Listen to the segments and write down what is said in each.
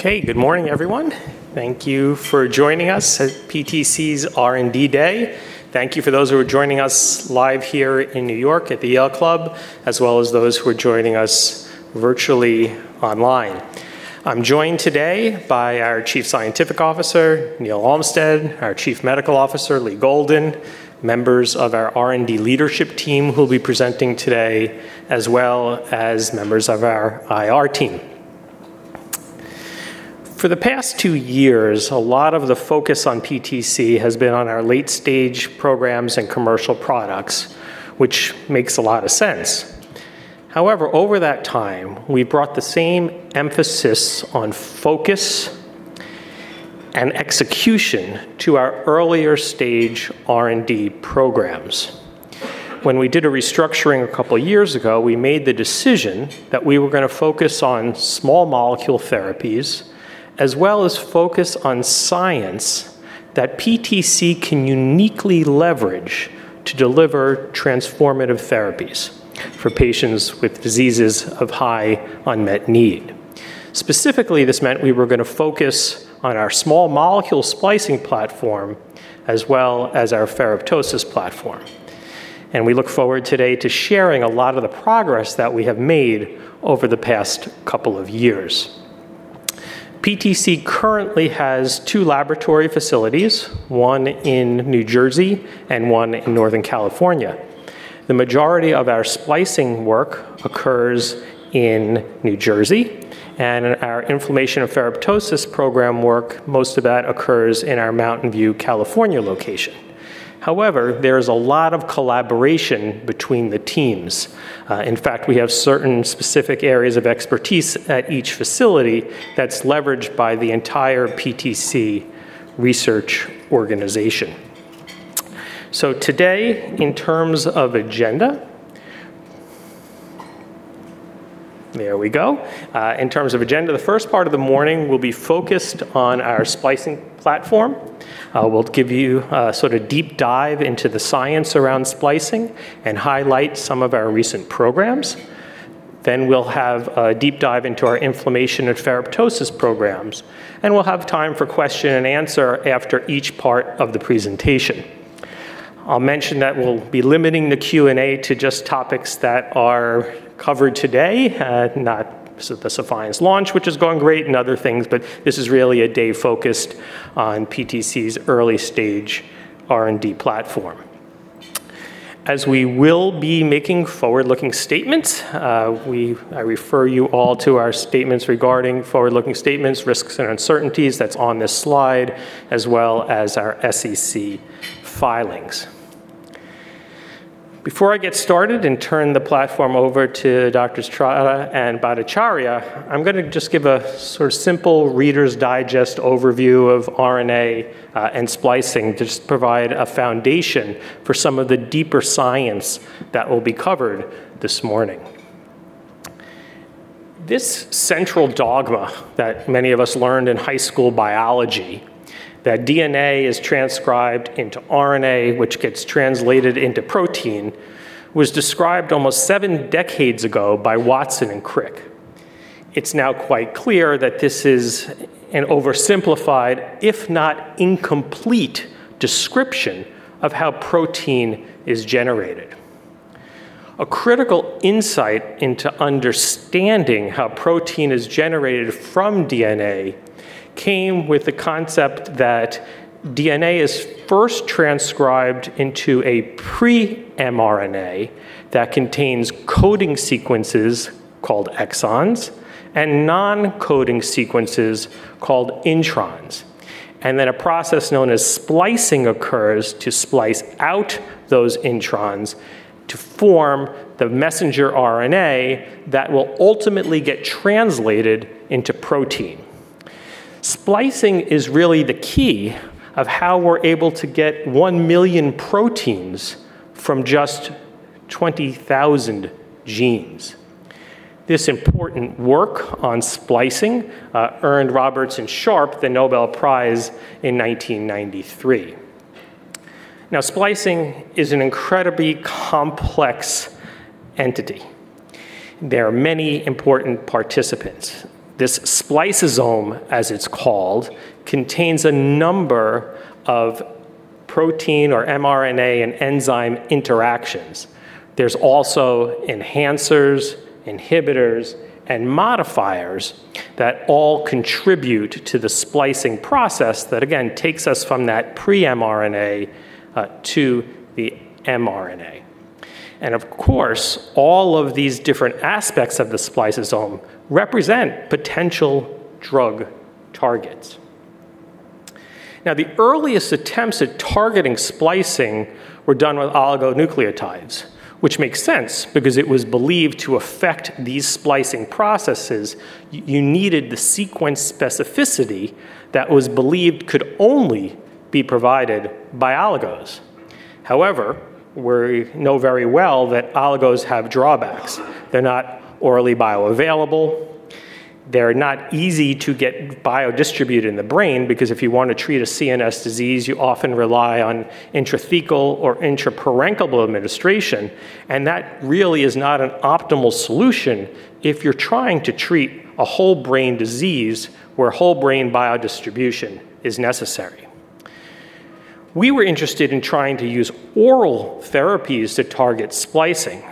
Okay, good morning, everyone. Thank you for joining us at PTC's R&D Day. Thank you for those who are joining us live here in New York at the Yale Club, as well as those who are joining us virtually online. I'm joined today by our Chief Scientific Officer, Neil Almstead, our Chief Medical Officer, Lee Golden, members of our R&D leadership team who will be presenting today, as well as members of our IR team. For the past two years, a lot of the focus on PTC has been on our late-stage programs and commercial products, which makes a lot of sense. However, over that time, we brought the same emphasis on focus and execution to our earlier-stage R&D programs. When we did a restructuring a couple of years ago, we made the decision that we were going to focus on small molecule therapies, as well as focus on science that PTC can uniquely leverage to deliver transformative therapies for patients with diseases of high unmet need. Specifically, this meant we were going to focus on our small molecule splicing platform, as well as our ferroptosis platform. We look forward today to sharing a lot of the progress that we have made over the past couple of years. PTC currently has two laboratory facilities, one in New Jersey and one in Northern California. The majority of our splicing work occurs in New Jersey, and our inflammation and ferroptosis program work, most of that occurs in our Mountain View, California location. However, there is a lot of collaboration between the teams. In fact, we have certain specific areas of expertise at each facility that's leveraged by the entire PTC research organization. Today, in terms of agenda, there we go. In terms of agenda, the first part of the morning will be focused on our splicing platform. We'll give you a sort of deep dive into the science around splicing and highlight some of our recent programs. We'll have a deep dive into our inflammation and ferroptosis programs, and we'll have time for question and answer after each part of the presentation. I'll mention that we'll be limiting the Q&A to just topics that are covered today, not the DefenCath launch, which is going great, and other things, but this is really a day focused on PTC's early-stage R&D platform. As we will be making forward-looking statements, I refer you all to our statements regarding forward-looking statements, risks, and uncertainties that's on this slide, as well as our SEC filings. Before I get started and turn the platform over to Drs. Trotta and Bhattacharya, I'm going to just give a sort of simple reader's digest overview of RNA and splicing to just provide a foundation for some of the deeper science that will be covered this morning. This central dogma that many of us learned in high school biology, that DNA is transcribed into RNA, which gets translated into protein, was described almost seven decades ago by Watson and Crick. It's now quite clear that this is an oversimplified, if not incomplete, description of how protein is generated. A critical insight into understanding how protein is generated from DNA came with the concept that DNA is first transcribed into a pre-mRNA that contains coding sequences called exons and non-coding sequences called introns. Then a process known as splicing occurs to splice out those introns to form the messenger RNA that will ultimately get translated into protein. Splicing is really the key of how we're able to get one million proteins from just 20,000 genes. This important work on splicing earned Roberts and Sharp the Nobel Prize in 1993. Now, splicing is an incredibly complex entity. There are many important participants. This spliceosome, as it's called, contains a number of protein or mRNA and enzyme interactions. There are also enhancers, inhibitors, and modifiers that all contribute to the splicing process that, again, takes us from that pre-mRNA to the mRNA. Of course, all of these different aspects of the spliceosome represent potential drug targets. Now, the earliest attempts at targeting splicing were done with oligonucleotides, which makes sense because it was believed to affect these splicing processes. You needed the sequence specificity that was believed could only be provided by oligos. However, we know very well that oligos have drawbacks. They're not orally bioavailable. They're not easy to get biodistributed in the brain because if you want to treat a CNS disease, you often rely on intrathecal or intraparenchymal administration, and that really is not an optimal solution if you're trying to treat a whole brain disease where whole brain biodistribution is necessary. We were interested in trying to use oral therapies to target splicing.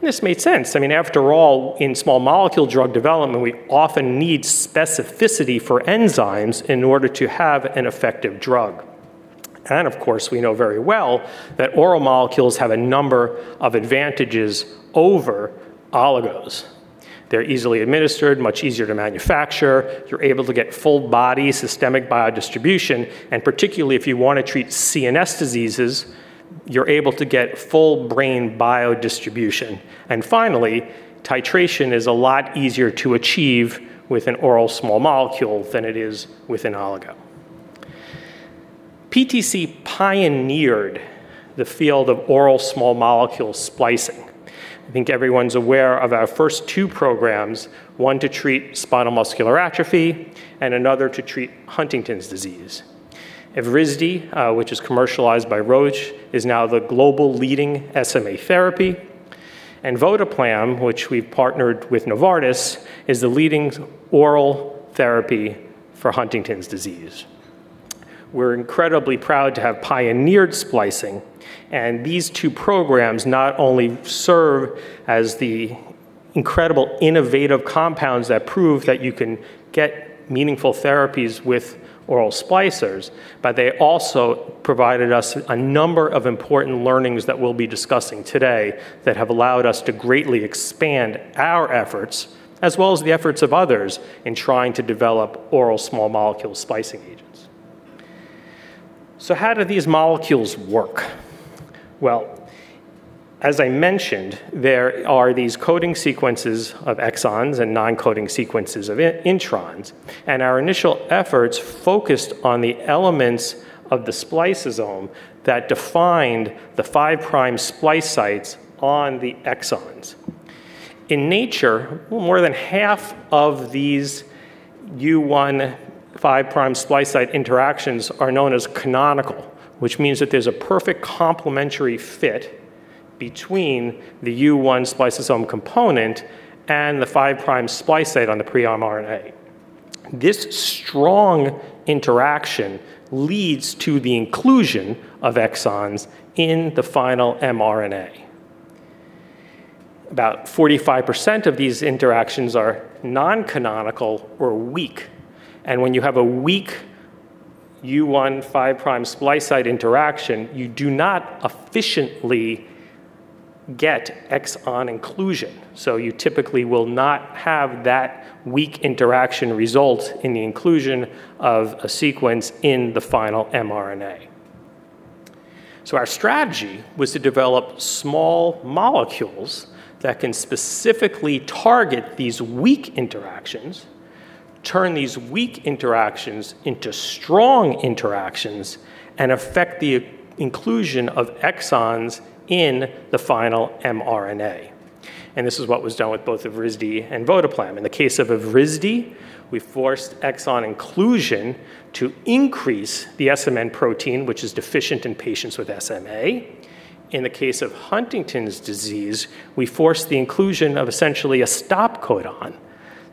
This made sense. I mean, after all, in small molecule drug development, we often need specificity for enzymes in order to have an effective drug. Of course, we know very well that oral molecules have a number of advantages over oligos. They're easily administered, much easier to manufacture. You're able to get full-body systemic biodistribution, and particularly if you want to treat CNS diseases, you're able to get full brain biodistribution. Finally, titration is a lot easier to achieve with an oral small molecule than it is with an oligo. PTC pioneered the field of oral small molecule splicing. I think everyone's aware of our first two programs, one to treat spinal muscular atrophy and another to treat Huntington's disease. Evrysdi, which is commercialized by Roche, is now the global leading SMA therapy. Branaplam, which we've partnered with Novartis, is the leading oral therapy for Huntington's disease. We're incredibly proud to have pioneered splicing, and these two programs not only serve as the incredible innovative compounds that prove that you can get meaningful therapies with oral splicers, but they also provided us a number of important learnings that we'll be discussing today that have allowed us to greatly expand our efforts, as well as the efforts of others in trying to develop oral small molecule splicing agents. How do these molecules work? As I mentioned, there are these coding sequences of exons and non-coding sequences of introns, and our initial efforts focused on the elements of the spliceosome that defined the 5' splice sites on the exons. In nature, more than half of these U1 5' splice site interactions are known as canonical, which means that there's a perfect complementary fit between the U1 spliceosome component and the 5' splice site on the pre-mRNA. This strong interaction leads to the inclusion of exons in the final mRNA. About 45% of these interactions are non-canonical or weak. When you have a weak U1 5' splice site interaction, you do not efficiently get exon inclusion. You typically will not have that weak interaction result in the inclusion of a sequence in the final mRNA. Our strategy was to develop small molecules that can specifically target these weak interactions, turn these weak interactions into strong interactions, and affect the inclusion of exons in the final mRNA. This is what was done with both Evrysdi and Votoplam. In the case of Evrysdi, we forced exon inclusion to increase the SMN protein, which is deficient in patients with SMA. In the case of Huntington's disease, we forced the inclusion of essentially a stop codon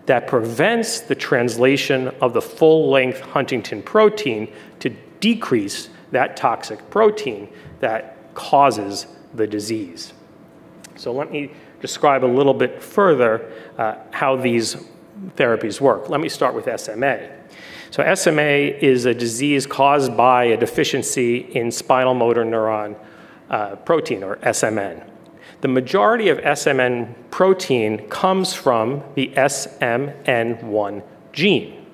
that prevents the translation of the full-length Huntingtin protein to decrease that toxic protein that causes the disease. Let me describe a little bit further how these therapies work. Let me start with SMA. SMA is a disease caused by a deficiency in survival motor neuron protein or SMN. The majority of SMN protein comes from the SMN1 gene.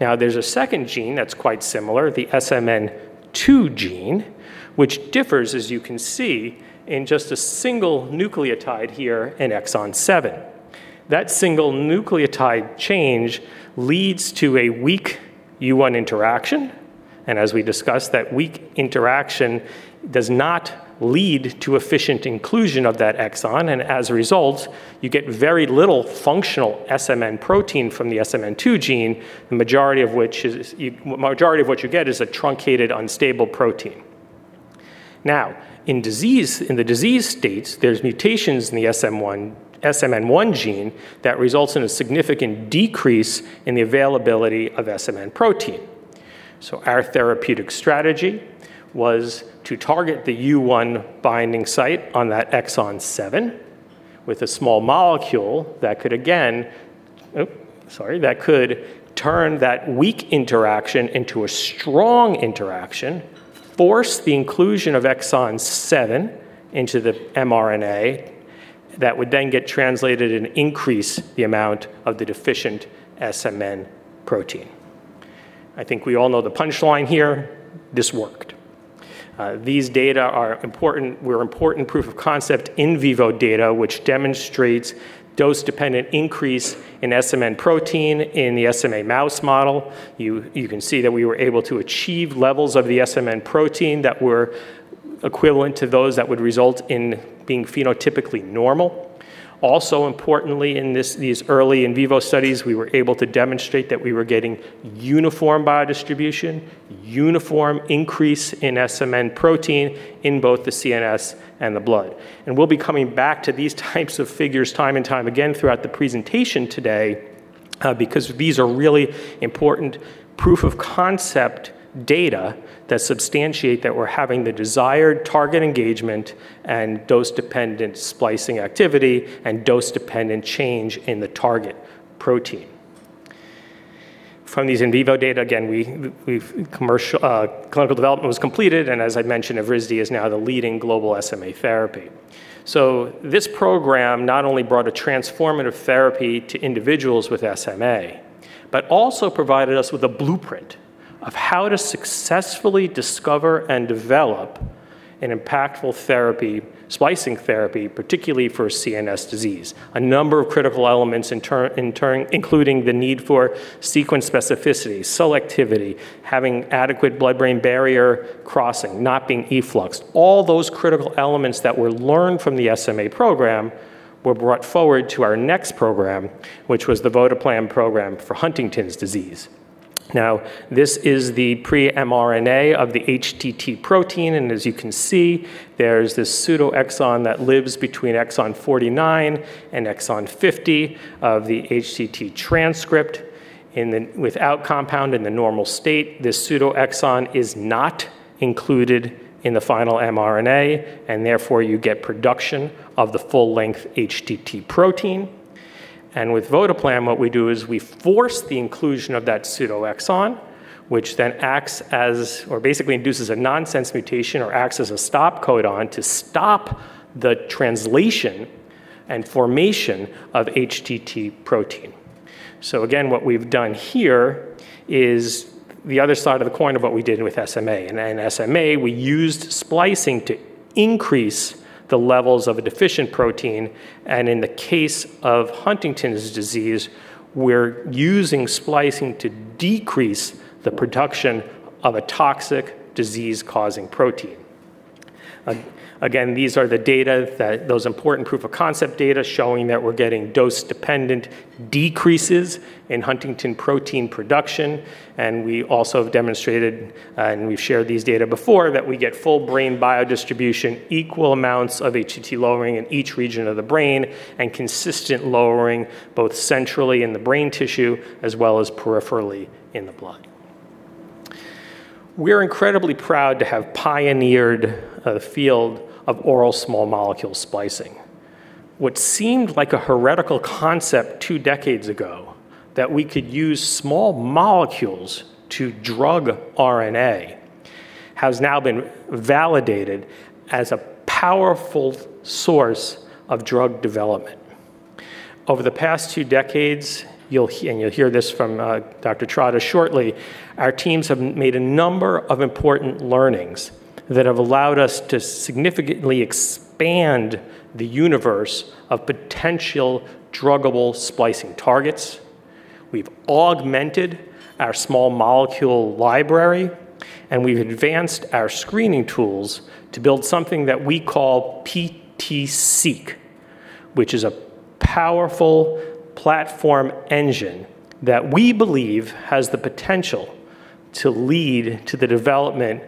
Now, there's a second gene that's quite similar, the SMN2 gene, which differs, as you can see, in just a single nucleotide here in exon seven. That single nucleotide change leads to a weak U1 interaction, and as we discussed, that weak interaction does not lead to efficient inclusion of that exon, and as a result, you get very little functional SMN protein from the SMN2 gene, the majority of which you get is a truncated, unstable protein. In the disease states, there's mutations in the SMN1 gene that results in a significant decrease in the availability of SMN protein. Our therapeutic strategy was to target the U1 binding site on that exon seven with a small molecule that could, sorry, that could turn that weak interaction into a strong interaction, force the inclusion of exon seven into the mRNA that would then get translated and increase the amount of the deficient SMN protein. I think we all know the punchline here. This worked. These data were important proof of concept in vivo data, which demonstrates dose-dependent increase in SMN protein in the SMA mouse model. You can see that we were able to achieve levels of the SMN protein that were equivalent to those that would result in being phenotypically normal. Also, importantly, in these early in vivo studies, we were able to demonstrate that we were getting uniform biodistribution, uniform increase in SMN protein in both the CNS and the blood. We will be coming back to these types of figures time and time again throughout the presentation today because these are really important proof of concept data that substantiate that we're having the desired target engagement and dose-dependent splicing activity and dose-dependent change in the target protein. From these in vivo data, again, clinical development was completed, and as I mentioned, Evrysdi is now the leading global SMA therapy. This program not only brought a transformative therapy to individuals with SMA, but also provided us with a blueprint of how to successfully discover and develop an impactful splicing therapy, particularly for CNS disease. A number of critical elements, including the need for sequence specificity, selectivity, having adequate blood-brain barrier crossing, not being effluxed. All those critical elements that were learned from the SMA program were brought forward to our next program, which was the Votoplam program for Huntington's disease. Now, this is the pre-mRNA of the HTT protein, and as you can see, there's this pseudoexon that lives between exon 49 and exon 50 of the HTT transcript. Without compound in the normal state, this pseudoexon is not included in the final mRNA, and therefore you get production of the full-length HTT protein. With Votoplam, what we do is we force the inclusion of that pseudoexon, which then acts as, or basically induces a nonsense mutation or acts as a stop codon to stop the translation and formation of HTT protein. Again, what we've done here is the other side of the coin of what we did with SMA. In SMA, we used splicing to increase the levels of a deficient protein, and in the case of Huntington's disease, we're using splicing to decrease the production of a toxic disease-causing protein. Again, these are the data, those important proof of concept data showing that we're getting dose-dependent decreases in Huntingtin protein production, and we also have demonstrated, and we've shared these data before, that we get full-brain biodistribution, equal amounts of HTT lowering in each region of the brain, and consistent lowering both centrally in the brain tissue as well as peripherally in the blood. We're incredibly proud to have pioneered the field of oral small molecule splicing. What seemed like a heretical concept two decades ago that we could use small molecules to drug RNA has now been validated as a powerful source of drug development. Over the past two decades, and you'll hear this from Dr. Trotta shortly, our teams have made a number of important learnings that have allowed us to significantly expand the universe of potential druggable splicing targets. We've augmented our small molecule library, and we've advanced our screening tools to build something that we call PT-Seq, which is a powerful platform engine that we believe has the potential to lead to the development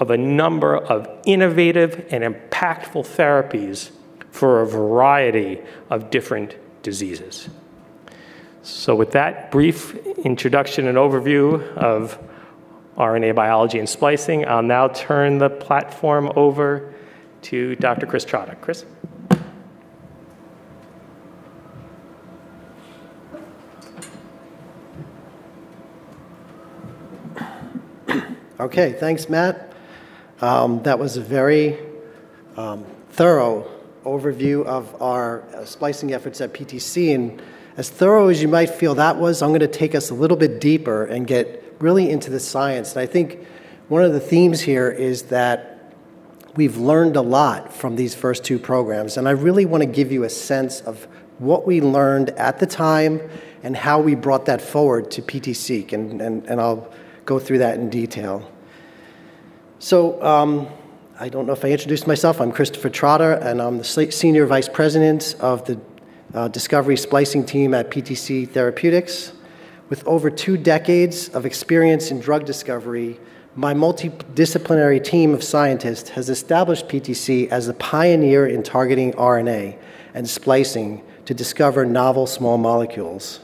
of a number of innovative and impactful therapies for a variety of different diseases. With that brief introduction and overview of RNA biology and splicing, I'll now turn the platform over to Dr. Chris Trotta. Chris. Okay, thanks, Matt. That was a very thorough overview of our splicing efforts at PTC. As thorough as you might feel that was, I'm going to take us a little bit deeper and get really into the science. I think one of the themes here is that we've learned a lot from these first two programs, and I really want to give you a sense of what we learned at the time and how we brought that forward to PT-Seq, and I'll go through that in detail. I don't know if I introduced myself. I'm Christopher Trotta, and I'm the Senior Vice President of the discovery splicing team at PTC Therapeutics. With over two decades of experience in drug discovery, my multidisciplinary team of scientists has established PTC as a pioneer in targeting RNA and splicing to discover novel small molecules.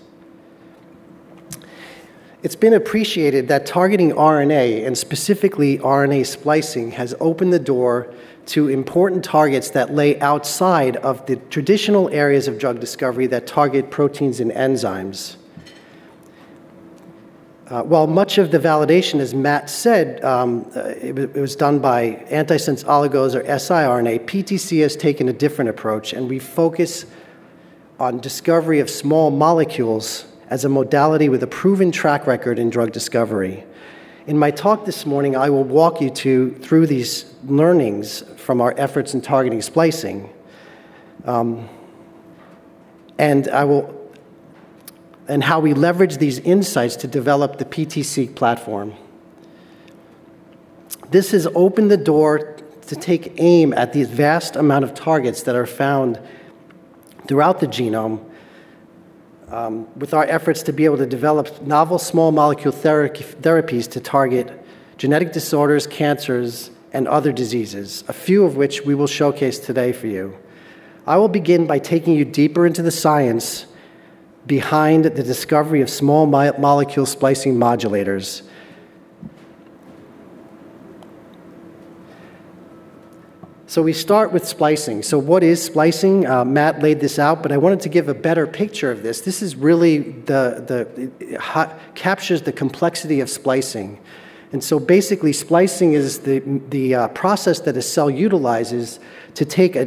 It's been appreciated that targeting RNA, and specifically RNA splicing, has opened the door to important targets that lay outside of the traditional areas of drug discovery that target proteins and enzymes. While much of the validation, as Matt said, it was done by antisense oligos or siRNA, PTC has taken a different approach, and we focus on discovery of small molecules as a modality with a proven track record in drug discovery. In my talk this morning, I will walk you through these learnings from our efforts in targeting splicing, and how we leverage these insights to develop the PT-Seq platform. This has opened the door to take aim at the vast amount of targets that are found throughout the genome with our efforts to be able to develop novel small molecule therapies to target genetic disorders, cancers, and other diseases, a few of which we will showcase today for you. I will begin by taking you deeper into the science behind the discovery of small molecule splicing modulators. We start with splicing. What is splicing? Matt laid this out, but I wanted to give a better picture of this. This really captures the complexity of splicing. Basically, splicing is the process that a cell utilizes to take a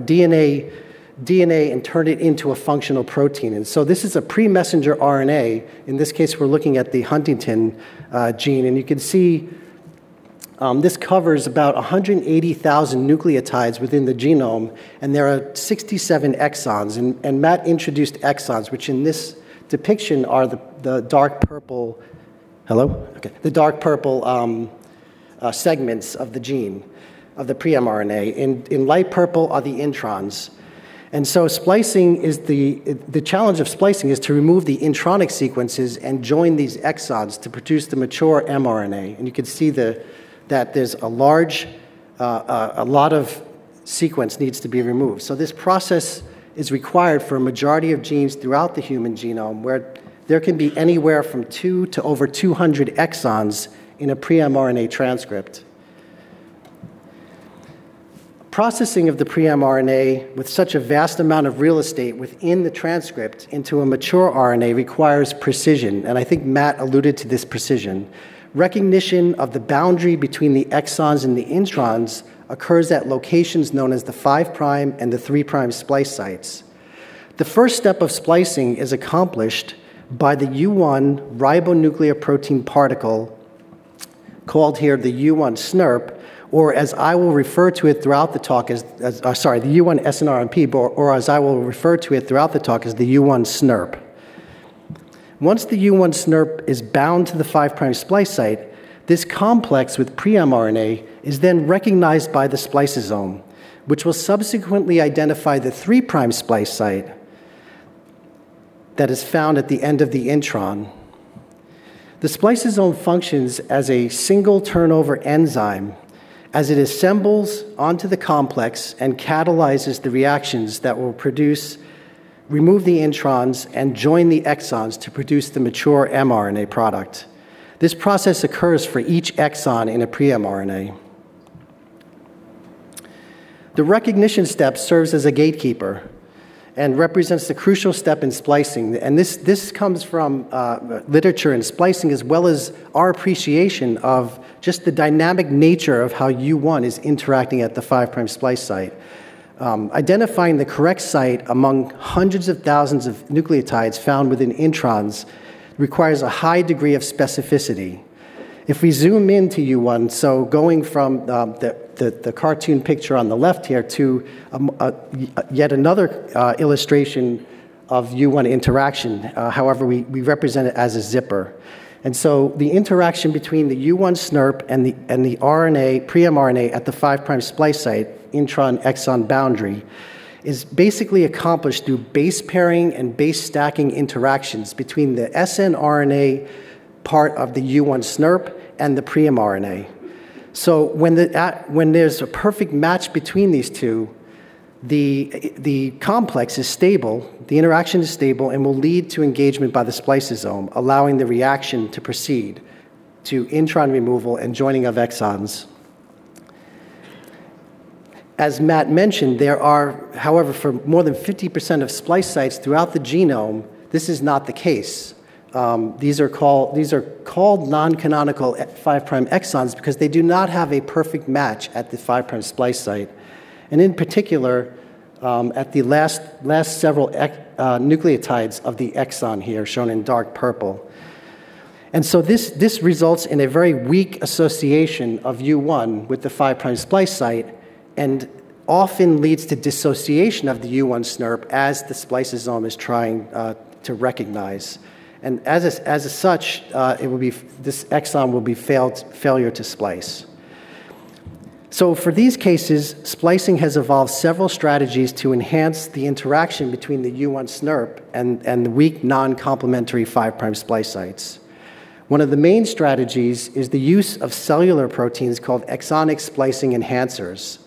DNA and turn it into a functional protein. This is a pre-messenger RNA. In this case, we're looking at the Huntingtin gene, and you can see this covers about 180,000 nucleotides within the genome, and there are 67 exons. Matt introduced exons, which in this depiction are the dark purple—hello? Okay. The dark purple segments of the gene, of the pre-mRNA. In light purple are the introns. The challenge of splicing is to remove the intronic sequences and join these exons to produce the mature mRNA. You can see that there's a lot of sequence that needs to be removed. This process is required for a majority of genes throughout the human genome, where there can be anywhere from two to over 200 exons in a pre-mRNA transcript. Processing of the pre-mRNA with such a vast amount of real estate within the transcript into a mature RNA requires precision, and I think Matt alluded to this precision. Recognition of the boundary between the exons and the introns occurs at locations known as the 5' and the 3' splice sites. The first step of splicing is accomplished by the U1 ribonucleoprotein particle, called here the U1 snRNP, or as I will refer to it throughout the talk—sorry, the U1 snRNP, or as I will refer to it throughout the talk as the U1 snRNP. Once the U1 snRNP is bound to the 5' splice site, this complex with pre-mRNA is then recognized by the spliceosome, which will subsequently identify the 3' splice site that is found at the end of the intron. The spliceosome functions as a single turnover enzyme as it assembles onto the complex and catalyzes the reactions that will remove the introns and join the exons to produce the mature mRNA product. This process occurs for each exon in a pre-mRNA. The recognition step serves as a gatekeeper and represents the crucial step in splicing, and this comes from literature in splicing as well as our appreciation of just the dynamic nature of how U1 is interacting at the 5' splice site. Identifying the correct site among hundreds of thousands of nucleotides found within introns requires a high degree of specificity. If we zoom into U1, going from the cartoon picture on the left here to yet another illustration of U1 interaction, however, we represent it as a zipper. The interaction between the U1 snRNP and the pre-mRNA at the 5' splice site, intron-exon boundary, is basically accomplished through base pairing and base stacking interactions between the snRNA part of the U1 snRNP and the pre-mRNA. When there is a perfect match between these two, the complex is stable, the interaction is stable, and will lead to engagement by the spliceosome, allowing the reaction to proceed to intron removal and joining of exons. As Matt mentioned, however, for more than 50% of splice sites throughout the genome, this is not the case. These are called non-canonical 5' exons because they do not have a perfect match at the 5' splice site. In particular, at the last several nucleotides of the exon here shown in dark purple. This results in a very weak association of U1 with the 5' splice site and often leads to dissociation of the U1 snRNP as the spliceosome is trying to recognize. As such, this exon will be failure to splice. For these cases, splicing has evolved several strategies to enhance the interaction between the U1 snRNP and the weak non-complementary 5' splice sites. One of the main strategies is the use of cellular proteins called exonic splicing enhancers.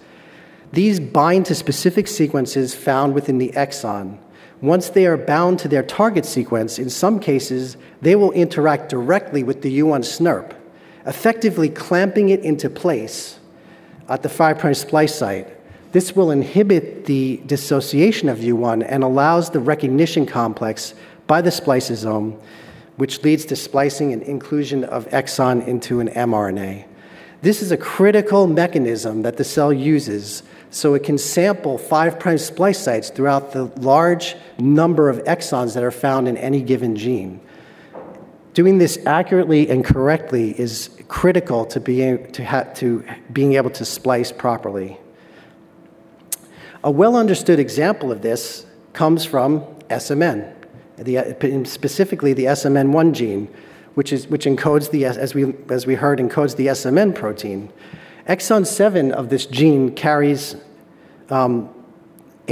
These bind to specific sequences found within the exon. Once they are bound to their target sequence, in some cases, they will interact directly with the U1 snRNP, effectively clamping it into place at the 5' splice site. This will inhibit the dissociation of U1 and allows the recognition complex by the spliceosome, which leads to splicing and inclusion of exon into an mRNA. This is a critical mechanism that the cell uses so it can sample 5' splice sites throughout the large number of exons that are found in any given gene. Doing this accurately and correctly is critical to being able to splice properly. A well-understood example of this comes from SMN, specifically the SMN1 gene, which, as we heard, encodes the SMN protein. Exon seven of this gene carries a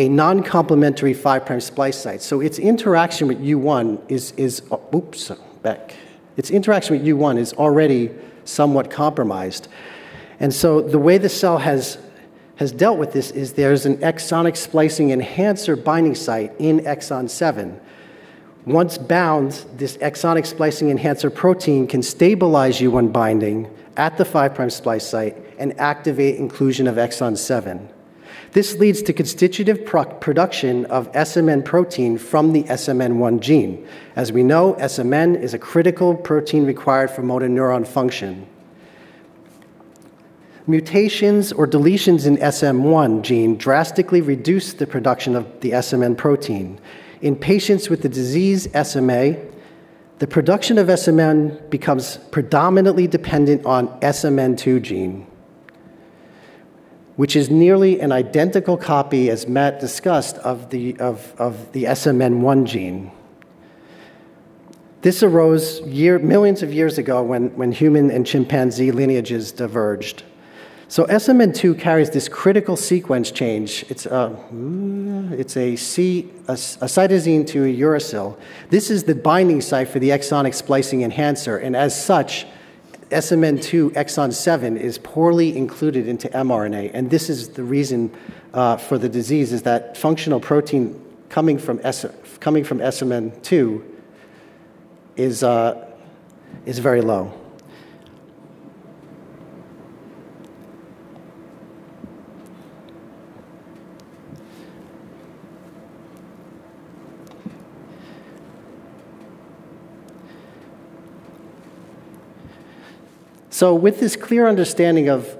non-complementary 5' splice site, so its interaction with U1 is—oops, back. Its interaction with U1 is already somewhat compromised. The way the cell has dealt with this is there's an exonic splicing enhancer binding site in exon seven. Once bound, this exonic splicing enhancer protein can stabilize U1 binding at the 5' splice site and activate inclusion of exon seven. This leads to constitutive production of SMN protein from the SMN1 gene. As we know, SMN is a critical protein required for motor neuron function. Mutations or deletions in SMN1 gene drastically reduce the production of the SMN protein. In patients with the disease SMA, the production of SMN becomes predominantly dependent on SMN2 gene, which is nearly an identical copy, as Matt discussed, of the SMN1 gene. This arose millions of years ago when human and chimpanzee lineages diverged. SMN2 carries this critical sequence change. It's a cytosine to a uracil. This is the binding site for the exonic splicing enhancer, and as such, SMN2 exon seven is poorly included into mRNA. This is the reason for the disease is that functional protein coming from SMN2 is very low. With this clear understanding of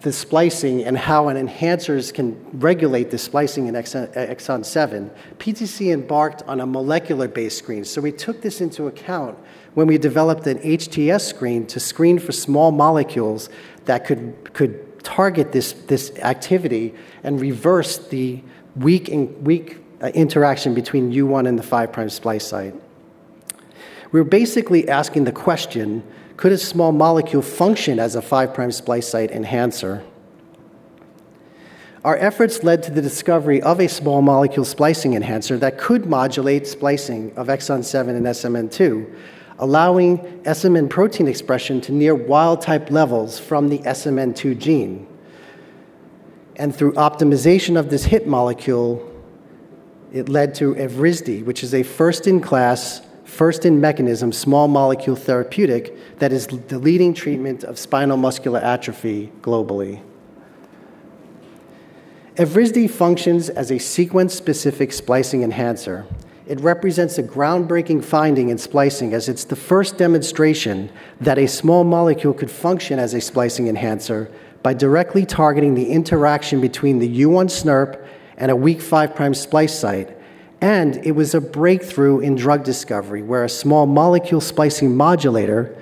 the splicing and how enhancers can regulate the splicing in exon seven, PTC embarked on a molecular-based screen. We took this into account when we developed an HTS screen to screen for small molecules that could target this activity and reverse the weak interaction between U1 and the 5' splice site. We were basically asking the question, could a small molecule function as a 5' splice site enhancer? Our efforts led to the discovery of a small molecule splicing enhancer that could modulate splicing of exon seven and SMN2, allowing SMN protein expression to near wild-type levels from the SMN2 gene. Through optimization of this hit molecule, it led to Evrysdi, which is a first-in-class, first-in-mechanism small molecule therapeutic that is the leading treatment of spinal muscular atrophy globally. Evrysdi functions as a sequence-specific splicing enhancer. It represents a groundbreaking finding in splicing, as it's the first demonstration that a small molecule could function as a splicing enhancer by directly targeting the interaction between the U1 snRNP and a weak 5' splice site. It was a breakthrough in drug discovery, where a small molecule splicing modulator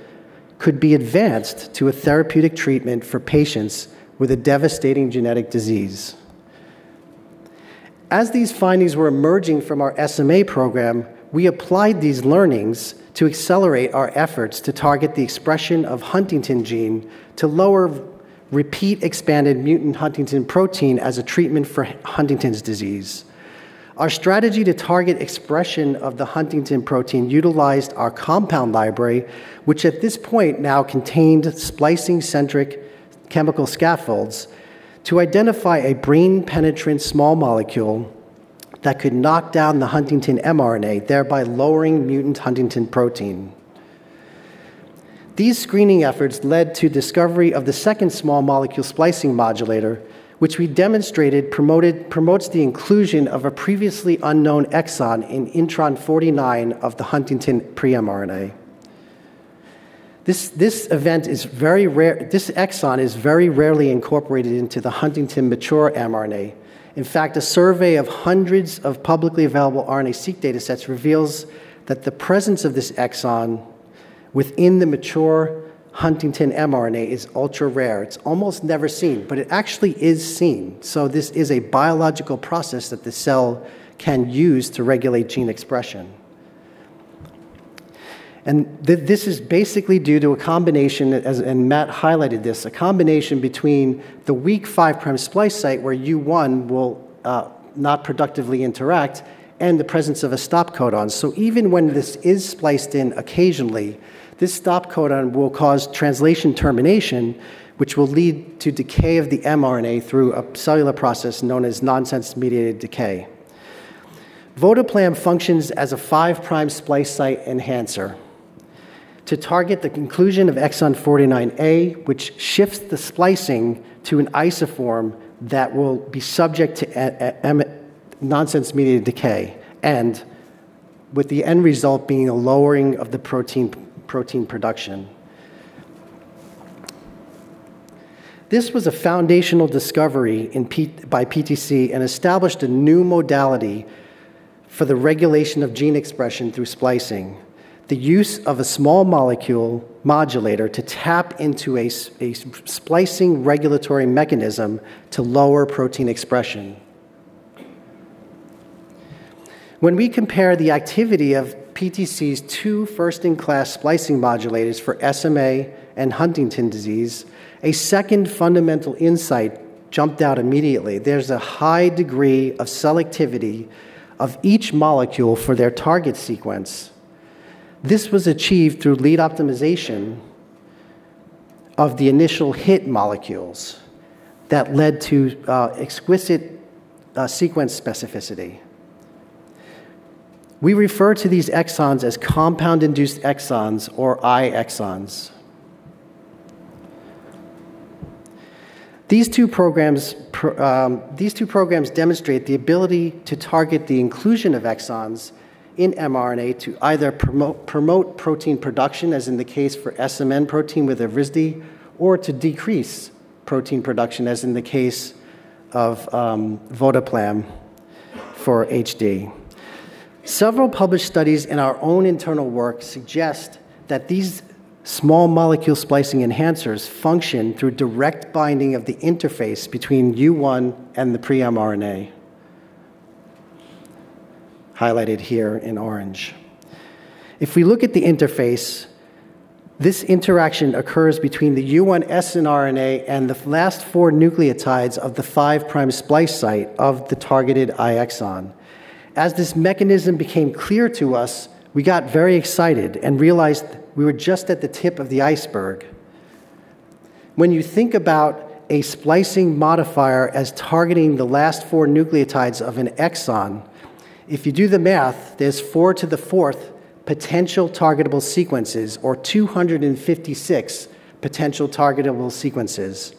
could be advanced to a therapeutic treatment for patients with a devastating genetic disease. As these findings were emerging from our SMA program, we applied these learnings to accelerate our efforts to target the expression of Huntingtin gene to lower repeat-expanded mutant Huntingtin protein as a treatment for Huntington's disease. Our strategy to target expression of the Huntingtin protein utilized our compound library, which at this point now contained splicing-centric chemical scaffolds, to identify a brain-penetrating small molecule that could knock down the Huntingtin mRNA, thereby lowering mutant Huntingtin protein. These screening efforts led to the discovery of the second small molecule splicing modulator, which we demonstrated promotes the inclusion of a previously unknown exon in intron 49 of the Huntingtin pre-mRNA. This exon is very rarely incorporated into the Huntington mature mRNA. In fact, a survey of hundreds of publicly available RNA-seq datasets reveals that the presence of this exon within the mature Huntingtin mRNA is ultra rare. It's almost never seen, but it actually is seen. This is a biological process that the cell can use to regulate gene expression. This is basically due to a combination, and Matt highlighted this, a combination between the weak 5' splice site where U1 will not productively interact and the presence of a stop codon. Even when this is spliced in occasionally, this stop codon will cause translation termination, which will lead to decay of the mRNA through a cellular process known as nonsense-mediated decay. Votoplam functions as a 5' splice site enhancer to target the inclusion of exon 49A, which shifts the splicing to an isoform that will be subject to nonsense-mediated decay, and with the end result being a lowering of the protein production. This was a foundational discovery by PTC Therapeutics and established a new modality for the regulation of gene expression through splicing: the use of a small molecule modulator to tap into a splicing regulatory mechanism to lower protein expression. When we compare the activity of PTC's two first-in-class splicing modulators for SMA and Huntington disease, a second fundamental insight jumped out immediately. There's a high degree of selectivity of each molecule for their target sequence. This was achieved through lead optimization of the initial hit molecules that led to exquisite sequence specificity. We refer to these exons as compound-induced exons or iExons. These two programs demonstrate the ability to target the inclusion of exons in mRNA to either promote protein production, as in the case for SMN protein with Evrysdi, or to decrease protein production, as in the case of Votoplam for HD. Several published studies in our own internal work suggest that these small molecule splicing enhancers function through direct binding of the interface between U1 and the pre-mRNA, highlighted here in orange. If we look at the interface, this interaction occurs between the U1 snRNA and the last four nucleotides of the 5' splice site of the targeted iExon. As this mechanism became clear to us, we got very excited and realized we were just at the tip of the iceberg. When you think about a splicing modifier as targeting the last four nucleotides of an exon, if you do the math, there's four to the fourth potential targetable sequences or 256 potential targetable sequences.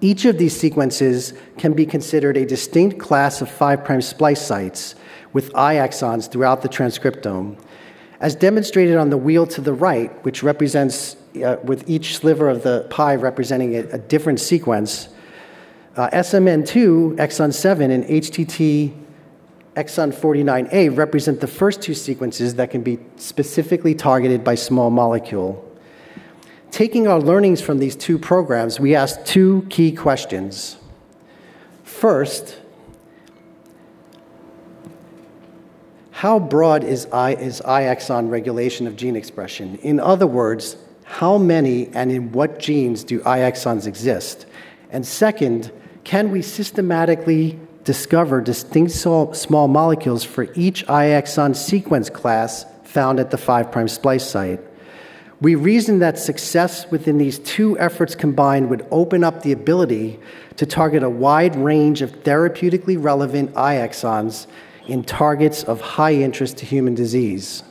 Each of these sequences can be considered a distinct class of 5' splice sites with iExons throughout the transcriptome. As demonstrated on the wheel to the right, which represents with each sliver of the pie representing a different sequence, SMN2 exon seven and HTT exon 49A represent the first two sequences that can be specifically targeted by small molecule. Taking our learnings from these two programs, we asked two key questions. First, how broad is iExon regulation of gene expression? In other words, how many and in what genes do iExons exist? Second, can we systematically discover distinct small molecules for each iExon sequence class found at the 5' splice site? We reasoned that success within these two efforts combined would open up the ability to target a wide range of therapeutically relevant iExons in targets of high interest to human disease.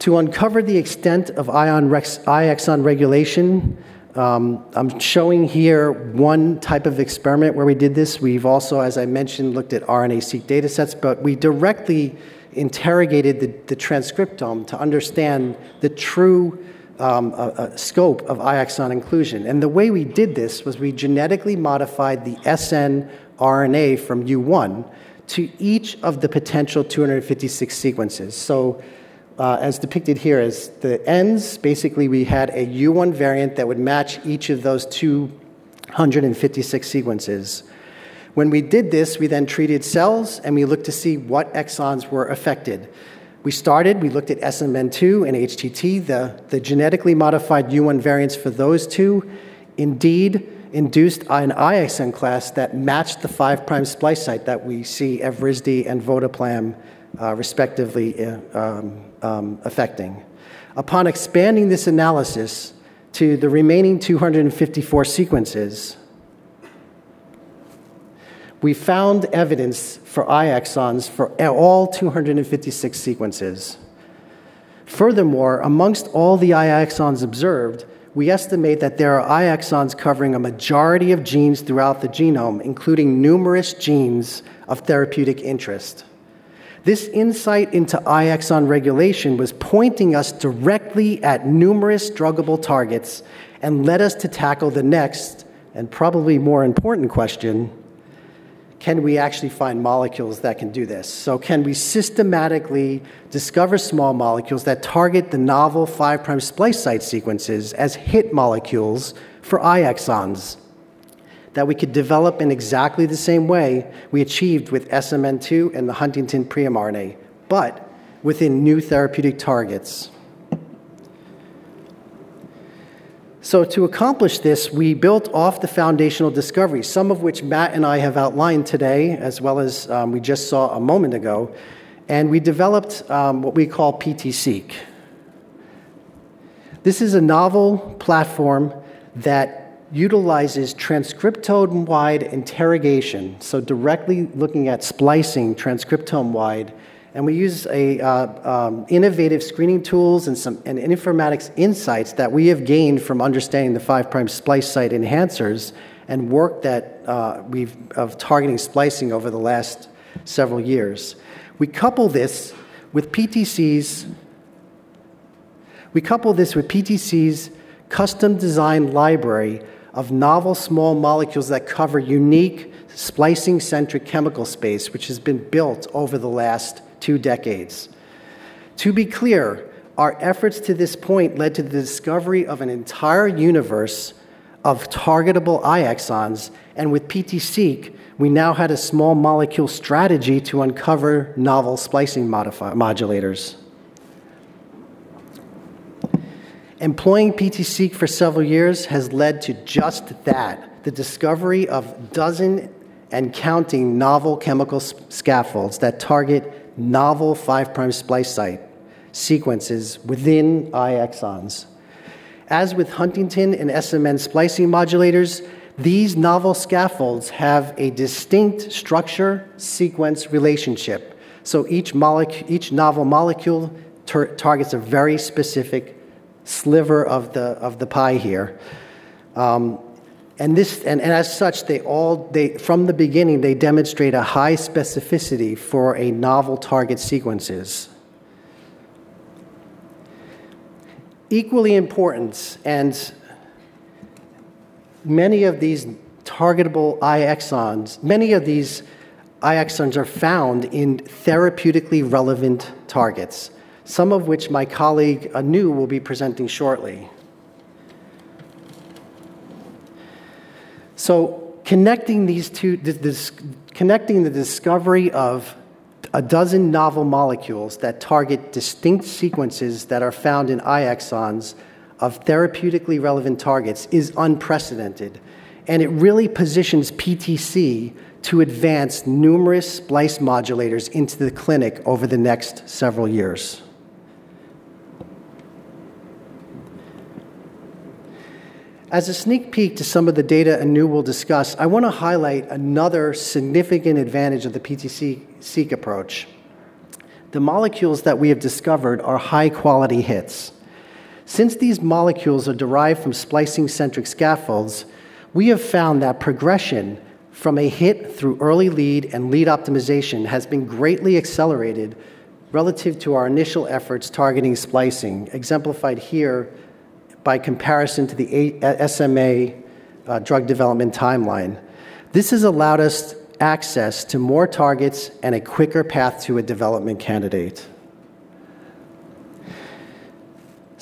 To uncover the extent of iExon regulation, I'm showing here one type of experiment where we did this. We've also, as I mentioned, looked at RNA-seq datasets, but we directly interrogated the transcriptome to understand the true scope of iExon inclusion. The way we did this was we genetically modified the snRNA from U1 to each of the potential 256 sequences. As depicted here, as the ends, basically we had a U1 variant that would match each of those 256 sequences. When we did this, we then treated cells and we looked to see what exons were affected. We started, we looked at SMN2 and HTT, the genetically modified U1 variants for those two, indeed induced an iExon class that matched the 5' splice site that we see Evrysdi and Votoplam respectively affecting. Upon expanding this analysis to the remaining 254 sequences, we found evidence for iExons for all 256 sequences. Furthermore, amongst all the iExons observed, we estimate that there are iExons covering a majority of genes throughout the genome, including numerous genes of therapeutic interest. This insight into iExon regulation was pointing us directly at numerous druggable targets and led us to tackle the next and probably more important question: can we actually find molecules that can do this? Can we systematically discover small molecules that target the novel 5' splice site sequences as hit molecules for iExons that we could develop in exactly the same way we achieved with SMN2 and the Huntingtin pre-mRNA, but within new therapeutic targets? To accomplish this, we built off the foundational discoveries, some of which Matt and I have outlined today, as well as we just saw a moment ago, and we developed what we call PT-Seq. This is a novel platform that utilizes transcriptome-wide interrogation, so directly looking at splicing transcriptome-wide, and we use innovative screening tools and informatics insights that we have gained from understanding the 5' splice site enhancers and work that we've of targeting splicing over the last several years. We couple this with PTC's custom-designed library of novel small molecules that cover unique splicing-centric chemical space, which has been built over the last two decades. To be clear, our efforts to this point led to the discovery of an entire universe of targetable iExons, and with PT-Seq, we now had a small molecule strategy to uncover novel splicing modulators. Employing PT-Seq for several years has led to just that: the discovery of dozen and counting novel chemical scaffolds that target novel 5' splice site sequences within iExons. As with Huntington and SMN splicing modulators, these novel scaffolds have a distinct structure-sequence relationship. Each novel molecule targets a very specific sliver of the pie here. As such, from the beginning, they demonstrate a high specificity for novel target sequences. Equally important, many of these targetable iExons are found in therapeutically relevant targets, some of which my colleague Anu will be presenting shortly. Connecting the discovery of a dozen novel molecules that target distinct sequences that are found in iExons of therapeutically relevant targets is unprecedented, and it really positions PTC to advance numerous splice modulators into the clinic over the next several years. As a sneak peek to some of the data Anu will discuss, I want to highlight another significant advantage of the PT-Seq approach. The molecules that we have discovered are high-quality hits. Since these molecules are derived from splicing-centric scaffolds, we have found that progression from a hit through early lead and lead optimization has been greatly accelerated relative to our initial efforts targeting splicing, exemplified here by comparison to the SMA drug development timeline. This has allowed us access to more targets and a quicker path to a development candidate.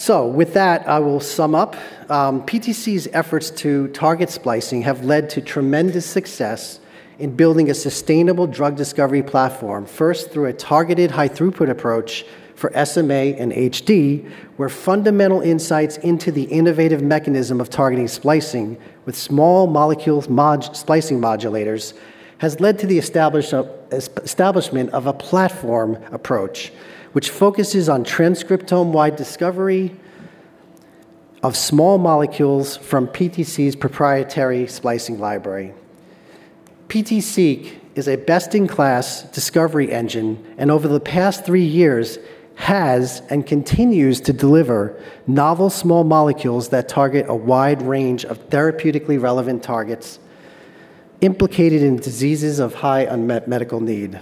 With that, I will sum up. PTC's efforts to target splicing have led to tremendous success in building a sustainable drug discovery platform, first through a targeted high-throughput approach for SMA and HD, where fundamental insights into the innovative mechanism of targeting splicing with small molecule splicing modulators has led to the establishment of a platform approach, which focuses on transcriptome-wide discovery of small molecules from PTC's proprietary splicing library. PT-Seq is a best-in-class discovery engine, and over the past three years has and continues to deliver novel small molecules that target a wide range of therapeutically relevant targets implicated in diseases of high unmet medical need.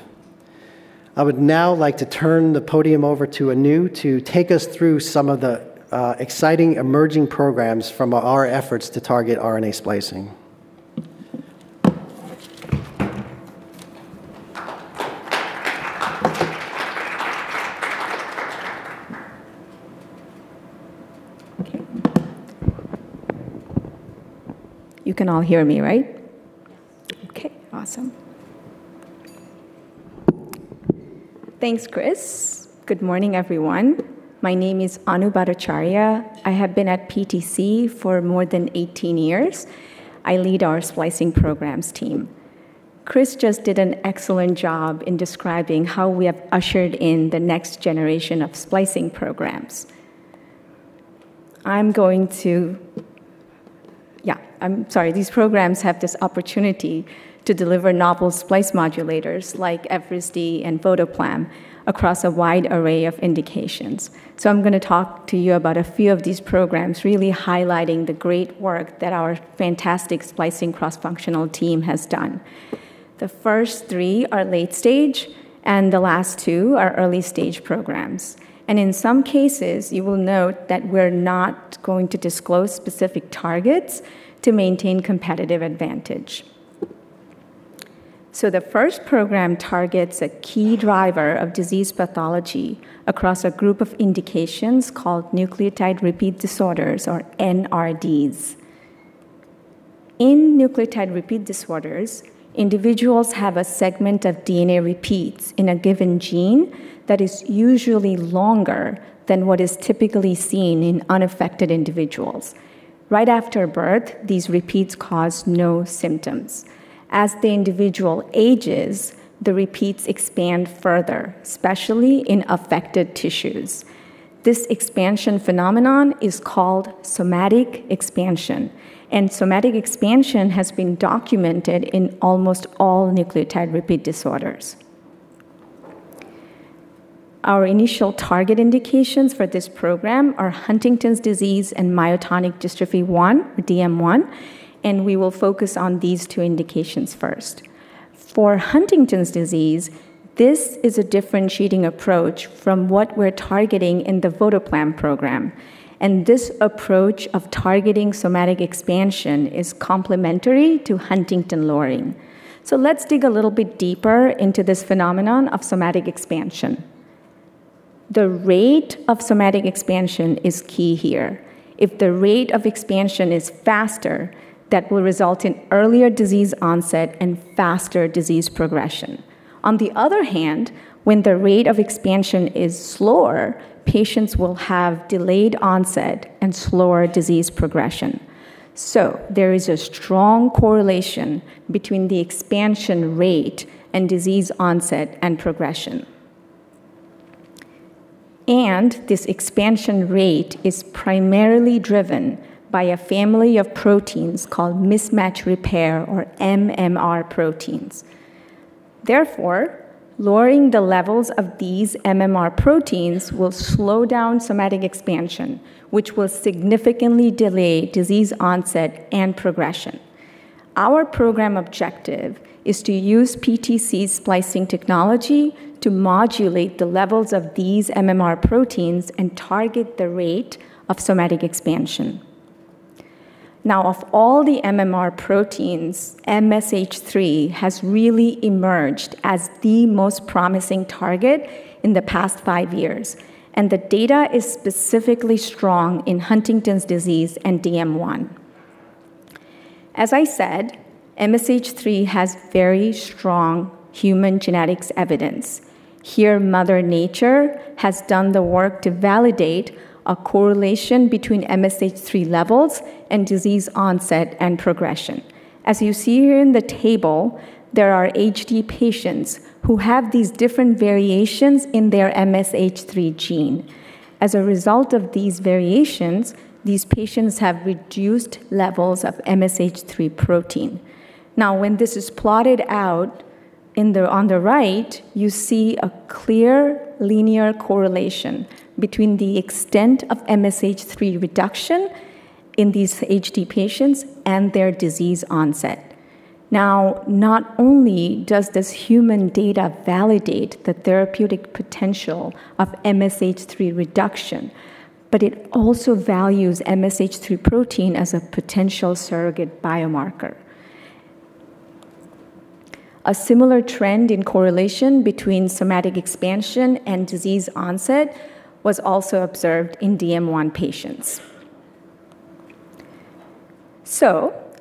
I would now like to turn the podium over to Anu to take us through some of the exciting emerging programs from our efforts to target RNA splicing. Okay. You can all hear me, right? Yes. Okay. Awesome. Thanks, Chris. Good morning, everyone. My name is Anu Bhattacharya. I have been at PTC for more than 18 years. I lead our splicing programs team. Chris just did an excellent job in describing how we have ushered in the next generation of splicing programs. I'm going to, yeah, I'm sorry, these programs have this opportunity to deliver novel splice modulators like Evrysdi and Votoplam across a wide array of indications. I'm going to talk to you about a few of these programs, really highlighting the great work that our fantastic splicing cross-functional team has done. The first three are late stage, and the last two are early stage programs. In some cases, you will note that we're not going to disclose specific targets to maintain competitive advantage. The first program targets a key driver of disease pathology across a group of indications called nucleotide repeat disorders, or NRDs. In nucleotide repeat disorders, individuals have a segment of DNA repeats in a given gene that is usually longer than what is typically seen in unaffected individuals. Right after birth, these repeats cause no symptoms. As the individual ages, the repeats expand further, especially in affected tissues. This expansion phenomenon is called somatic expansion, and somatic expansion has been documented in almost all nucleotide repeat disorders. Our initial target indications for this program are Huntington's disease and myotonic dystrophy 1, DM1, and we will focus on these two indications first. For Huntington's disease, this is a differentiating approach from what we're targeting in the Votoplam program, and this approach of targeting somatic expansion is complementary to Huntingtin-Lowering. Let's dig a little bit deeper into this phenomenon of somatic expansion. The rate of somatic expansion is key here. If the rate of expansion is faster, that will result in earlier disease onset and faster disease progression. On the other hand, when the rate of expansion is slower, patients will have delayed onset and slower disease progression. There is a strong correlation between the expansion rate and disease onset and progression. This expansion rate is primarily driven by a family of proteins called mismatch repair, or MMR proteins. Therefore, lowering the levels of these MMR proteins will slow down somatic expansion, which will significantly delay disease onset and progression. Our program objective is to use PTC's splicing technology to modulate the levels of these MMR proteins and target the rate of somatic expansion. Now, of all the MMR proteins, MSH3 has really emerged as the most promising target in the past five years, and the data is specifically strong in Huntington's disease and DM1. As I said, MSH3 has very strong human genetics evidence. Here, Mother Nature has done the work to validate a correlation between MSH3 levels and disease onset and progression. As you see here in the table, there are HD patients who have these different variations in their MSH3 gene. As a result of these variations, these patients have reduced levels of MSH3 protein. Now, when this is plotted out on the right, you see a clear linear correlation between the extent of MSH3 reduction in these HD patients and their disease onset. Not only does this human data validate the therapeutic potential of MSH3 reduction, but it also values MSH3 protein as a potential surrogate biomarker. A similar trend in correlation between somatic expansion and disease onset was also observed in DM1 patients.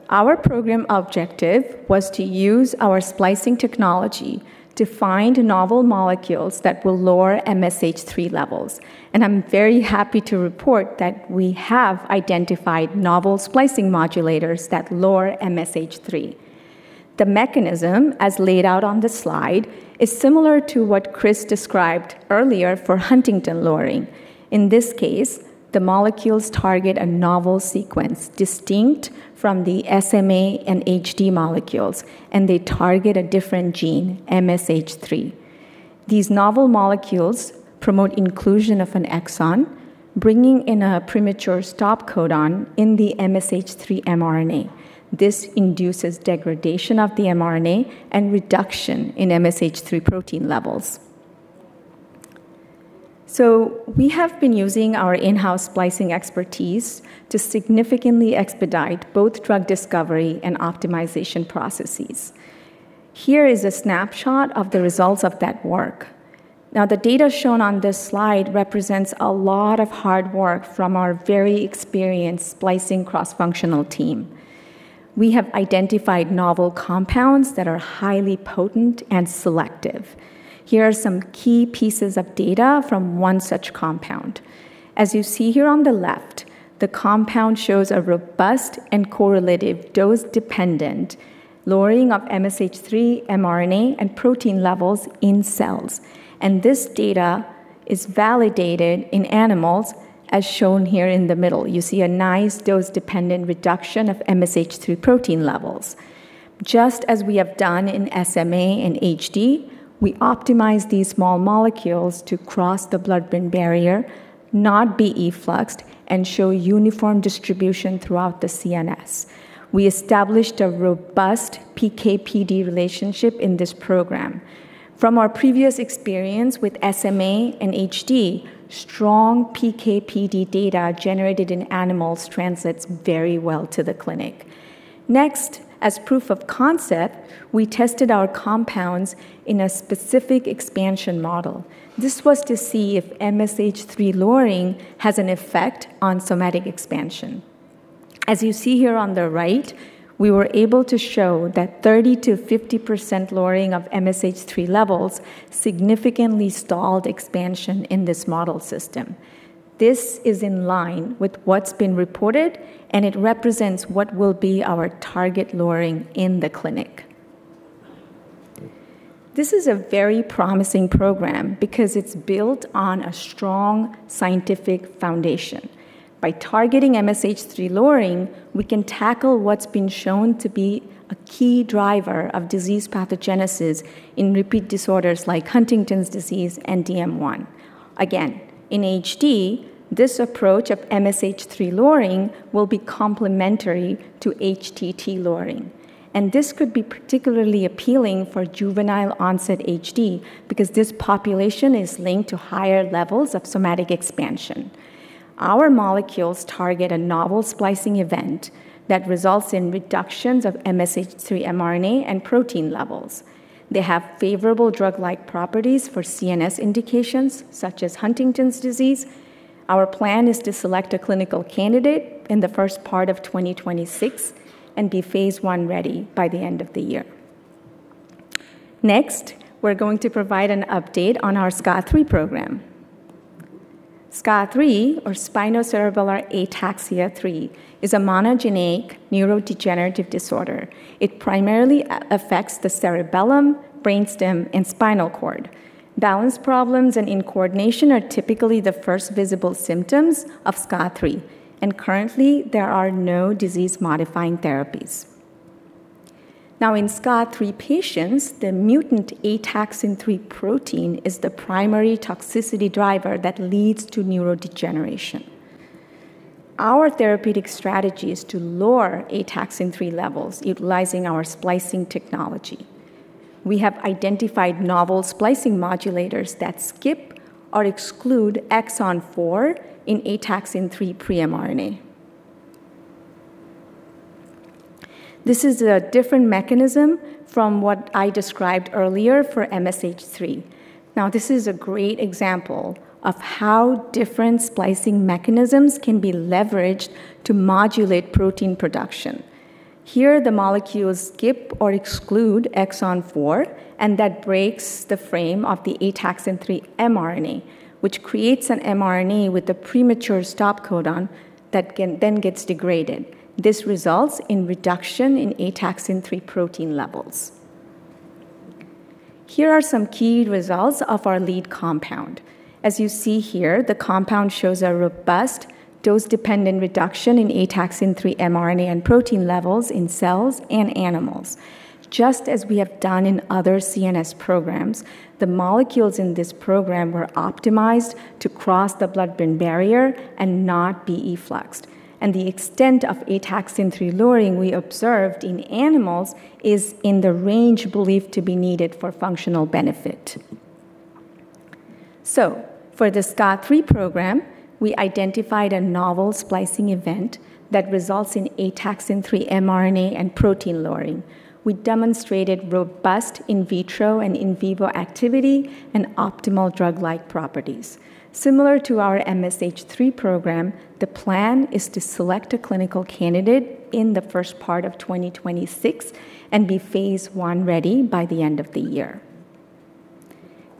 Our program objective was to use our splicing technology to find novel molecules that will lower MSH3 levels, and I'm very happy to report that we have identified novel splicing modulators that lower MSH3. The mechanism, as laid out on the slide, is similar to what Chris described earlier for Huntingtin-Lowering. In this case, the molecules target a novel sequence distinct from the SMA and HD molecules, and they target a different gene, MSH3. These novel molecules promote inclusion of an exon, bringing in a premature stop codon in the MSH3 mRNA. This induces degradation of the mRNA and reduction in MSH3 protein levels. We have been using our in-house splicing expertise to significantly expedite both drug discovery and optimization processes. Here is a snapshot of the results of that work. Now, the data shown on this slide represents a lot of hard work from our very experienced splicing cross-functional team. We have identified novel compounds that are highly potent and selective. Here are some key pieces of data from one such compound. As you see here on the left, the compound shows a robust and correlative dose-dependent lowering of MSH3 mRNA and protein levels in cells, and this data is validated in animals, as shown here in the middle. You see a nice dose-dependent reduction of MSH3 protein levels. Just as we have done in SMA and HD, we optimize these small molecules to cross the blood-brain barrier, not be effluxed, and show uniform distribution throughout the CNS. We established a robust PK/PD relationship in this program. From our previous experience with SMA and HD, strong PK/PD data generated in animals translates very well to the clinic. Next, as proof of concept, we tested our compounds in a specific expansion model. This was to see if MSH3 lowering has an effect on somatic expansion. As you see here on the right, we were able to show that 30%-50% lowering of MSH3 levels significantly stalled expansion in this model system. This is in line with what's been reported, and it represents what will be our target lowering in the clinic. This is a very promising program because it's built on a strong scientific foundation. By targeting MSH3 lowering, we can tackle what's been shown to be a key driver of disease pathogenesis in repeat disorders like Huntington's disease and DM1. Again, in HD, this approach of MSH3 lowering will be complementary to HTT lowering, and this could be particularly appealing for juvenile onset HD because this population is linked to higher levels of somatic expansion. Our molecules target a novel splicing event that results in reductions of MSH3 mRNA and protein levels. They have favorable drug-like properties for CNS indications such as Huntington's disease. Our plan is to select a clinical candidate in the first part of 2026 and be Phase I ready by the end of the year. Next, we're going to provide an update on our SCA3 program. SCA3, or spinocerebellar ataxia 3, is a monogenic neurodegenerative disorder. It primarily affects the cerebellum, brainstem, and spinal cord. Balance problems and incoordination are typically the first visible symptoms of SCA3, and currently, there are no disease-modifying therapies. Now, in SCA3 patients, the mutant ataxin-3 protein is the primary toxicity driver that leads to neurodegeneration. Our therapeutic strategy is to lower ataxin-3 levels utilizing our splicing technology. We have identified novel splicing modulators that skip or exclude exon 4 in ataxin-3 pre-mRNA. This is a different mechanism from what I described earlier for MSH3. Now, this is a great example of how different splicing mechanisms can be leveraged to modulate protein production. Here, the molecules skip or exclude exon 4, and that breaks the frame of the ataxin-3 mRNA, which creates an mRNA with a premature stop codon that then gets degraded. This results in reduction in ataxin-3 protein levels. Here are some key results of our lead compound. As you see here, the compound shows a robust dose-dependent reduction in ataxin-3 mRNA and protein levels in cells and animals. Just as we have done in other CNS programs, the molecules in this program were optimized to cross the blood-brain barrier and not be effluxed, and the extent of ataxin-3 lowering we observed in animals is in the range believed to be needed for functional benefit. For the SCA3 program, we identified a novel splicing event that results in ataxin-3 mRNA and protein lowering. We demonstrated robust in vitro and in vivo activity and optimal drug-like properties. Similar to our MSH3 program, the plan is to select a clinical candidate in the first part of 2026 and be Phase I ready by the end of the year.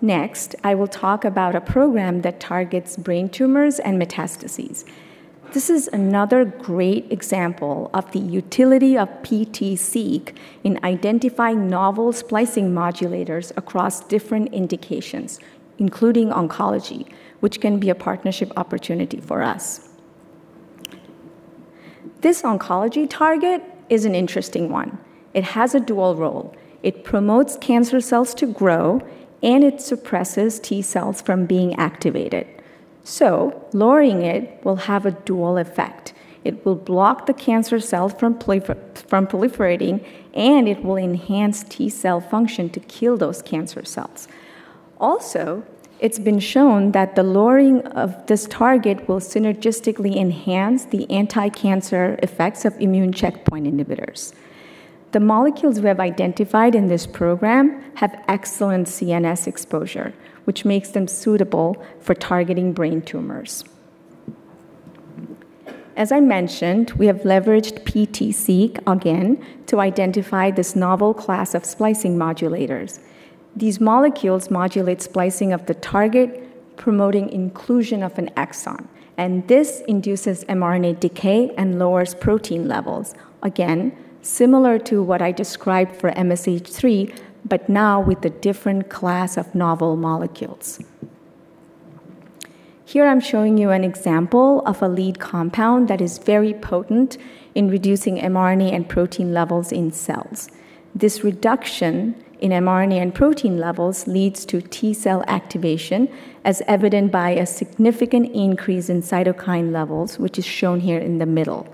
Next, I will talk about a program that targets brain tumors and metastases. This is another great example of the utility of PTC in identifying novel splicing modulators across different indications, including oncology, which can be a partnership opportunity for us. This oncology target is an interesting one. It has a dual role. It promotes cancer cells to grow, and it suppresses T cells from being activated. Lowering it will have a dual effect. It will block the cancer cells from proliferating, and it will enhance T cell function to kill those cancer cells. Also, it's been shown that the lowering of this target will synergistically enhance the anti-cancer effects of immune checkpoint inhibitors. The molecules we have identified in this program have excellent CNS exposure, which makes them suitable for targeting brain tumors. As I mentioned, we have leveraged PT-Seq again to identify this novel class of splicing modulators. These molecules modulate splicing of the target, promoting inclusion of an exon, and this induces mRNA decay and lowers protein levels. Again, similar to what I described for MSH3, but now with a different class of novel molecules. Here, I'm showing you an example of a lead compound that is very potent in reducing mRNA and protein levels in cells. This reduction in mRNA and protein levels leads to T cell activation, as evident by a significant increase in cytokine levels, which is shown here in the middle.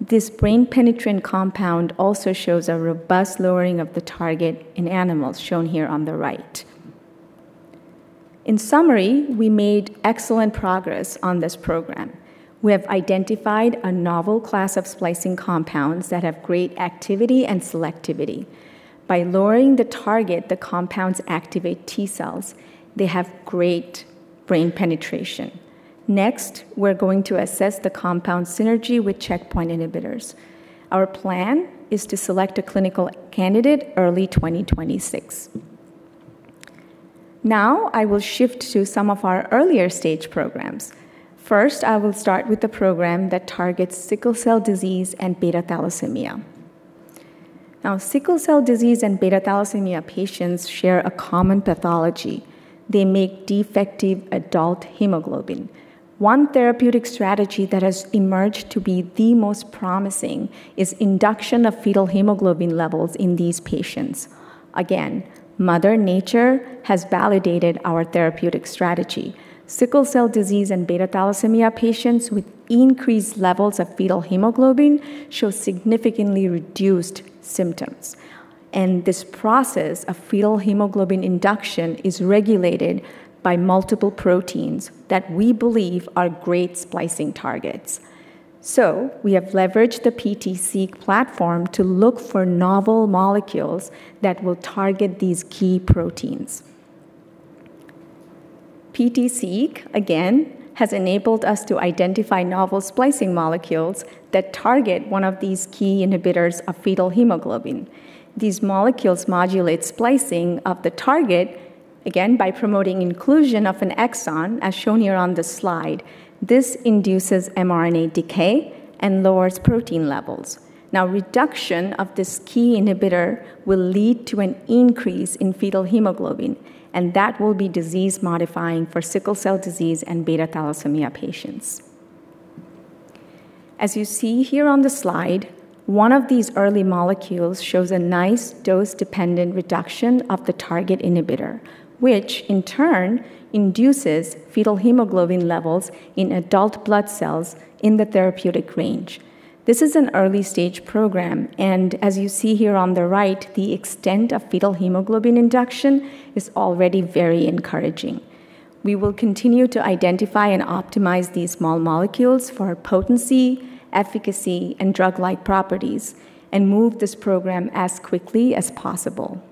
This brain-penetrating compound also shows a robust lowering of the target in animals, shown here on the right. In summary, we made excellent progress on this program. We have identified a novel class of splicing compounds that have great activity and selectivity. By lowering the target, the compounds activate T cells. They have great brain penetration. Next, we're going to assess the compound synergy with checkpoint inhibitors. Our plan is to select a clinical candidate early 2026. Now, I will shift to some of our earlier stage programs. First, I will start with the program that targets sickle cell disease and beta-thalassemia. Now, sickle cell disease and beta thalassemia patients share a common pathology. They make defective adult hemoglobin. One therapeutic strategy that has emerged to be the most promising is induction of fetal hemoglobin levels in these patients. Again, Mother Nature has validated our therapeutic strategy. Sickle cell disease and beta-thalassemia patients with increased levels of fetal hemoglobin show significantly reduced symptoms, and this process of fetal hemoglobin induction is regulated by multiple proteins that we believe are great splicing targets. We have leveraged the PT-Seq platform to look for novel molecules that will target these key proteins. PT-Seq, again, has enabled us to identify novel splicing molecules that target one of these key inhibitors of fetal hemoglobin. These molecules modulate splicing of the target, again, by promoting inclusion of an exon, as shown here on the slide. This induces mRNA decay and lowers protein levels. Now, reduction of this key inhibitor will lead to an increase in fetal hemoglobin, and that will be disease-modifying for sickle cell disease and beta-thalassemia patients. As you see here on the slide, one of these early molecules shows a nice dose-dependent reduction of the target inhibitor, which in turn induces fetal hemoglobin levels in adult blood cells in the therapeutic range. This is an early stage program, and as you see here on the right, the extent of fetal hemoglobin induction is already very encouraging. We will continue to identify and optimize these small molecules for potency, efficacy, and drug-like properties, and move this program as quickly as possible.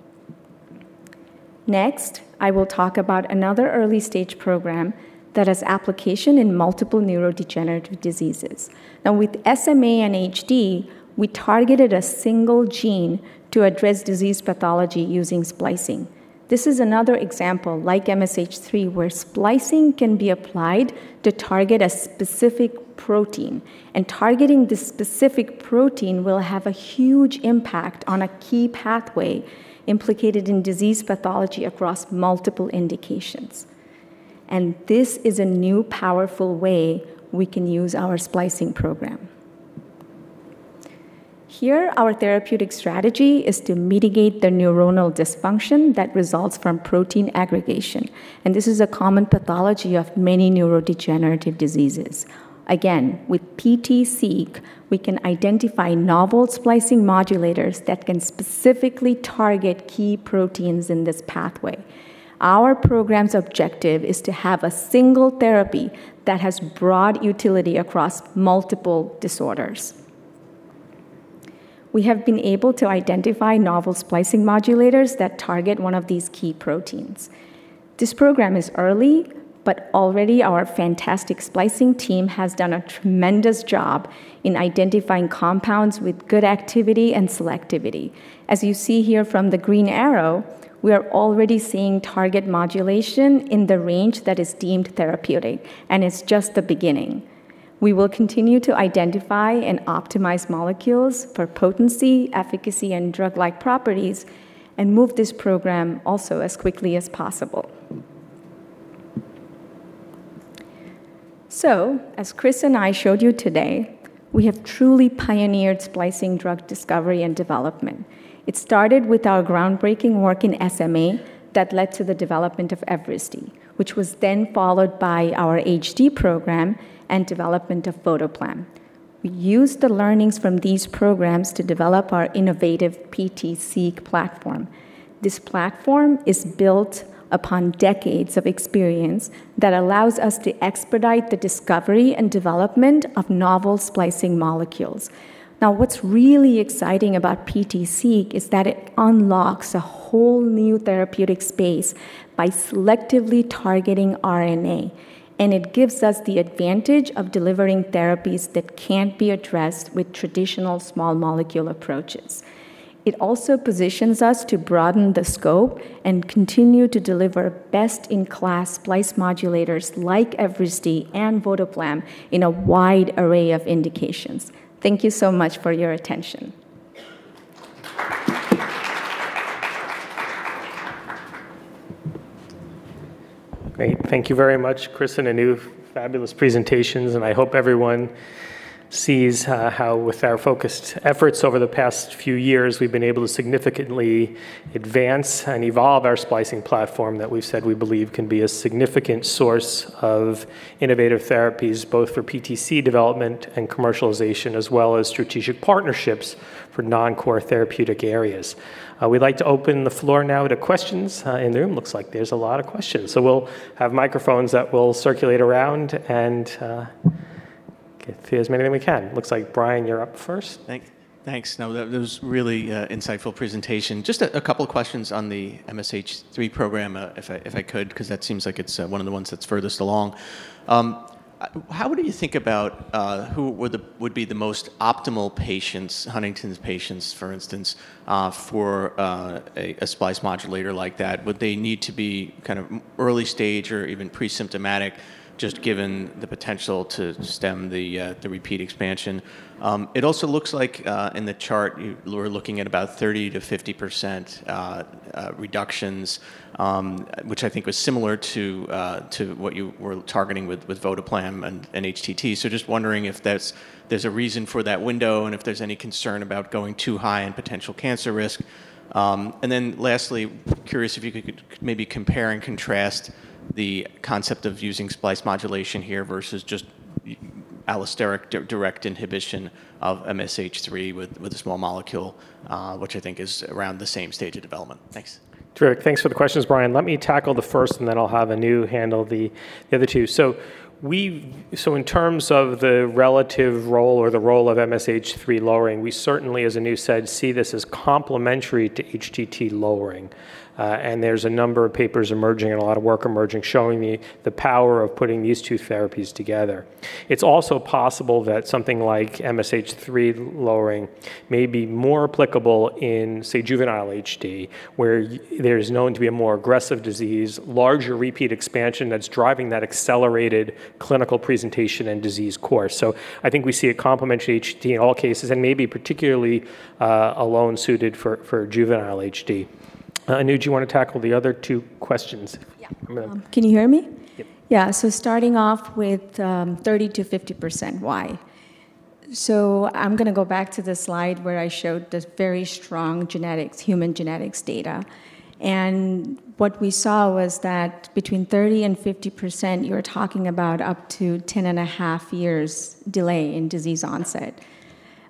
Next, I will talk about another early stage program that has application in multiple neurodegenerative diseases. Now, with SMA and HD, we targeted a single gene to address disease pathology using splicing. This is another example like MSH3, where splicing can be applied to target a specific protein, and targeting this specific protein will have a huge impact on a key pathway implicated in disease pathology across multiple indications. This is a new powerful way we can use our splicing program. Here, our therapeutic strategy is to mitigate the neuronal dysfunction that results from protein aggregation, and this is a common pathology of many neurodegenerative diseases. Again, with PT-Seq, we can identify novel splicing modulators that can specifically target key proteins in this pathway. Our program's objective is to have a single therapy that has broad utility across multiple disorders. We have been able to identify novel splicing modulators that target one of these key proteins. This program is early, but already our fantastic splicing team has done a tremendous job in identifying compounds with good activity and selectivity. As you see here from the green arrow, we are already seeing target modulation in the range that is deemed therapeutic, and it's just the beginning. We will continue to identify and optimize molecules for potency, efficacy, and drug-like properties, and move this program also as quickly as possible. As Chris and I showed you today, we have truly pioneered splicing drug discovery and development. It started with our groundbreaking work in SMA that led to the development of Evrysdi, which was then followed by our HD program and development of Votoplam. We used the learnings from these programs to develop our innovative PT-Seq platform. This platform is built upon decades of experience that allows us to expedite the discovery and development of novel splicing molecules. Now, what's really exciting about PT-Seq is that it unlocks a whole new therapeutic space by selectively targeting RNA, and it gives us the advantage of delivering therapies that can't be addressed with traditional small molecule approaches. It also positions us to broaden the scope and continue to deliver best-in-class splice modulators like Evrysdi and Votoplam in a wide array of indications. Thank you so much for your attention. Great. Thank you very much, Chris, and Anu, fabulous presentations, and I hope everyone sees how, with our focused efforts over the past few years, we've been able to significantly advance and evolve our splicing platform that we've said we believe can be a significant source of innovative therapies, both for PTC development and commercialization, as well as strategic partnerships for non-core therapeutic areas. We'd like to open the floor now to questions in the room. Looks like there's a lot of questions, so we'll have microphones that will circulate around and get as many as we can. Looks like Brian, you're up first. Thanks. No, that was a really insightful presentation. Just a couple of questions on the MSH3 program, if I could, because that seems like it's one of the ones that's furthest along. How would you think about who would be the most optimal patients, Huntington's patients, for instance, for a splice modulator like that? Would they need to be kind of early stage or even pre-symptomatic, just given the potential to stem the repeat expansion? It also looks like in the chart you were looking at about 30%-50% reductions, which I think was similar to what you were targeting with Votoplam and HTT. Just wondering if there's a reason for that window and if there's any concern about going too high in potential cancer risk. Lastly, curious if you could maybe compare and contrast the concept of using splice modulation here versus just allosteric direct inhibition of MSH3 with a small molecule, which I think is around the same stage of development. Thanks. Terrific. Thanks for the questions, Brian. Let me tackle the first, and then I'll have Anu handle the other two. In terms of the relative role or the role of MSH3 lowering, we certainly, as Anu said, see this as complementary to HTT lowering, and there's a number of papers emerging and a lot of work emerging showing the power of putting these two therapies together. It's also possible that something like MSH3 lowering may be more applicable in, say, juvenile HD, where there's known to be a more aggressive disease, larger repeat expansion that's driving that accelerated clinical presentation and disease course. I think we see a complementary HD in all cases and maybe particularly alone suited for juvenile HD. Anu, do you want to tackle the other two questions? Yeah. Can you hear me? Yeah. Starting off with 30%-50%, why? I'm going to go back to the slide where I showed the very strong human genetics data, and what we saw was that between 30%-50%, you're talking about up to 10 and a half years delay in disease onset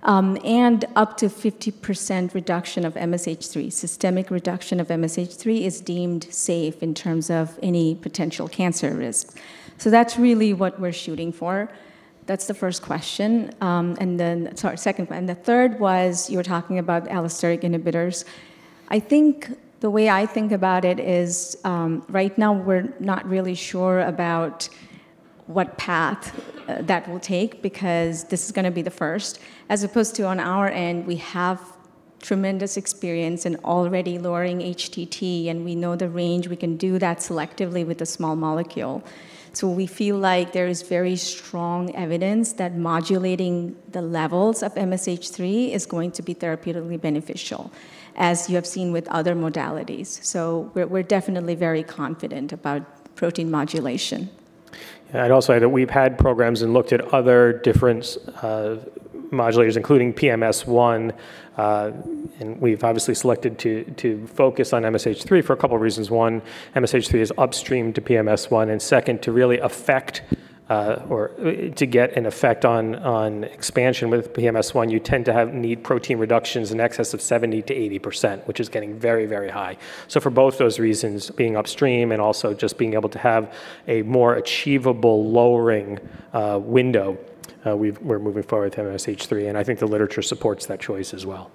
and up to 50% reduction of MSH3. Systemic reduction of MSH3 is deemed safe in terms of any potential cancer risk. That's really what we're shooting for. That's the first question. Sorry, second. The third was you were talking about allosteric inhibitors. I think the way I think about it is right now we're not really sure about what path that will take because this is going to be the first, as opposed to on our end, we have tremendous experience in already lowering HTT, and we know the range we can do that selectively with a small molecule. We feel like there is very strong evidence that modulating the levels of MSH3 is going to be therapeutically beneficial, as you have seen with other modalities. We're definitely very confident about protein modulation. I'd also add that we've had programs and looked at other different modulators, including PMS1, and we've obviously selected to focus on MSH3 for a couple of reasons. One, MSH3 is upstream to PMS1, and second, to really affect or to get an effect on expansion with PMS1, you tend to need protein reductions in excess of 70%-80%, which is getting very, very high. For both those reasons, being upstream and also just being able to have a more achievable lowering window, we're moving forward with MSH3, and I think the literature supports that choice as well.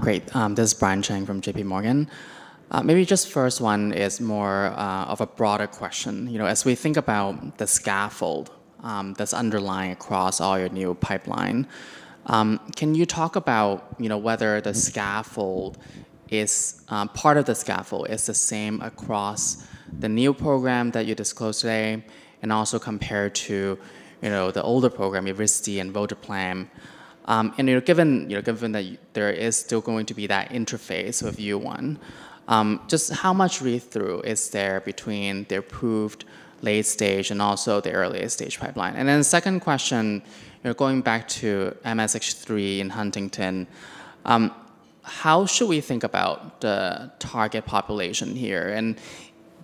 Great. This is Brian Cheng from J.P. Morgan. Maybe just first one is more of a broader question. As we think about the scaffold that's underlying across all your new pipeline, can you talk about whether the scaffold is part of the scaffold, is the same across the new program that you disclosed today, and also compared to the older program, Evrysdi and Votoplam? Given that there is still going to be that interface with V1, just how much read-through is there between the approved late stage and also the early stage pipeline? Second question, going back to MSH3 and Huntington, how should we think about the target population here?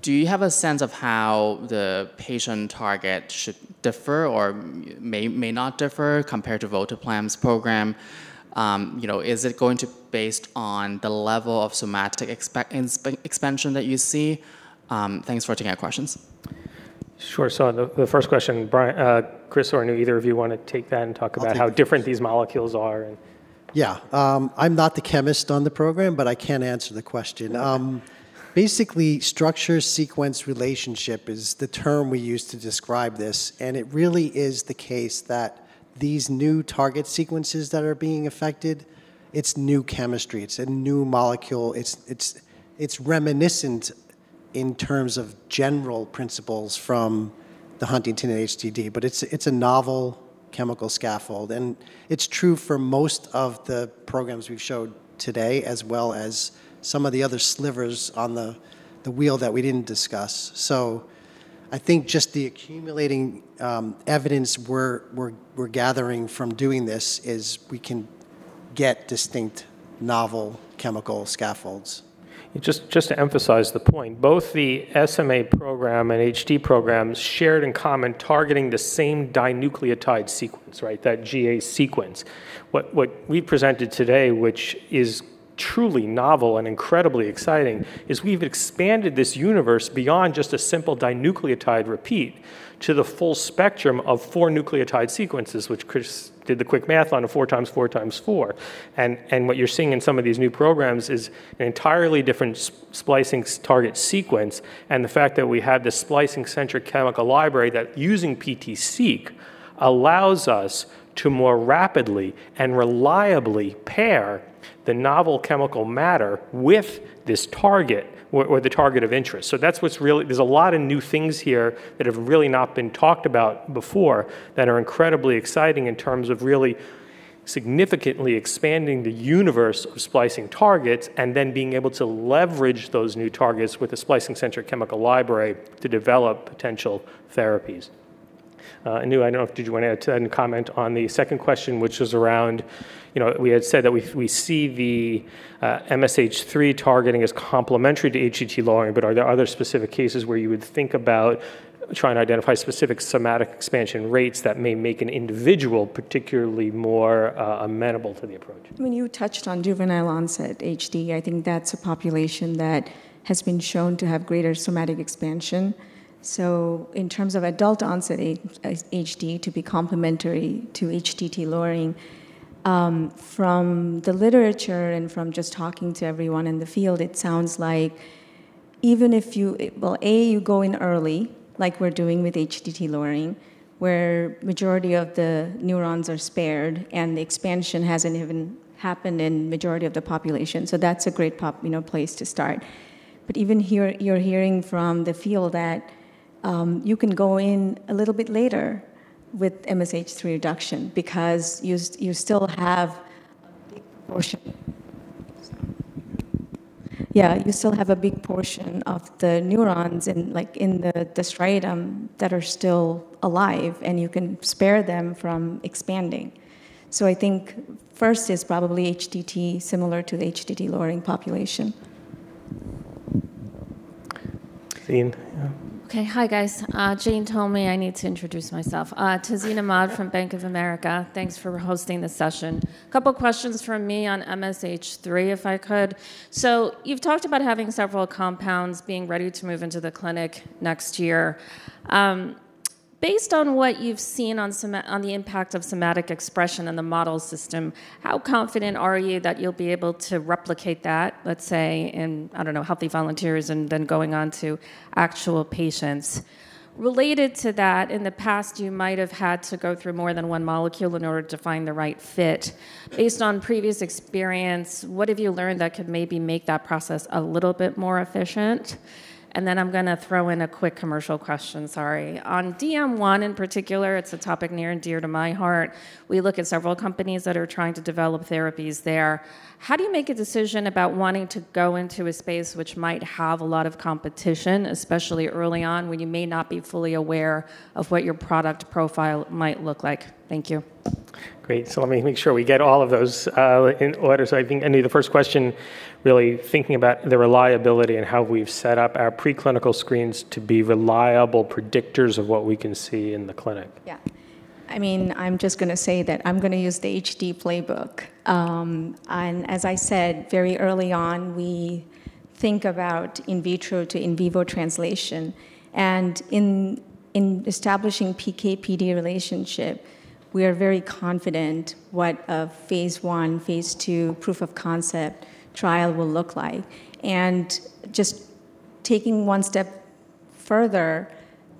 Do you have a sense of how the patient target should differ or may not differ compared to Branaplam's program? Is it going to be based on the level of somatic expansion that you see? Thanks for taking our questions. Sure. The first question, Brian, Chris, or Anu, either of you want to take that and talk about how different these molecules are? Yeah. I'm not the chemist on the program, but I can answer the question. Basically, structure-sequence relationship is the term we use to describe this, and it really is the case that these new target sequences that are being affected, it's new chemistry. It's a new molecule. It's reminiscent in terms of general principles from the Huntington and HTT, but it's a novel chemical scaffold, and it's true for most of the programs we've showed today, as well as some of the other slivers on the wheel that we didn't discuss. I think just the accumulating evidence we're gathering from doing this is we can get distinct novel chemical scaffolds. Just to emphasize the point, both the SMA program and HD program shared in common targeting the same dinucleotide sequence, right, that GA sequence. What we've presented today, which is truly novel and incredibly exciting, is we've expanded this universe beyond just a simple dinucleotide repeat to the full spectrum of four nucleotide sequences, which Chris did the quick math on of four times four times four. What you're seeing in some of these new programs is an entirely different splicing target sequence, and the fact that we have this splicing-centric chemical library that, using PT-Seq, allows us to more rapidly and reliably pair the novel chemical matter with this target or the target of interest. That's what's really, there's a lot of new things here that have really not been talked about before that are incredibly exciting in terms of really significantly expanding the universe of splicing targets and then being able to leverage those new targets with a splicing-centric chemical library to develop potential therapies. Anu, I don't know if you wanted to add a comment on the second question, which was around we had said that we see the MSH3 targeting as complementary to HTT lowering, but are there other specific cases where you would think about trying to identify specific somatic expansion rates that may make an individual particularly more amenable to the approach? I mean, you touched on juvenile onset HD. I think that's a population that has been shown to have greater somatic expansion. In terms of adult onset HD to be complementary to HTT lowering, from the literature and from just talking to everyone in the field, it sounds like even if you, A, you go in early, like we're doing with HTT lowering, where the majority of the neurons are spared and the expansion hasn't even happened in the majority of the population. That's a great place to start. Even here, you're hearing from the field that you can go in a little bit later with MSH3 reduction because you still have a big portion, yeah, you still have a big portion of the neurons in the striatum that are still alive, and you can spare them from expanding. I think first is probably HTT, similar to the HTT lowering population. Tazeen, yeah. Okay. Hi, guys. Jane told me I need to introduce myself. Tazeen Ahmad from Bank of America. Thanks for hosting the session. A couple of questions from me on MSH3, if I could. You've talked about having several compounds being ready to move into the clinic next year. Based on what you've seen on the impact of somatic expression in the model system, how confident are you that you'll be able to replicate that, let's say, in, I don't know, healthy volunteers and then going on to actual patients? Related to that, in the past, you might have had to go through more than one molecule in order to find the right fit. Based on previous experience, what have you learned that could maybe make that process a little bit more efficient? I'm going to throw in a quick commercial question, sorry. On DM1 in particular, it's a topic near and dear to my heart. We look at several companies that are trying to develop therapies there. How do you make a decision about wanting to go into a space which might have a lot of competition, especially early on, when you may not be fully aware of what your product profile might look like? Thank you. Great. Let me make sure we get all of those in order. I think, Anu, the first question, really thinking about the reliability and how we've set up our preclinical screens to be reliable predictors of what we can see in the clinic. Yeah. I mean, I'm just going to say that I'm going to use the HD playbook. As I said, very early on, we think about in vitro to in vivo translation. In establishing PK/PD relationship, we are very confident what a Phase I, Phase II, proof of concept trial will look like. Just taking one step further,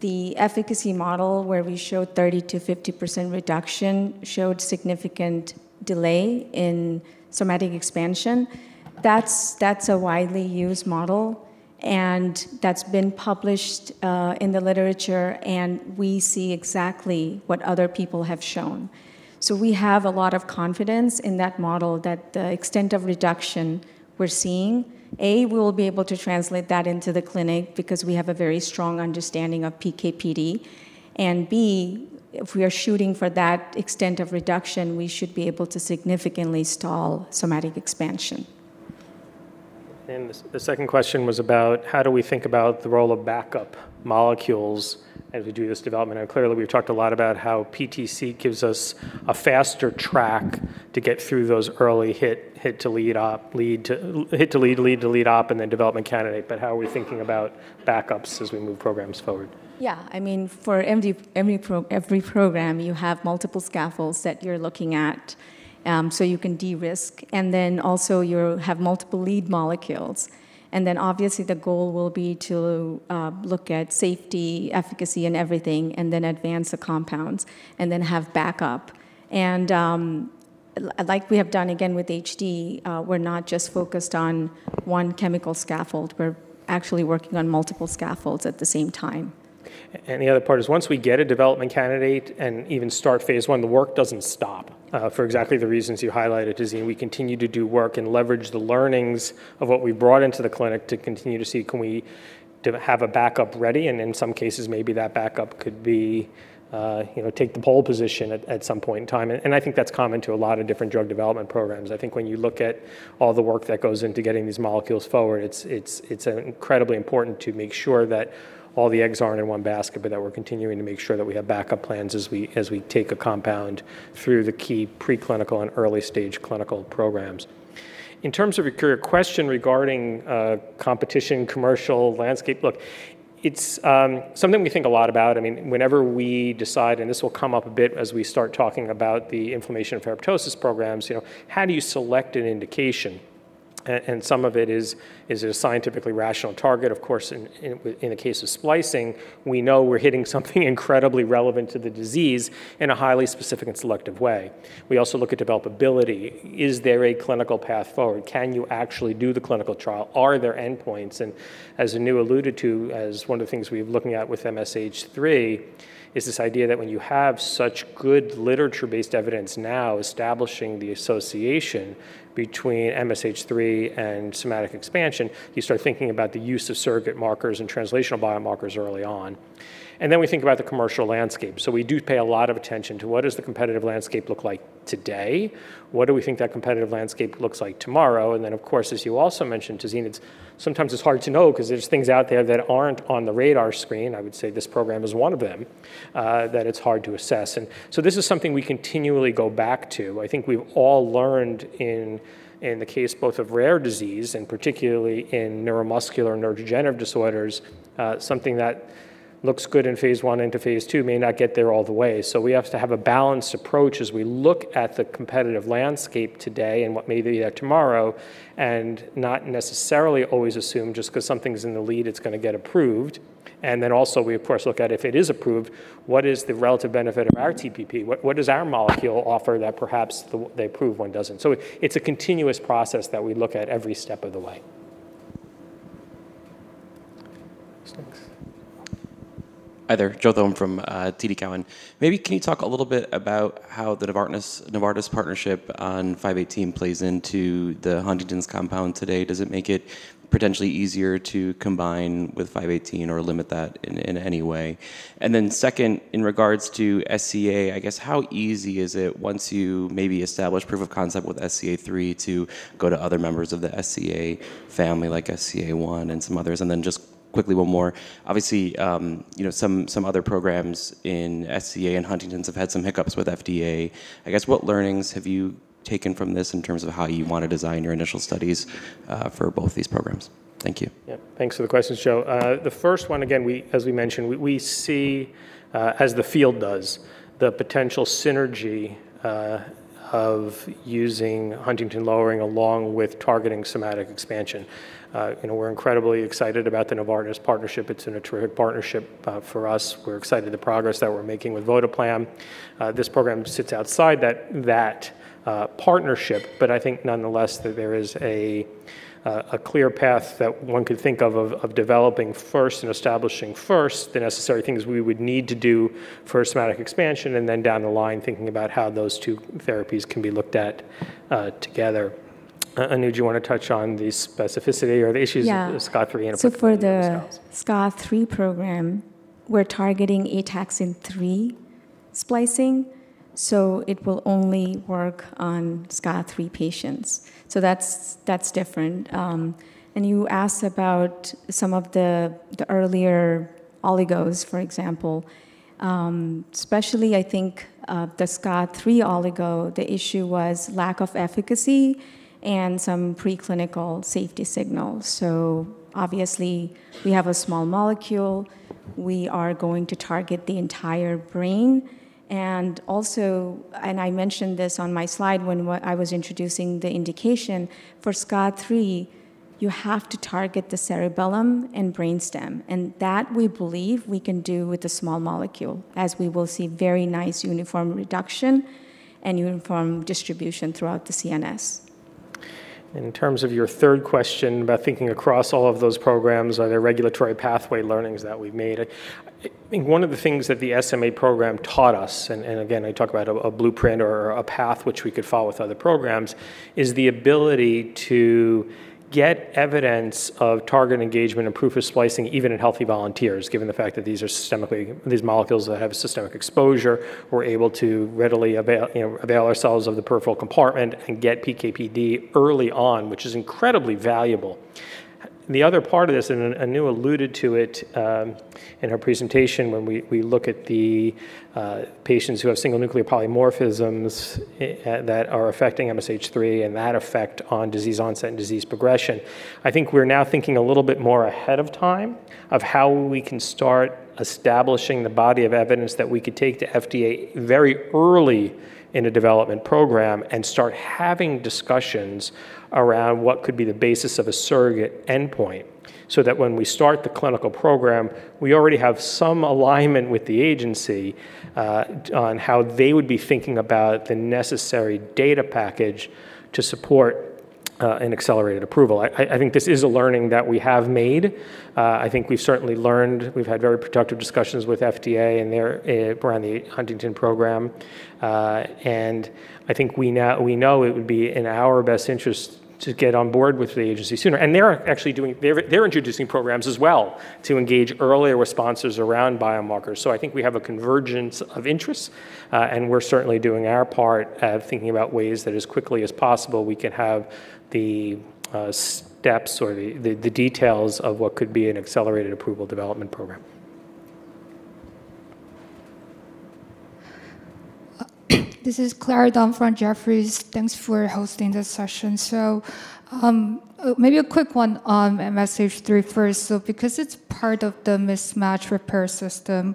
the efficacy model where we showed 30%-50% reduction showed significant delay in somatic expansion. That is a widely used model, and that has been published in the literature, and we see exactly what other people have shown. We have a lot of confidence in that model, that the extent of reduction we are seeing, A, we will be able to translate that into the clinic because we have a very strong understanding of PK/PD, and B, if we are shooting for that extent of reduction, we should be able to significantly stall somatic expansion. The second question was about how do we think about the role of backup molecules as we do this development? Clearly, we've talked a lot about how PTC gives us a faster track to get through those early hit-to-lead-optimization, lead-to-lead, lead-to-lead-op, and then development candidate, but how are we thinking about backups as we move programs forward? Yeah. I mean, for every program, you have multiple scaffolds that you're looking at so you can de-risk, and then also you have multiple lead molecules. Obviously, the goal will be to look at safety, efficacy, and everything, and then advance the compounds and then have backup. Like we have done, again, with HD, we're not just focused on one chemical scaffold. We're actually working on multiple scaffolds at the same time. The other part is once we get a development candidate and even start Phase I, the work doesn't stop. For exactly the reasons you highlighted, Tazeen, we continue to do work and leverage the learnings of what we've brought into the clinic to continue to see can we have a backup ready, and in some cases, maybe that backup could take the pole position at some point in time. I think that's common to a lot of different drug development programs. I think when you look at all the work that goes into getting these molecules forward, it's incredibly important to make sure that all the eggs aren't in one basket, but that we're continuing to make sure that we have backup plans as we take a compound through the key preclinical and early stage clinical programs. In terms of your question regarding competition, commercial landscape, look, it's something we think a lot about. I mean, whenever we decide, and this will come up a bit as we start talking about the inflammation and ferroptosis programs, how do you select an indication? Some of it is a scientifically rational target. Of course, in the case of splicing, we know we're hitting something incredibly relevant to the disease in a highly specific and selective way. We also look at developability. Is there a clinical path forward? Can you actually do the clinical trial? Are there endpoints? As Anu alluded to, as one of the things we're looking at with MSH3 is this idea that when you have such good literature-based evidence now establishing the association between MSH3 and somatic expansion, you start thinking about the use of surrogate markers and translational biomarkers early on. Then we think about the commercial landscape. We do pay a lot of attention to what does the competitive landscape look like today? What do we think that competitive landscape looks like tomorrow? Of course, as you also mentioned, Tazeen, sometimes it's hard to know because there's things out there that aren't on the radar screen. I would say this program is one of them that it's hard to assess. This is something we continually go back to. I think we've all learned in the case both of rare disease and particularly in neuromuscular and neurodegenerative disorders, something that looks good in Phase I into Phase II may not get there all the way. We have to have a balanced approach as we look at the competitive landscape today and what may be there tomorrow and not necessarily always assume just because something's in the lead, it's going to get approved. We, of course, look at if it is approved, what is the relative benefit of our TPP? What does our molecule offer that perhaps the approved one does not? It is a continuous process that we look at every step of the way. Thanks. Hi there. Joe Thome from TD Cowen. Maybe can you talk a little bit about how the Novartis partnership on PTC518 plays into the Huntington's compound today? Does it make it potentially easier to combine with PTC518 or limit that in any way? In regards to SCA, I guess how easy is it once you maybe establish proof of concept with SCA3 to go to other members of the SCA family like SCA1 and some others? Just quickly one more. Obviously, some other programs in SCA and Huntington's have had some hiccups with FDA. I guess what learnings have you taken from this in terms of how you want to design your initial studies for both these programs? Thank you. Yeah. Thanks for the questions, Joe. The first one, again, as we mentioned, we see, as the field does, the potential synergy of using Huntington lowering along with targeting somatic expansion. We're incredibly excited about the Novartis partnership. It's been a terrific partnership for us. We're excited about the progress that we're making with Votoplam. This program sits outside that partnership, but I think nonetheless that there is a clear path that one could think of developing first and establishing first the necessary things we would need to do for somatic expansion and then down the line thinking about how those two therapies can be looked at together. Anu, do you want to touch on the specificity or the issues? Yeah. For the SCA3 program, we're targeting ATAXN3 splicing, so it will only work on SCA3 patients. That is different. You asked about some of the earlier oligos, for example. Especially, I think the SCA3 oligo, the issue was lack of efficacy and some preclinical safety signals. Obviously, we have a small molecule. We are going to target the entire brain. I mentioned this on my slide when I was introducing the indication. For SCA3, you have to target the cerebellum and brainstem. That we believe we can do with a small molecule as we will see very nice uniform reduction and uniform distribution throughout the CNS. In terms of your third question about thinking across all of those programs, are there regulatory pathway learnings that we've made? I think one of the things that the SMA program taught us, and again, I talk about a blueprint or a path which we could follow with other programs, is the ability to get evidence of target engagement and proof of splicing even in healthy volunteers, given the fact that these molecules have systemic exposure. We're able to readily avail ourselves of the peripheral compartment and get PK/PD early on, which is incredibly valuable. The other part of this, and Anu alluded to it in her presentation, when we look at the patients who have single nucleotide polymorphisms that are affecting MSH3 and that effect on disease onset and disease progression, I think we're now thinking a little bit more ahead of time of how we can start establishing the body of evidence that we could take to FDA very early in a development program and start having discussions around what could be the basis of a surrogate endpoint so that when we start the clinical program, we already have some alignment with the agency on how they would be thinking about the necessary data package to support an accelerated approval. I think this is a learning that we have made. I think we've certainly learned. We've had very productive discussions with FDA and around the Huntington program. I think we know it would be in our best interest to get on board with the agency sooner. They are introducing programs as well to engage earlier responses around biomarkers. I think we have a convergence of interests, and we are certainly doing our part of thinking about ways that as quickly as possible we can have the steps or the details of what could be an accelerated approval development program. This is Clara Dong from Jefferies. Thanks for hosting this session. Maybe a quick one on MSH3 first. Because it is part of the mismatch repair system,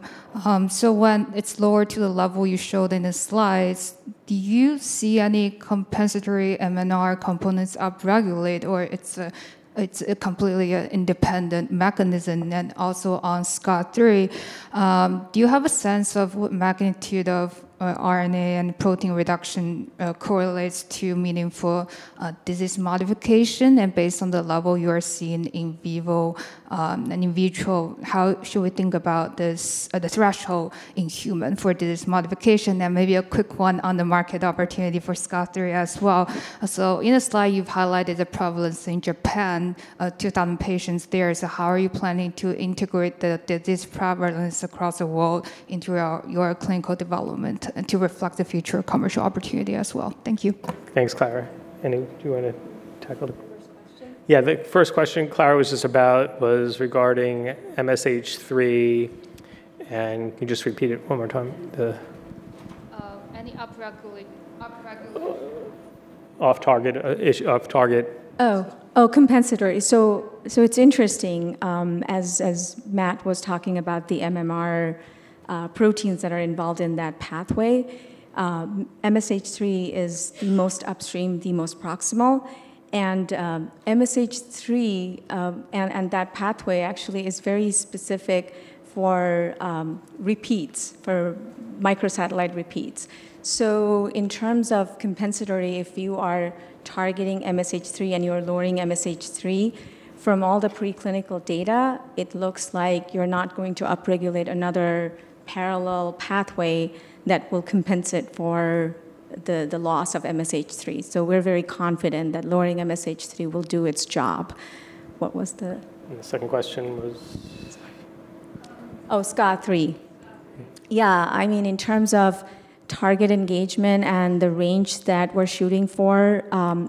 when it is lower to the level you showed in the slides, do you see any compensatory MMR components upregulate or is it a completely independent mechanism? Also on SCA3, do you have a sense of what magnitude of RNA and protein reduction correlates to meaningful disease modification? Based on the level you are seeing in vivo and in vitro, how should we think about the threshold in humans for disease modification? Maybe a quick one on the market opportunity for SCA3 as well. In the slide, you have highlighted the prevalence in Japan, 2,000 patients there. How are you planning to integrate this prevalence across the world into your clinical development to reflect the future commercial opportunity as well? Thank you. Thanks, Clara. Anu, do you want to tackle the first question? Yeah. The first question, Clara, was regarding MSH3. Can you just repeat it one more time? Any upregulation? Off-target. Oh, compensatory. It is interesting as Matt was talking about the MMR proteins that are involved in that pathway. MSH3 is the most upstream, the most proximal. MSH3 and that pathway actually is very specific for repeats, for microsatellite repeats. In terms of compensatory, if you are targeting MSH3 and you're lowering MSH3, from all the preclinical data, it looks like you're not going to upregulate another parallel pathway that will compensate for the loss of MSH3. We're very confident that lowering MSH3 will do its job. What was the- Second question was? Oh, SCA3. Yeah. I mean, in terms of target engagement and the range that we're shooting for,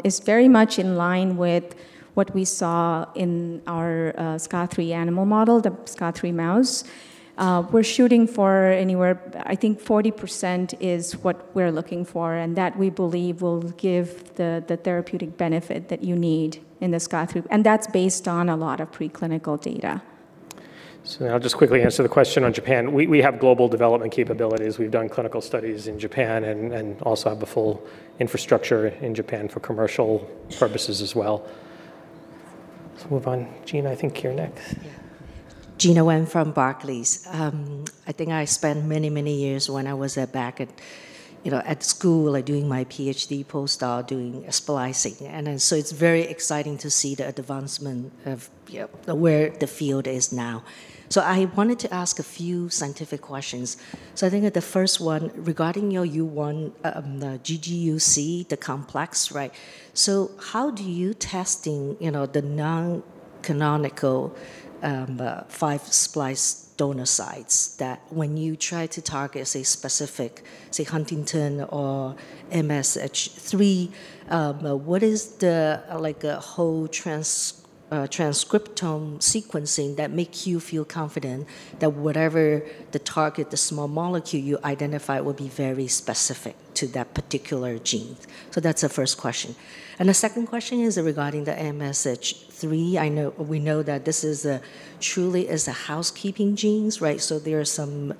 it's very much in line with what we saw in our SCA3 animal model, the SCA3 mouse. We're shooting for anywhere, I think 40% is what we're looking for, and that we believe will give the therapeutic benefit that you need in the SCA3. That's based on a lot of preclinical data. I'll just quickly answer the question on Japan. We have global development capabilities. We've done clinical studies in Japan and also have the full infrastructure in Japan for commercial purposes as well. Move on. Gena, I think you're next. Gena Wang from Barclays. I think I spent many, many years when I was back at school or doing my PhD postdoc doing splicing. It's very exciting to see the advancement of where the field is now. I wanted to ask a few scientific questions. I think the first one regarding your U1 GGUC, the complex, right? How do you test the non-canonical 5' splice donor sites that when you try to target, say, specific, say, Huntington or MSH3, what is the whole transcriptome sequencing that makes you feel confident that whatever the target, the small molecule you identify will be very specific to that particular gene? That's the first question. The second question is regarding the MSH3. We know that this truly is a housekeeping gene, right? There are some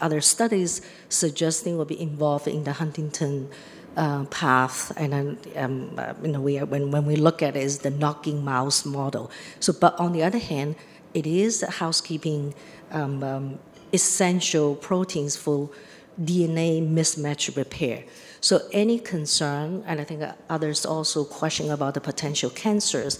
other studies suggesting it will be involved in the Huntington path. When we look at it, it's the knock-in mouse model. On the other hand, it is a housekeeping essential protein for DNA mismatch repair. Any concern, and I think others also question about the potential cancers.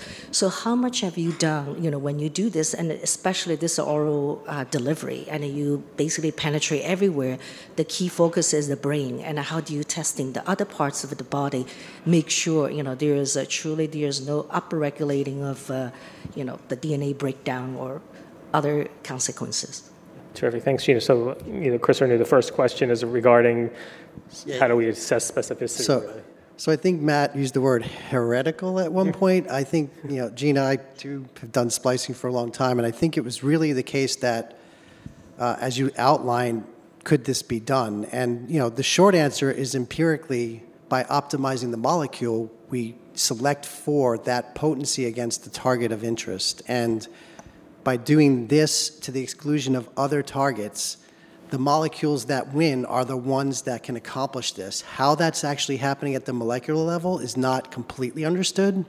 How much have you done when you do this? Especially this oral delivery, and you basically penetrate everywhere, the key focus is the brain. How do you test the other parts of the body? Make sure there is truly no upregulating of the DNA breakdown or other consequences. Terrific. Thanks, Gena. Chris, I knew the first question is regarding how do we assess specificity? I think Matt used the word heretical at one point. I think Gena and I have done splicing for a long time, and I think it was really the case that as you outlined, could this be done? The short answer is empirically by optimizing the molecule, we select for that potency against the target of interest. By doing this to the exclusion of other targets, the molecules that win are the ones that can accomplish this. How that's actually happening at the molecular level is not completely understood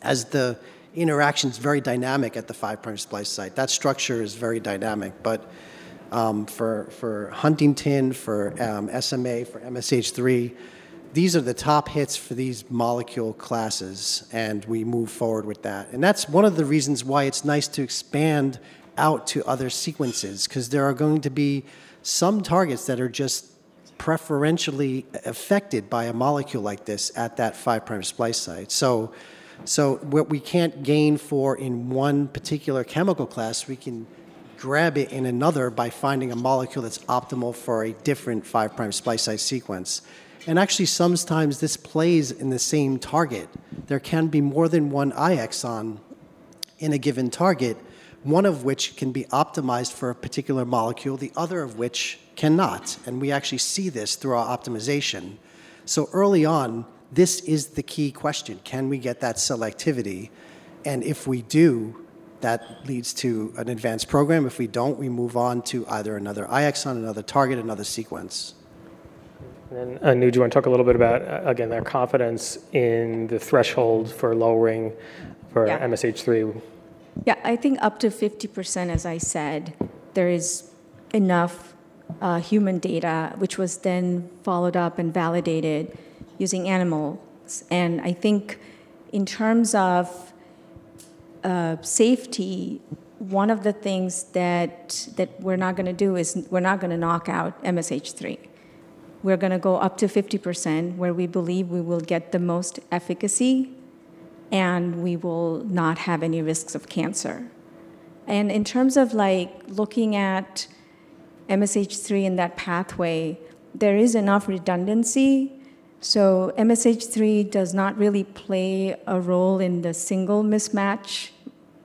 as the interaction is very dynamic at the 5' splice site. That structure is very dynamic. For Huntington, for SMA, for MSH3, these are the top hits for these molecule classes, and we move forward with that. That is one of the reasons why it is nice to expand out to other sequences because there are going to be some targets that are just preferentially affected by a molecule like this at that 5' splice site. What we cannot gain for in one particular chemical class, we can grab in another by finding a molecule that is optimal for a different 5' splice site sequence. Actually, sometimes this plays in the same target. There can be more than one iExon in a given target, one of which can be optimized for a particular molecule, the other of which cannot. We actually see this through our optimization. Early on, this is the key question. Can we get that selectivity? If we do, that leads to an advanced program. If we do not, we move on to either another iExon, another target, another sequence. Anu, do you want to talk a little bit about, again, their confidence in the threshold for lowering for MSH3? Yeah. I think up to 50%, as I said, there is enough human data which was then followed up and validated using animals. I think in terms of safety, one of the things that we're not going to do is we're not going to knock out MSH3. We're going to go up to 50% where we believe we will get the most efficacy and we will not have any risks of cancer. In terms of looking at MSH3 in that pathway, there is enough redundancy. MSH3 does not really play a role in the single mismatch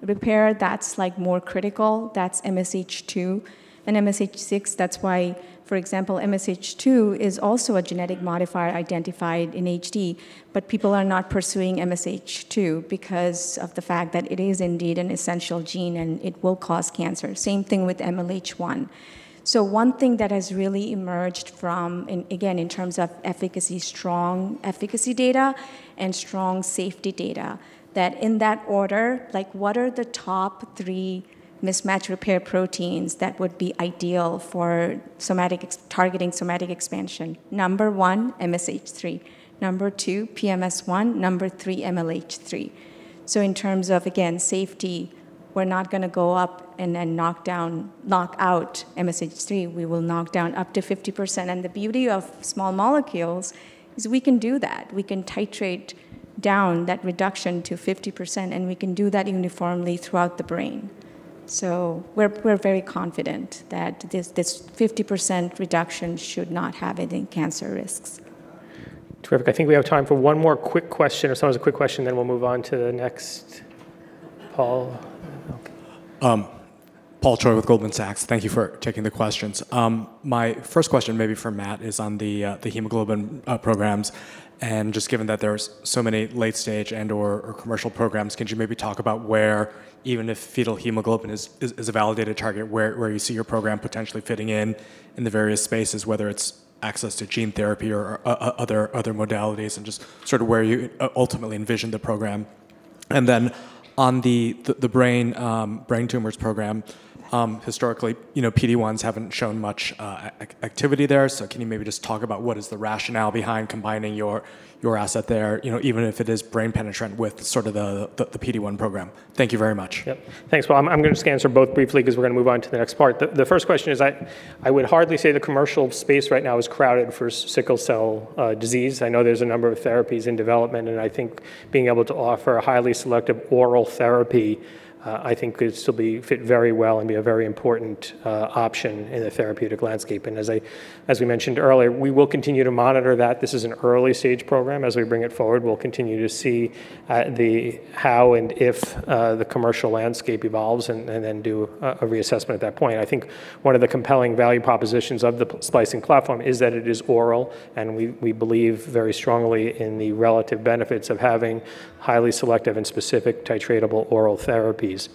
repair. That's more critical. That's MSH2. MSH6, that's why, for example, MSH2 is also a genetic modifier identified in HD, but people are not pursuing MSH2 because of the fact that it is indeed an essential gene and it will cause cancer. Same thing with MLH1. One thing that has really emerged from, again, in terms of efficacy, strong efficacy data and strong safety data, that in that order, what are the top three mismatch repair proteins that would be ideal for targeting somatic expansion? Number one, MSH3. Number two, PMS1. Number three, MLH3. In terms of, again, safety, we're not going to go up and knock out MSH3. We will knock down up to 50%. The beauty of small molecules is we can do that. We can titrate down that reduction to 50%, and we can do that uniformly throughout the brain. We're very confident that this 50% reduction should not have any cancer risks. Terrific. I think we have time for one more quick question or if someone has a quick question, then we'll move on to the next. Paul. Paul Choi with Goldman Sachs. Thank you for taking the questions. My first question maybe for Matt is on the hemoglobin programs. Just given that there are so many late-stage and/or commercial programs, can you maybe talk about where, even if fetal hemoglobin is a validated target, where you see your program potentially fitting in in the various spaces, whether it's access to gene therapy or other modalities and just sort of where you ultimately envision the program? On the brain tumors program, historically, PD1s haven't shown much activity there. Can you maybe just talk about what is the rationale behind combining your asset there, even if it is brain penetrant, with sort of the PD1 program? Thank you very much. Yep. Thanks. I'm going to just answer both briefly because we're going to move on to the next part. The first question is I would hardly say the commercial space right now is crowded for sickle cell disease. I know there's a number of therapies in development, and I think being able to offer a highly selective oral therapy, I think could still fit very well and be a very important option in the therapeutic landscape. As we mentioned earlier, we will continue to monitor that. This is an early-stage program. As we bring it forward, we'll continue to see how and if the commercial landscape evolves and then do a reassessment at that point. I think one of the compelling value propositions of the splicing platform is that it is oral, and we believe very strongly in the relative benefits of having highly selective and specific titratable oral therapies.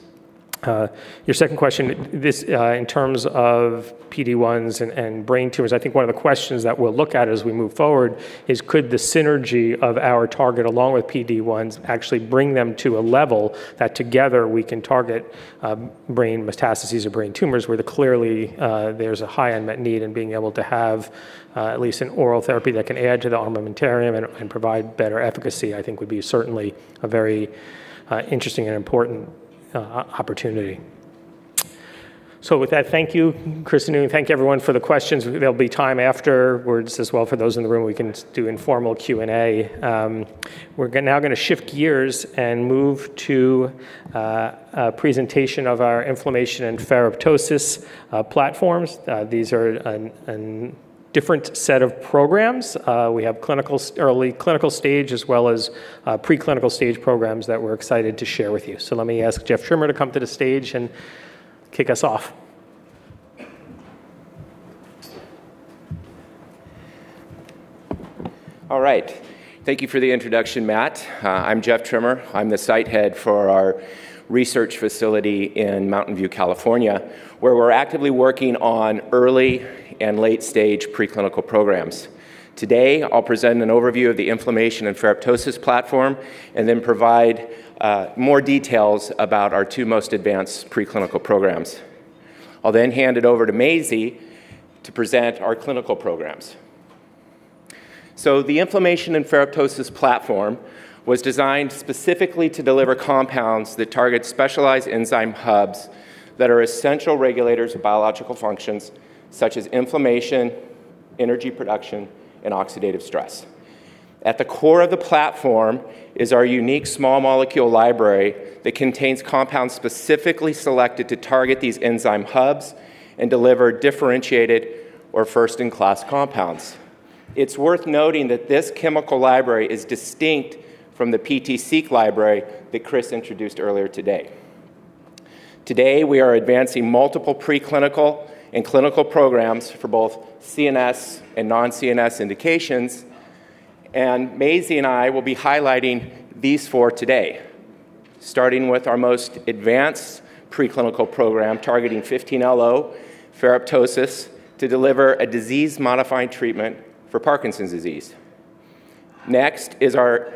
Your second question, in terms of PD1s and brain tumors, I think one of the questions that we'll look at as we move forward is could the synergy of our target along with PD1s actually bring them to a level that together we can target brain metastases or brain tumors where clearly there's a high unmet need and being able to have at least an oral therapy that can add to the armamentarium and provide better efficacy, I think would be certainly a very interesting and important opportunity. Thank you, Chris and Anu. Thank everyone for the questions. There'll be time afterwards as well for those in the room. We can do informal Q&A. We're now going to shift gears and move to a presentation of our inflammation and ferroptosis platforms. These are a different set of programs. We have early clinical stage as well as preclinical stage programs that we're excited to share with you. Let me ask Jeff Trimmer to come to the stage and kick us off. All right. Thank you for the introduction, Matt. I'm Jeff Trimmer. I'm the site head for our research facility in Mountain View, California, where we're actively working on early and late-stage preclinical programs. Today, I'll present an overview of the inflammation and ferroptosis platform and then provide more details about our two most advanced preclinical programs. I'll then hand it over to Mayzie to present our clinical programs. The inflammation and ferroptosis platform was designed specifically to deliver compounds that target specialized enzyme hubs that are essential regulators of biological functions such as inflammation, energy production, and oxidative stress. At the core of the platform is our unique small molecule library that contains compounds specifically selected to target these enzyme hubs and deliver differentiated or first-in-class compounds. It's worth noting that this chemical library is distinct from the PT-Seq library that Chris introduced earlier today. Today, we are advancing multiple preclinical and clinical programs for both CNS and non-CNS indications. Mayzie and I will be highlighting these four today, starting with our most advanced preclinical program targeting 15-LO ferroptosis to deliver a disease-modifying treatment for Parkinson's disease. Next is our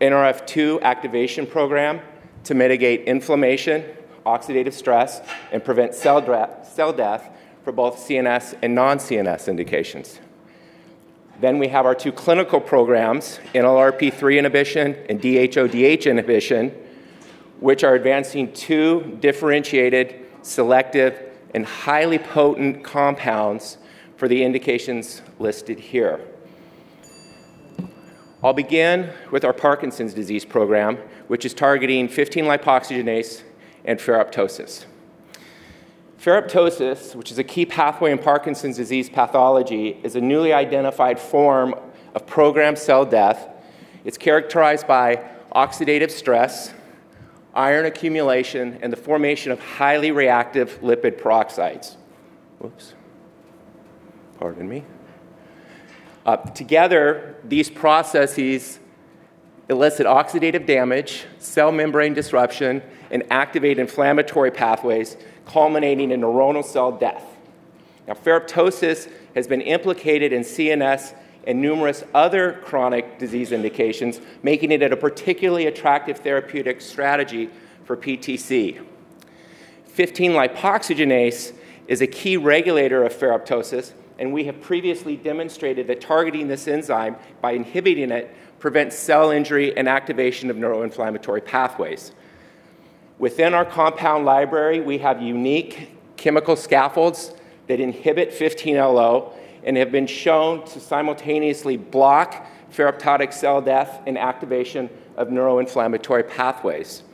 NRF2 activation program to mitigate inflammation, oxidative stress, and prevent cell death for both CNS and non-CNS indications. We have our two clinical programs, NLRP3 inhibition and DHODH inhibition, which are advancing two differentiated, selective, and highly potent compounds for the indications listed here. I'll begin with our Parkinson's disease program, which is targeting 15-lipoxygenase and ferroptosis. Ferroptosis, which is a key pathway in Parkinson's disease pathology, is a newly identified form of programmed cell death. It's characterized by oxidative stress, iron accumulation, and the formation of highly reactive lipid peroxides. Pardon me. Together, these processes elicit oxidative damage, cell membrane disruption, and activate inflammatory pathways, culminating in neuronal cell death. Now, ferroptosis has been implicated in CNS and numerous other chronic disease indications, making it a particularly attractive therapeutic strategy for PTC. 15-lipoxygenase is a key regulator of ferroptosis, and we have previously demonstrated that targeting this enzyme by inhibiting it prevents cell injury and activation of neuroinflammatory pathways. Within our compound library, we have unique chemical scaffolds that inhibit 15-LO and have been shown to simultaneously block ferroptotic cell death and activation of neuroinflammatory pathways.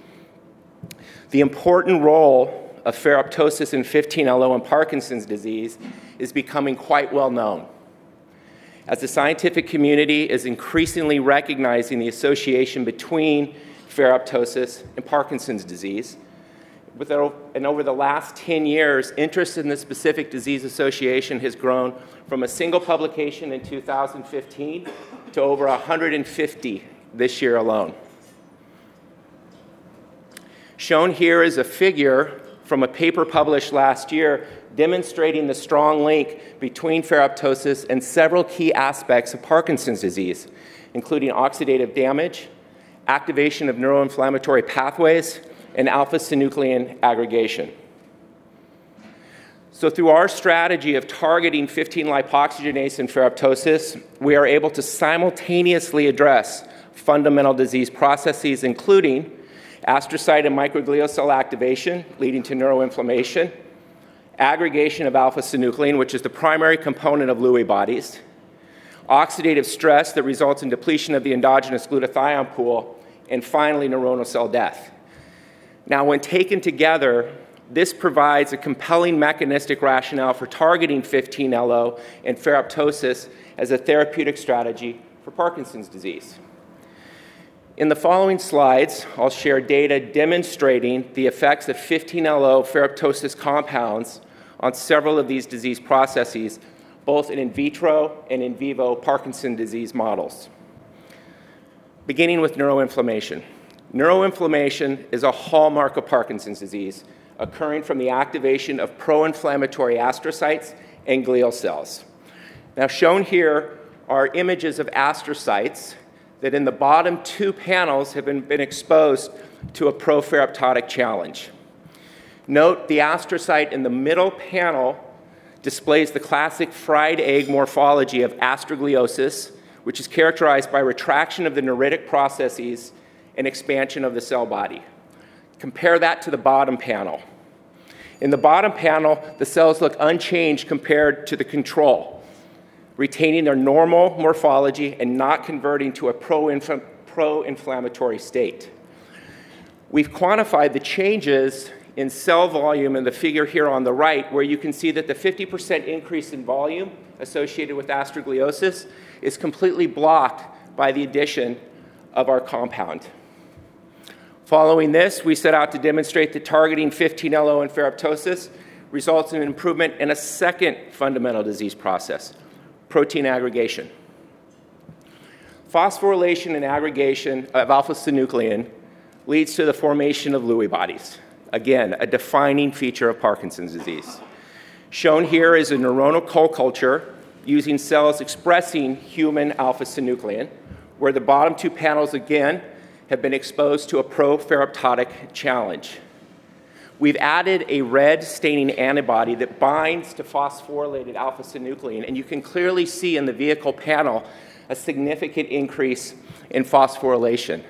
The important role of ferroptosis in 15-LO and Parkinson's disease is becoming quite well-known. As the scientific community is increasingly recognizing the association between ferroptosis and Parkinson's disease, and over the last 10 years, interest in the specific disease association has grown from a single publication in 2015 to over 150 this year alone. Shown here is a figure from a paper published last year demonstrating the strong link between ferroptosis and several key aspects of Parkinson's disease, including oxidative damage, activation of neuroinflammatory pathways, and alpha-synuclein aggregation. Through our strategy of targeting 15-lipoxygenase and ferroptosis, we are able to simultaneously address fundamental disease processes, including astrocyte and microglia cell activation leading to neuroinflammation, aggregation of alpha-synuclein, which is the primary component of Lewy bodies, oxidative stress that results in depletion of the endogenous glutathione pool, and finally, neuronal cell death. Now, when taken together, this provides a compelling mechanistic rationale for targeting 15-LO and ferroptosis as a therapeutic strategy for Parkinson's disease. In the following slides, I'll share data demonstrating the effects of 15-LO ferroptosis compounds on several of these disease processes, both in in vitro and in vivo Parkinson's disease models. Beginning with neuroinflammation. Neuroinflammation is a hallmark of Parkinson's disease occurring from the activation of pro-inflammatory astrocytes and glial cells. Now, shown here are images of astrocytes that in the bottom two panels have been exposed to a pro-ferroptotic challenge. Note the astrocyte in the middle panel displays the classic fried egg morphology of astrogliosis, which is characterized by retraction of the neuritic processes and expansion of the cell body. Compare that to the bottom panel. In the bottom panel, the cells look unchanged compared to the control, retaining their normal morphology and not converting to a pro-inflammatory state. We've quantified the changes in cell volume in the figure here on the right, where you can see that the 50% increase in volume associated with astrogliosis is completely blocked by the addition of our compound. Following this, we set out to demonstrate that targeting 15-LO and ferroptosis results in an improvement in a second fundamental disease process, protein aggregation. Phosphorylation and aggregation of alpha-synuclein leads to the formation of Lewy bodies, again, a defining feature of Parkinson's disease. Shown here is a neuronal culture using cells expressing human alpha-synuclein, where the bottom two panels again have been exposed to a pro-ferroptotic challenge. We've added a red staining antibody that binds to phosphorylated alpha-synuclein, and you can clearly see in the vehicle panel a significant increase in phosphorylation.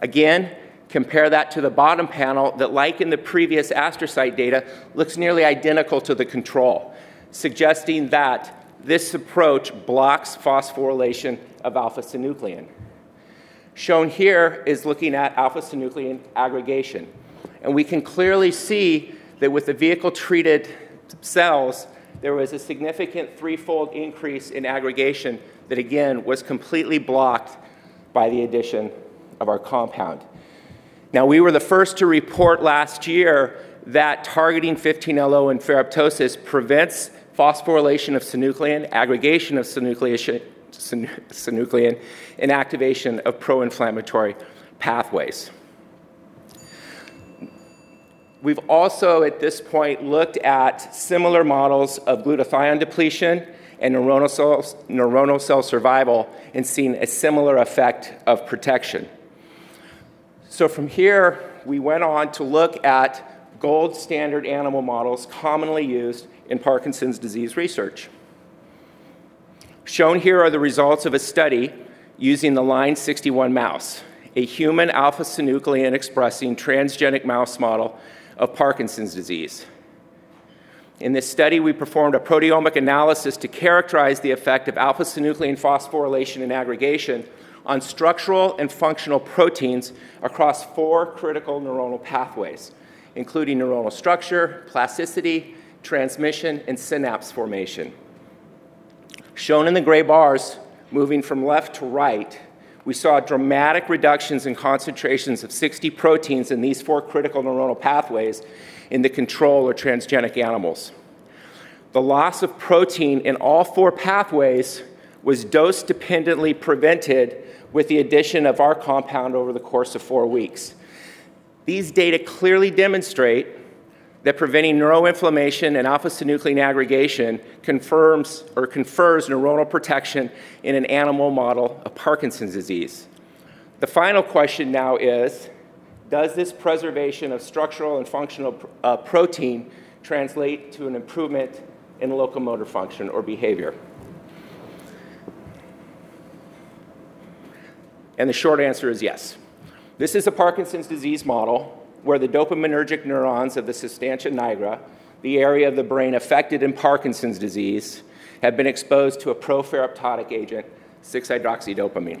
Again, compare that to the bottom panel that, like in the previous astrocyte data, looks nearly identical to the control, suggesting that this approach blocks phosphorylation of alpha-synuclein. Shown here is looking at alpha-synuclein aggregation. You can clearly see that with the vehicle-treated cells, there was a significant threefold increase in aggregation that, again, was completely blocked by the addition of our compound. Now, we were the first to report last year that targeting 15-LO and ferroptosis prevents phosphorylation of synuclein, aggregation of synuclein, and activation of pro-inflammatory pathways. We've also, at this point, looked at similar models of glutathione depletion and neuronal cell survival and seen a similar effect of protection. From here, we went on to look at gold standard animal models commonly used in Parkinson's disease research. Shown here are the results of a study using the Line 61 mouse, a human alpha-synuclein expressing transgenic mouse model of Parkinson's disease. In this study, we performed a proteomic analysis to characterize the effect of alpha-synuclein phosphorylation and aggregation on structural and functional proteins across four critical neuronal pathways, including neuronal structure, plasticity, transmission, and synapse formation. Shown in the gray bars, moving from left to right, we saw dramatic reductions in concentrations of 60 proteins in these four critical neuronal pathways in the control or transgenic animals. The loss of protein in all four pathways was dose-dependently prevented with the addition of our compound over the course of four weeks. These data clearly demonstrate that preventing neuroinflammation and alpha-synuclein aggregation confers neuronal protection in an animal model of Parkinson's disease. The final question now is, does this preservation of structural and functional protein translate to an improvement in locomotor function or behavior? The short answer is yes. This is a Parkinson's disease model where the dopaminergic neurons of the substantia nigra, the area of the brain affected in Parkinson's disease, have been exposed to a pro-ferroptotic agent, 6-hydroxydopamine.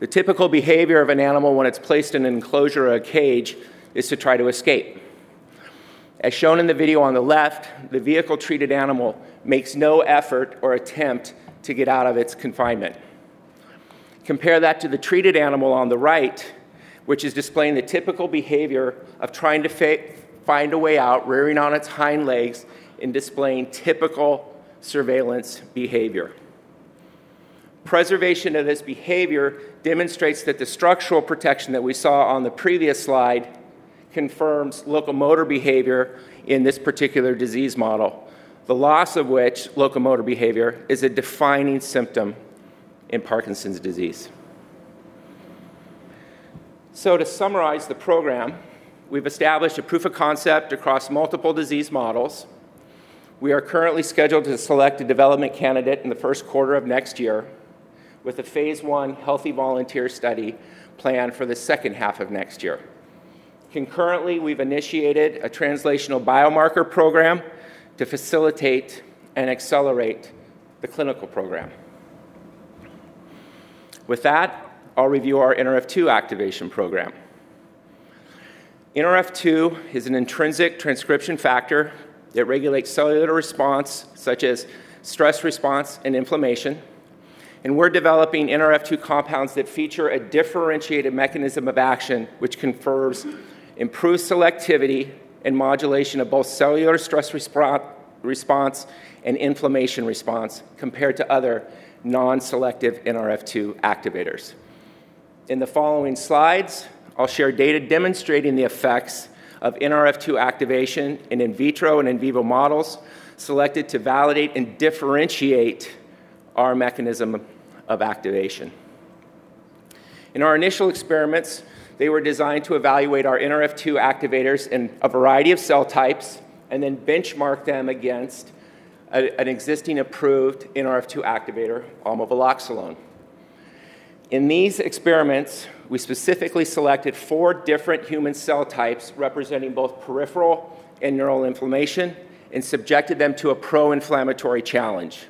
The typical behavior of an animal when it's placed in an enclosure or a cage is to try to escape. As shown in the video on the left, the vehicle-treated animal makes no effort or attempt to get out of its confinement. Compare that to the treated animal on the right, which is displaying the typical behavior of trying to find a way out, rearing on its hind legs and displaying typical surveillance behavior. Preservation of this behavior demonstrates that the structural protection that we saw on the previous slide confirms locomotor behavior in this particular disease model, the loss of which locomotor behavior is a defining symptom in Parkinson's disease. To summarize the program, we've established a proof of concept across multiple disease models. We are currently scheduled to select a development candidate in the first quarter of next year with a Phase I healthy volunteer study planned for the second half of next year. Concurrently, we've initiated a translational biomarker program to facilitate and accelerate the clinical program. With that, I'll review our NRF2 activation program. NRF2 is an intrinsic transcription factor that regulates cellular response such as stress response and inflammation. We are developing NRF2 compounds that feature a differentiated mechanism of action, which confers improved selectivity and modulation of both cellular stress response and inflammation response compared to other non-selective NRF2 activators. In the following slides, I will share data demonstrating the effects of NRF2 activation in in vitro and in vivo models selected to validate and differentiate our mechanism of activation. In our initial experiments, they were designed to evaluate our NRF2 activators in a variety of cell types and then benchmark them against an existing approved NRF2 activator, Omaveloxolone. In these experiments, we specifically selected four different human cell types representing both peripheral and neural inflammation and subjected them to a pro-inflammatory challenge.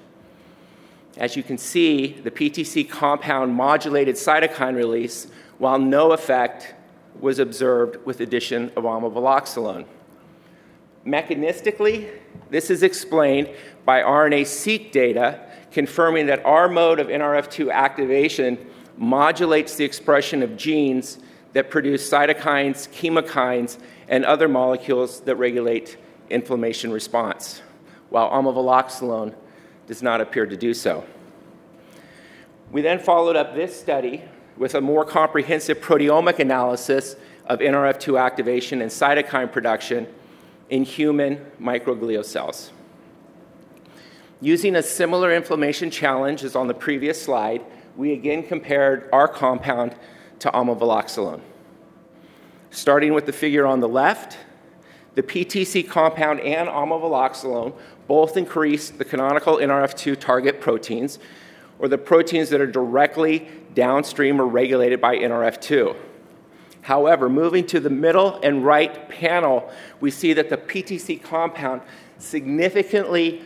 As you can see, the PTC compound modulated cytokine release while no effect was observed with the addition of Omaveloxolone. Mechanistically, this is explained by RNA-seq data confirming that our mode of NRF2 activation modulates the expression of genes that produce cytokines, chemokines, and other molecules that regulate inflammation response, while Omaveloxolone does not appear to do so. We then followed up this study with a more comprehensive proteomic analysis of NRF2 activation and cytokine production in human microglia cells. Using a similar inflammation challenge as on the previous slide, we again compared our compound to Omaveloxolone. Starting with the figure on the left, the PTC compound and Omaveloxolone both increased the canonical NRF2 target proteins or the proteins that are directly downstream or regulated by NRF2. However, moving to the middle and right panel, we see that the PTC compound significantly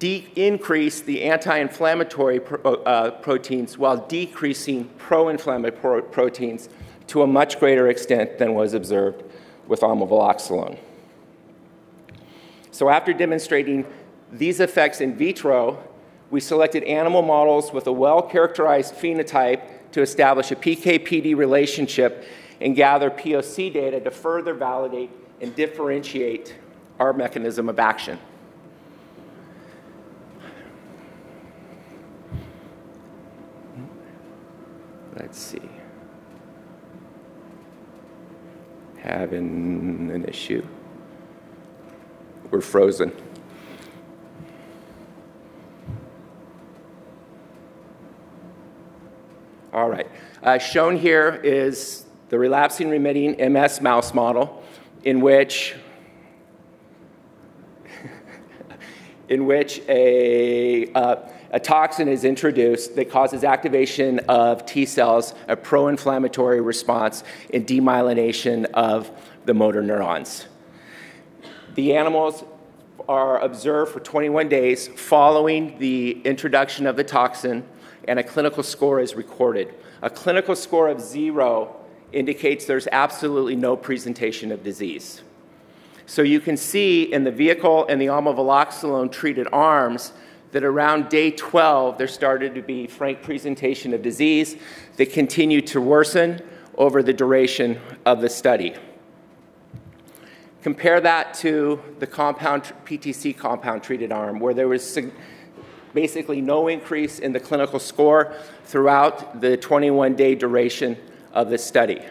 increased the anti-inflammatory proteins while decreasing pro-inflammatory proteins to a much greater extent than was observed with Omaveloxolone. After demonstrating these effects in vitro, we selected animal models with a well-characterized phenotype to establish a PK/PD relationship and gather POC data to further validate and differentiate our mechanism of action. Let's see. Having an issue. We're frozen. All right. Shown here is the relapsing-remitting MS mouse model in which a toxin is introduced that causes activation of T cells, a pro-inflammatory response, and demyelination of the motor neurons. The animals are observed for 21 days following the introduction of the toxin, and a clinical score is recorded. A clinical score of 0 indicates there's absolutely no presentation of disease. You can see in the vehicle and the Omaveloxolone-treated arms that around day 12, there started to be frank presentation of disease that continued to worsen over the duration of the study. Compare that to the PTC compound-treated arm, where there was basically no increase in the clinical score throughout the 21-day duration of the study.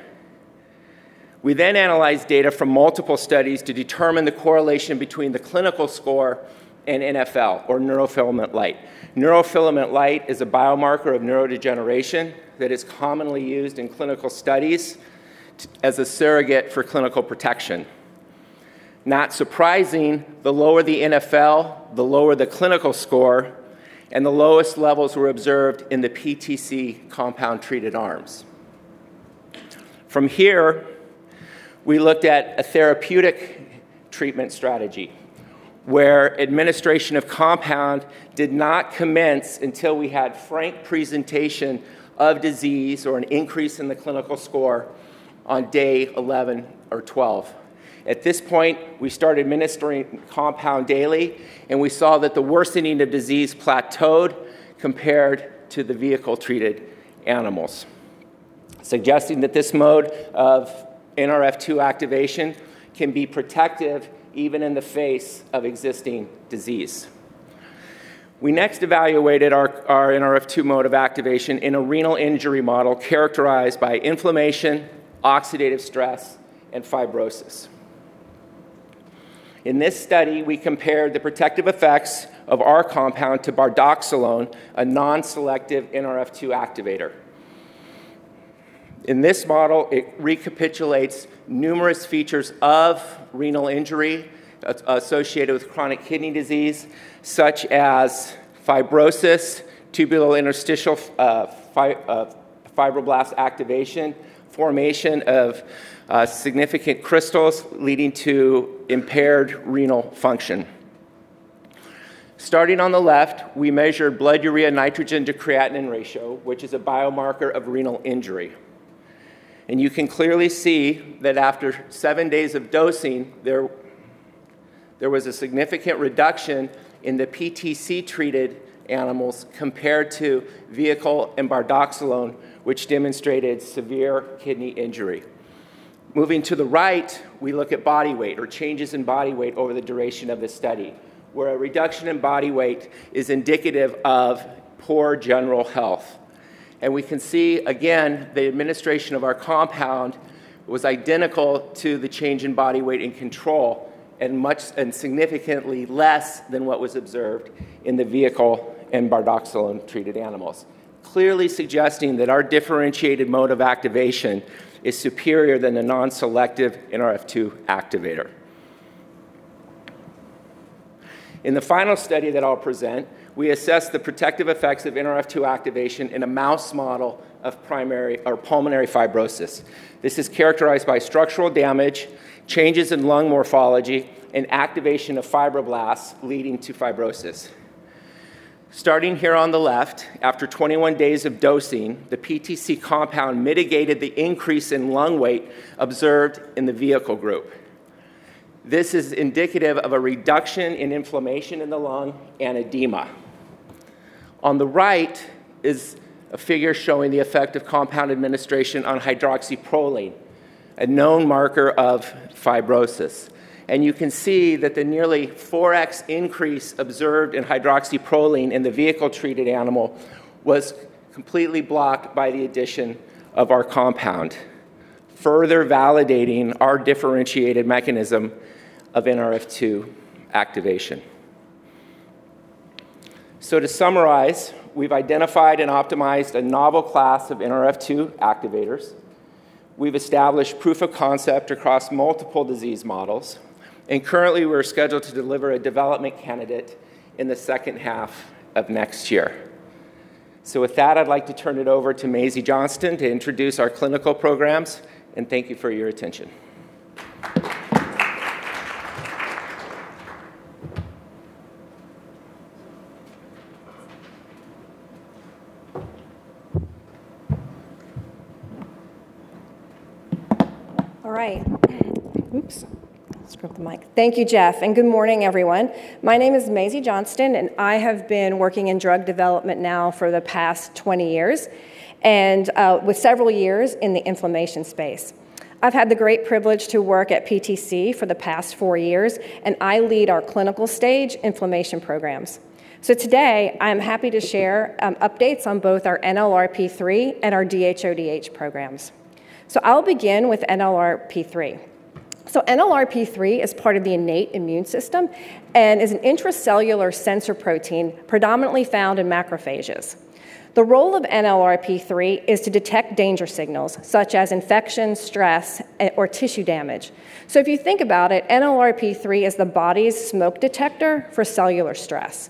We then analyzed data from multiple studies to determine the correlation between the clinical score and NFL, or neurofilament light. Neurofilament light is a biomarker of neurodegeneration that is commonly used in clinical studies as a surrogate for clinical protection. Not surprising, the lower the NFL, the lower the clinical score, and the lowest levels were observed in the PTC compound-treated arms. From here, we looked at a therapeutic treatment strategy where administration of compound did not commence until we had frank presentation of disease or an increase in the clinical score on day 11 or 12. At this point, we started administering compound daily, and we saw that the worsening of disease plateaued compared to the vehicle-treated animals, suggesting that this mode of NRF2 activation can be protective even in the face of existing disease. We next evaluated our NRF2 mode of activation in a renal injury model characterized by inflammation, oxidative stress, and fibrosis. In this study, we compared the protective effects of our compound to Bardoxolone, a non-selective NRF2 activator. In this model, it recapitulates numerous features of renal injury associated with chronic kidney disease, such as fibrosis, tubulointerstitial fibroblast activation, formation of significant crystals leading to impaired renal function. Starting on the left, we measured blood urea nitrogen to creatinine ratio, which is a biomarker of renal injury. You can clearly see that after seven days of dosing, there was a significant reduction in the PTC-treated animals compared to vehicle and Bardoxolone, which demonstrated severe kidney injury. Moving to the right, we look at body weight or changes in body weight over the duration of the study, where a reduction in body weight is indicative of poor general health. We can see, again, the administration of our compound was identical to the change in body weight in control and significantly less than what was observed in the vehicle and Bardoxolone-treated animals, clearly suggesting that our differentiated mode of activation is superior than the non-selective NRF2 activator. In the final study that I'll present, we assessed the protective effects of NRF2 activation in a mouse model of pulmonary fibrosis. This is characterized by structural damage, changes in lung morphology, and activation of fibroblasts leading to fibrosis. Starting here on the left, after 21 days of dosing, the PTC compound mitigated the increase in lung weight observed in the vehicle group. This is indicative of a reduction in inflammation in the lung and edema. On the right is a figure showing the effect of compound administration on hydroxyproline, a known marker of fibrosis. You can see that the nearly 4x increase observed in hydroxyproline in the vehicle-treated animal was completely blocked by the addition of our compound, further validating our differentiated mechanism of NRF2 activation. To summarize, we've identified and optimized a novel class of NRF2 activators. We've established proof of concept across multiple disease models. Currently, we're scheduled to deliver a development candidate in the second half of next year. With that, I'd like to turn it over to Mayzie Johnston to introduce our clinical programs. Thank you for your attention. All right. Oops. I'll scrub the mic. Thank you, Jeff. And good morning, everyone. My name is Mayzie Johnston, and I have been working in drug development now for the past 20 years and with several years in the inflammation space. I've had the great privilege to work at PTC for the past four years, and I lead our clinical stage inflammation programs. Today, I'm happy to share updates on both our NLRP3 and our DHODH programs. I'll begin with NLRP3. NLRP3 is part of the innate immune system and is an intracellular sensor protein predominantly found in macrophages. The role of NLRP3 is to detect danger signals such as infection, stress, or tissue damage. If you think about it, NLRP3 is the body's smoke detector for cellular stress.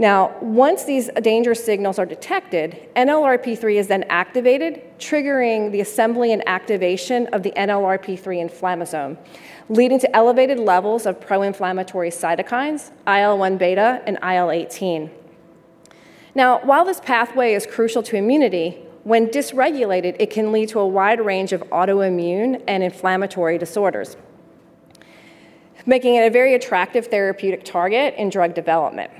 Now, once these danger signals are detected, NLRP3 is then activated, triggering the assembly and activation of the NLRP3 inflammasome, leading to elevated levels of pro-inflammatory cytokines, IL-1 beta and IL-18. Now, while this pathway is crucial to immunity, when dysregulated, it can lead to a wide range of autoimmune and inflammatory disorders, making it a very attractive therapeutic target in drug development.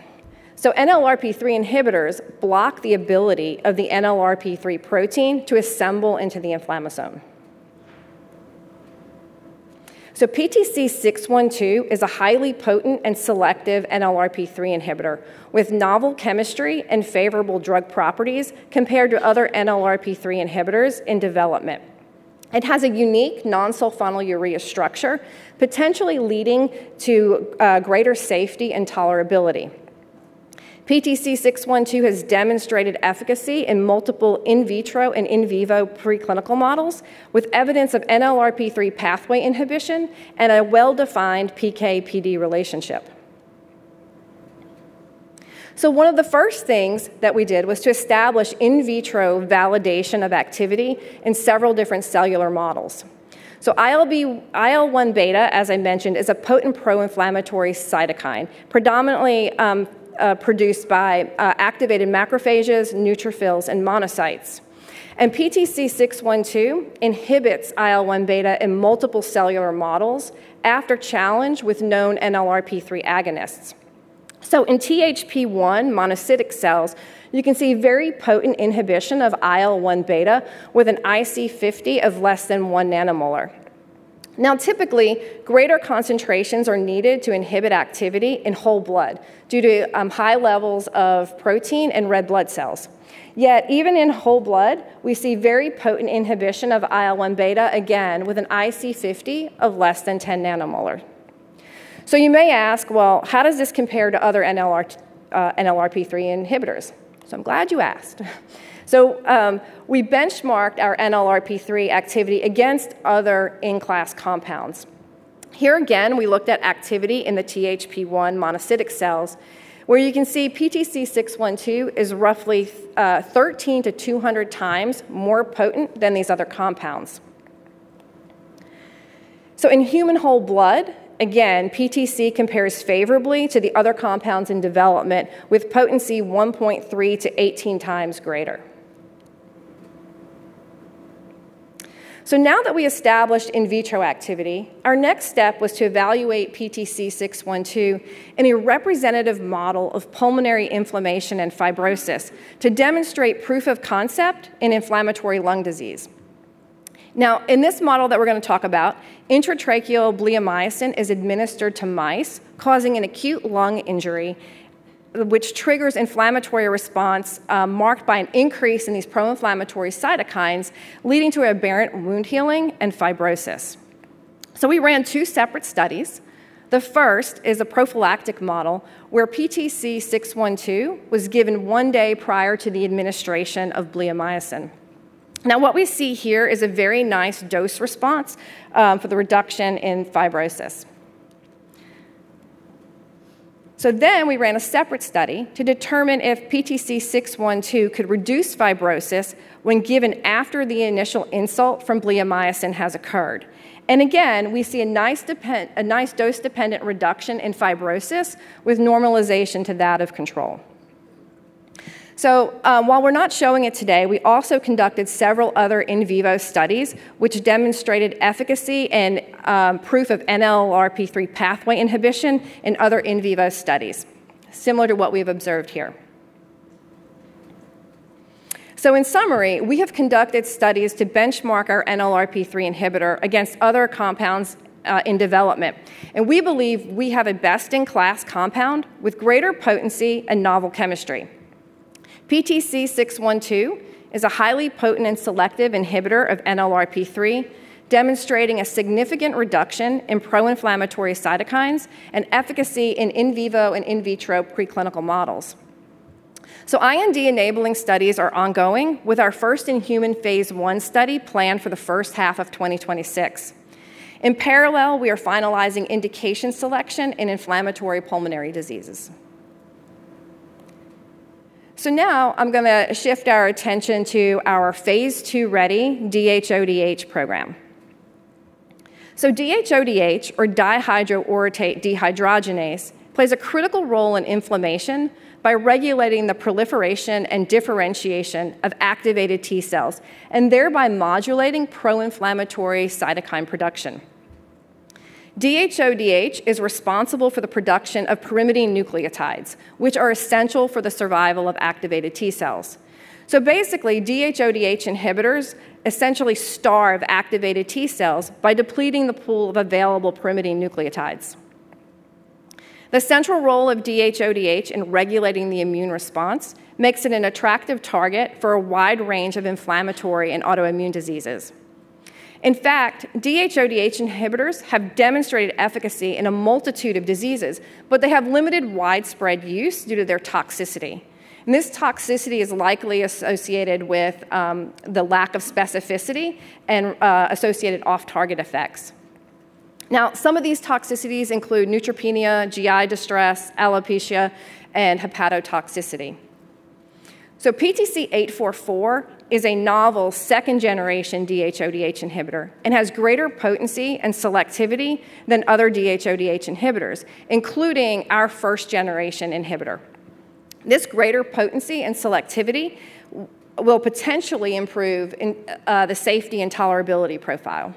NLRP3 inhibitors block the ability of the NLRP3 protein to assemble into the inflammasome. PTC612 is a highly potent and selective NLRP3 inhibitor with novel chemistry and favorable drug properties compared to other NLRP3 inhibitors in development. It has a unique non-sulfonylurea structure, potentially leading to greater safety and tolerability. PTC612 has demonstrated efficacy in multiple in vitro and in vivo preclinical models with evidence of NLRP3 pathway inhibition and a well-defined PK/PD relationship. One of the first things that we did was to establish in vitro validation of activity in several different cellular models. IL-1 beta, as I mentioned, is a potent pro-inflammatory cytokine, predominantly produced by activated macrophages, neutrophils, and monocytes. PTC612 inhibits IL-1 beta in multiple cellular models after challenge with known NLRP3 agonists. In THP-1 monocytic cells, you can see very potent inhibition of IL-1 beta with an IC50 of less than 1 nanomolar. Typically, greater concentrations are needed to inhibit activity in whole blood due to high levels of protein and red blood cells. Yet, even in whole blood, we see very potent inhibition of IL-1 beta, again, with an IC50 of less than 10 nanomolar. You may ask, "Well, how does this compare to other NLRP3 inhibitors?" I'm glad you asked. We benchmarked our NLRP3 activity against other in-class compounds. Here, again, we looked at activity in the THP-1 monocytic cells, where you can see PTC612 is roughly 13-200 times more potent than these other compounds. In human whole blood, again, PTC compares favorably to the other compounds in development with potency 1.3-18 times greater. Now that we established in vitro activity, our next step was to evaluate PTC612 in a representative model of pulmonary inflammation and fibrosis to demonstrate proof of concept in inflammatory lung disease. In this model that we're going to talk about, intratracheal bleomyosin is administered to mice, causing an acute lung injury, which triggers inflammatory response marked by an increase in these pro-inflammatory cytokines, leading to aberrant wound healing and fibrosis. We ran two separate studies. The first is a prophylactic model where PTC612 was given one day prior to the administration of bleomycin. Now, what we see here is a very nice dose response for the reduction in fibrosis. We ran a separate study to determine if PTC612 could reduce fibrosis when given after the initial insult from bleomycin has occurred. Again, we see a nice dose-dependent reduction in fibrosis with normalization to that of control. While we're not showing it today, we also conducted several other in vivo studies, which demonstrated efficacy and proof of NLRP3 pathway inhibition in other in vivo studies, similar to what we've observed here. In summary, we have conducted studies to benchmark our NLRP3 inhibitor against other compounds in development. We believe we have a best-in-class compound with greater potency and novel chemistry. PTC612 is a highly potent and selective inhibitor of NLRP3, demonstrating a significant reduction in pro-inflammatory cytokines and efficacy in in vivo and in vitro preclinical models. IND-enabling studies are ongoing with our first in-human Phase I study planned for the first half of 2026. In parallel, we are finalizing indication selection in inflammatory pulmonary diseases. I am going to shift our attention to our Phase II-ready DHODH program. DHODH, or dihydroorotate dehydrogenase, plays a critical role in inflammation by regulating the proliferation and differentiation of activated T cells and thereby modulating pro-inflammatory cytokine production. DHODH is responsible for the production of pyrimidine nucleotides, which are essential for the survival of activated T cells. Basically, DHODH inhibitors essentially starve activated T cells by depleting the pool of available pyrimidine nucleotides. The central role of DHODH in regulating the immune response makes it an attractive target for a wide range of inflammatory and autoimmune diseases. In fact, DHODH inhibitors have demonstrated efficacy in a multitude of diseases, but they have limited widespread use due to their toxicity. This toxicity is likely associated with the lack of specificity and associated off-target effects. Some of these toxicities include neutropenia, GI distress, alopecia, and hepatotoxicity. PTC844 is a novel second-generation DHODH inhibitor and has greater potency and selectivity than other DHODH inhibitors, including our first-generation inhibitor. This greater potency and selectivity will potentially improve the safety and tolerability profile.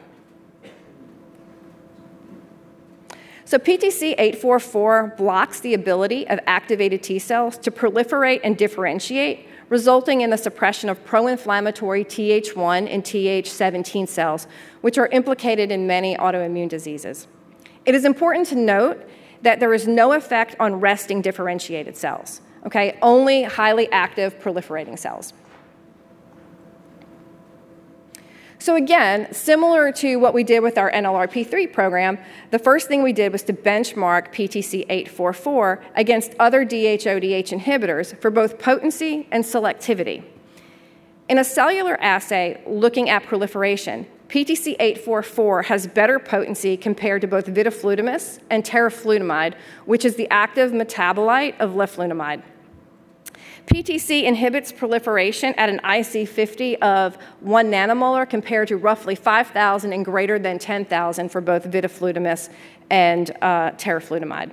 PTC844 blocks the ability of activated T cells to proliferate and differentiate, resulting in the suppression of pro-inflammatory TH1 and TH17 cells, which are implicated in many autoimmune diseases. It is important to note that there is no effect on resting differentiated cells, okay, only highly active proliferating cells. Again, similar to what we did with our NLRP3 program, the first thing we did was to benchmark PTC844 against other DHODH inhibitors for both potency and selectivity. In a cellular assay looking at proliferation, PTC844 has better potency compared to both vidofludimus and teriflunomide, which is the active metabolite of leflunomide. PTC inhibits proliferation at an IC50 of 1 nanomolar compared to roughly 5,000 and greater than 10,000 for both vidofludimus and teriflunomide.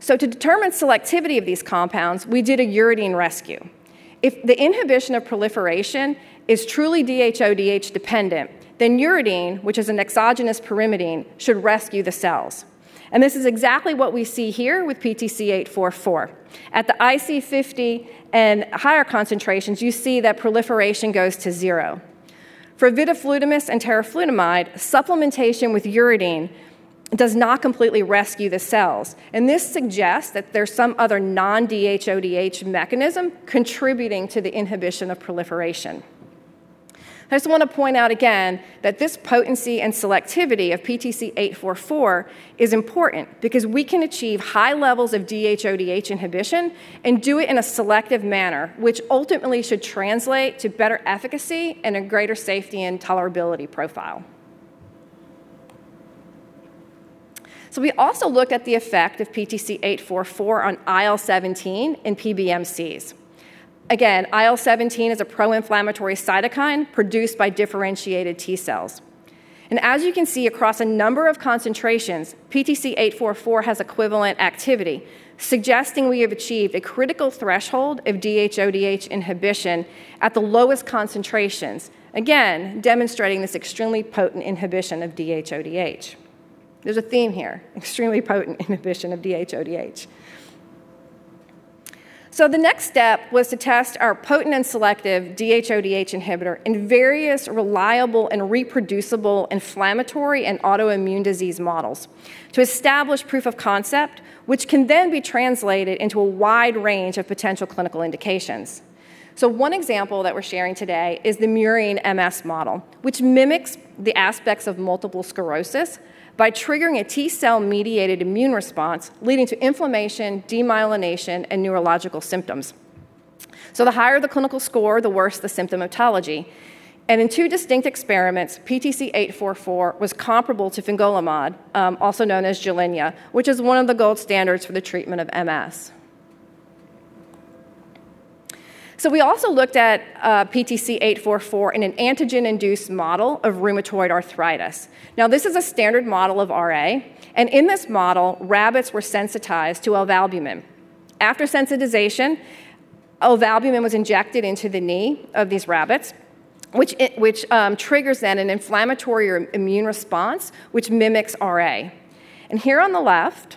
To determine selectivity of these compounds, we did a uridine rescue. If the inhibition of proliferation is truly DHODH dependent, then uridine, which is an exogenous pyrimidine, should rescue the cells. This is exactly what we see here with PTC844. At the IC50 and higher concentrations, you see that proliferation goes to zero. For vidofludimus and teriflunomide, supplementation with uridine does not completely rescue the cells. This suggests that there's some other non-DHODH mechanism contributing to the inhibition of proliferation. I just want to point out again that this potency and selectivity of PTC 844 is important because we can achieve high levels of DHODH inhibition and do it in a selective manner, which ultimately should translate to better efficacy and a greater safety and tolerability profile. We also looked at the effect of PTC 844 on IL-17 in PBMCs. IL-17 is a pro-inflammatory cytokine produced by differentiated T cells. As you can see across a number of concentrations, PTC 844 has equivalent activity, suggesting we have achieved a critical threshold of DHODH inhibition at the lowest concentrations, again, demonstrating this extremely potent inhibition of DHODH. There's a theme here, extremely potent inhibition of DHODH. The next step was to test our potent and selective DHODH inhibitor in various reliable and reproducible inflammatory and autoimmune disease models to establish proof of concept, which can then be translated into a wide range of potential clinical indications. One example that we're sharing today is the murine MS model, which mimics the aspects of multiple sclerosis by triggering a T cell-mediated immune response, leading to inflammation, demyelination, and neurological symptoms. The higher the clinical score, the worse the symptomatology. In two distinct experiments, PTC844 was comparable to fingolimod, also known as Gilenya, which is one of the gold standards for the treatment of MS. We also looked at PTC844 in an antigen-induced model of rheumatoid arthritis. This is a standard model of RA. In this model, rabbits were sensitized to ovalbumin. After sensitization, ovalbumin was injected into the knee of these rabbits, which triggers an inflammatory or immune response which mimics RA. Here on the left,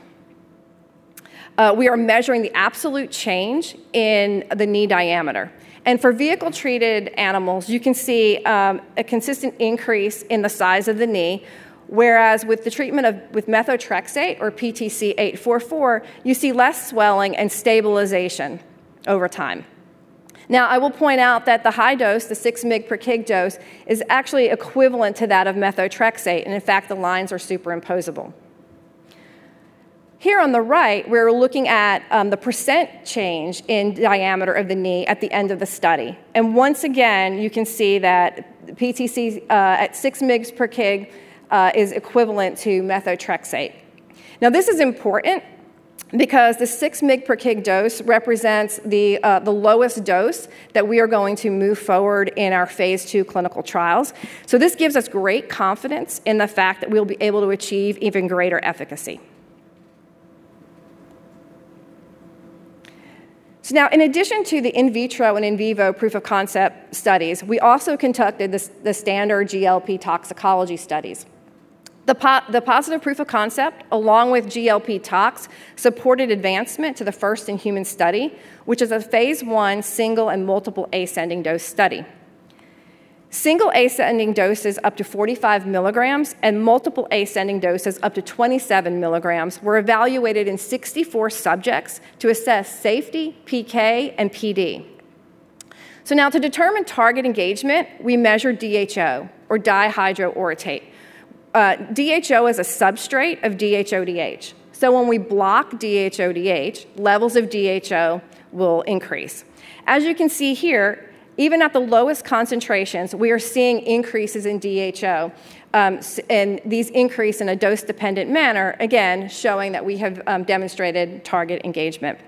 we are measuring the absolute change in the knee diameter. For vehicle-treated animals, you can see a consistent increase in the size of the knee, whereas with the treatment of methotrexate or PTC844, you see less swelling and stabilization over time. I will point out that the high dose, the 6 mg per kg dose, is actually equivalent to that of methotrexate. In fact, the lines are superimposable. Here on the right, we're looking at the % change in diameter of the knee at the end of the study. Once again, you can see that PTC at 6 mg per kg is equivalent to methotrexate. Now, this is important because the 6 mg per kg dose represents the lowest dose that we are going to move forward in our Phase II clinical trials. This gives us great confidence in the fact that we'll be able to achieve even greater efficacy. In addition to the in vitro and in vivo proof of concept studies, we also conducted the standard GLP toxicology studies. The positive proof of concept, along with GLP tox, supported advancement to the first in-human study, which is a Phase I single and multiple ascending dose study. Single ascending doses up to 45 mg and multiple ascending doses up to 27 mg were evaluated in 64 subjects to assess safety, PK, and PD. To determine target engagement, we measured DHO, or dihydroorotate. DHO is a substrate of DHODH. When we block DHODH, levels of DHO will increase. As you can see here, even at the lowest concentrations, we are seeing increases in DHO, and these increase in a dose-dependent manner, again, showing that we have demonstrated target engagement.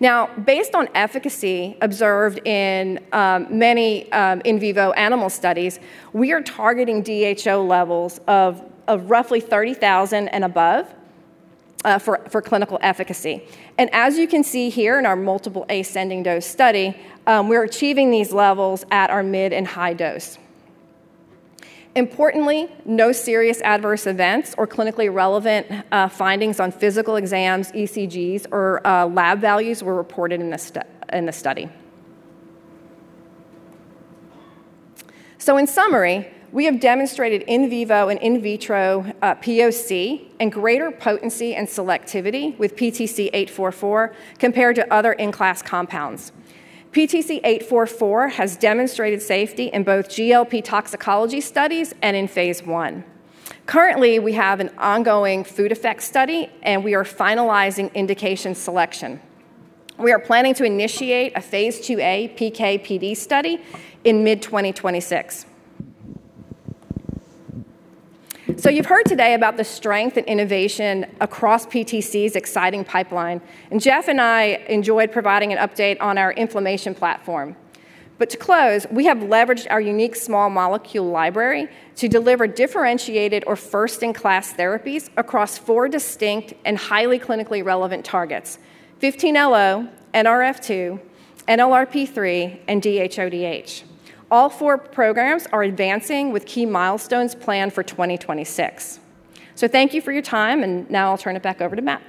Now, based on efficacy observed in many in vivo animal studies, we are targeting DHO levels of roughly 30,000 and above for clinical efficacy. As you can see here in our multiple ascending dose study, we're achieving these levels at our mid and high dose. Importantly, no serious adverse events or clinically relevant findings on physical exams, ECGs, or lab values were reported in the study. In summary, we have demonstrated in vivo and in vitro POC and greater potency and selectivity with PTC 844 compared to other in-class compounds. PTC 844 has demonstrated safety in both GLP toxicology studies and in Phase I. Currently, we have an ongoing food effect study, and we are finalizing indication selection. We are planning to initiate a Phase IIa PK/PD study in mid-2026. You have heard today about the strength and innovation across PTC's exciting pipeline. Jeff and I enjoyed providing an update on our inflammation platform. To close, we have leveraged our unique small molecule library to deliver differentiated or first-in-class therapies across four distinct and highly clinically relevant targets: 15-LO, NRF2, NLRP3, and DHODH. All four programs are advancing with key milestones planned for 2026. Thank you for your time. I will turn it back over to Matt.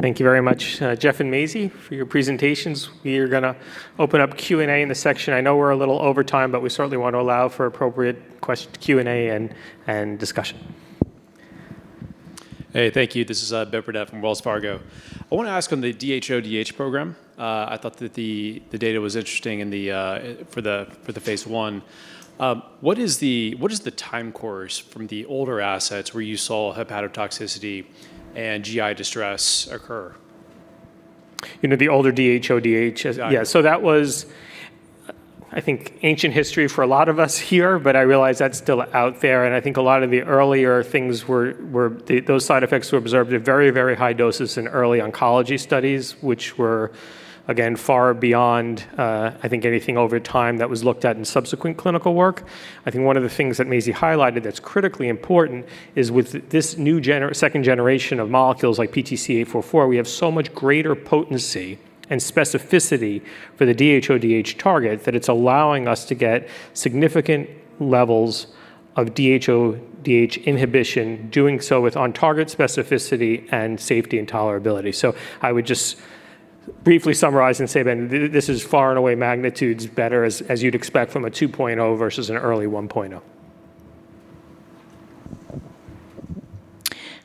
Thank you very much, Jeff and Mayzie, for your presentations. We are going to open up Q&A in the section. I know we are a little over time, but we certainly want to allow for appropriate Q&A and discussion. Hey, thank you. This is Vipul Bhatia from Wells Fargo. I want to ask on the DHODH program. I thought that the data was interesting for the Phase I. What is the time course from the older assets where you saw hepatotoxicity and GI distress occur? You know, the older DHODH, yeah, so that was, I think, ancient history for a lot of us here, but I realize that's still out there. I think a lot of the earlier things were those side effects were observed at very, very high doses in early oncology studies, which were, again, far beyond, I think, anything over time that was looked at in subsequent clinical work. I think one of the things that Mayzie highlighted that's critically important is with this new second generation of molecules like PTC844, we have so much greater potency and specificity for the DHODH target that it's allowing us to get significant levels of DHODH inhibition, doing so with on-target specificity and safety and tolerability. I would just briefly summarize and say, this is far and away magnitudes better, as you'd expect from a 2.0 versus an early 1.0.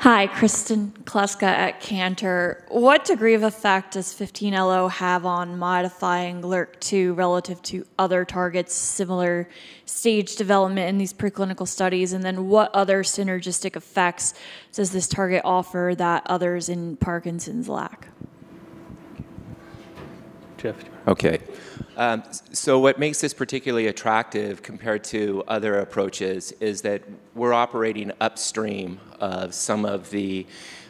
Hi, Kristen Kluska at Cantor. What degree of effect does 15-LO have on modifying LRRK2 relative to other targets, similar stage development in these preclinical studies? What other synergistic effects does this target offer that others in Parkinson's lack? Okay. What makes this particularly attractive compared to other approaches is that we're operating upstream of some of the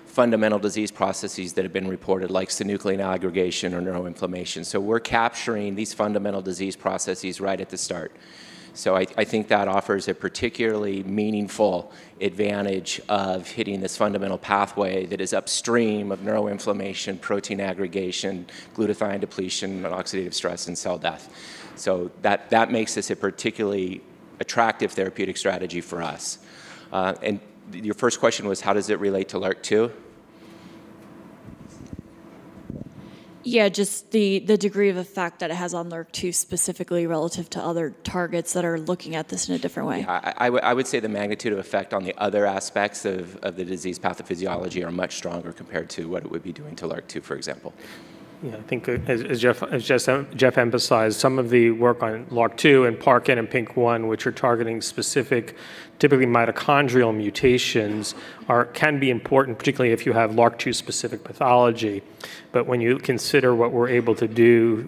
fundamental disease processes that have been reported, like synuclein aggregation or neuroinflammation. We're capturing these fundamental disease processes right at the start. I think that offers a particularly meaningful advantage of hitting this fundamental pathway that is upstream of neuroinflammation, protein aggregation, glutathione depletion, oxidative stress, and cell death. That makes this a particularly attractive therapeutic strategy for us. Your first question was, how does it relate to LRRK2? Yeah, just the degree of effect that it has on LRRK2 specifically relative to other targets that are looking at this in a different way. Yeah, I would say the magnitude of effect on the other aspects of the disease pathophysiology are much stronger compared to what it would be doing to LRRK2, for example. Yeah, I think, as Jeff emphasized, some of the work on LRRK2 and Parkin and PINK1, which are targeting specific, typically mitochondrial mutations, can be important, particularly if you have LRRK2-specific pathology. When you consider what we're able to do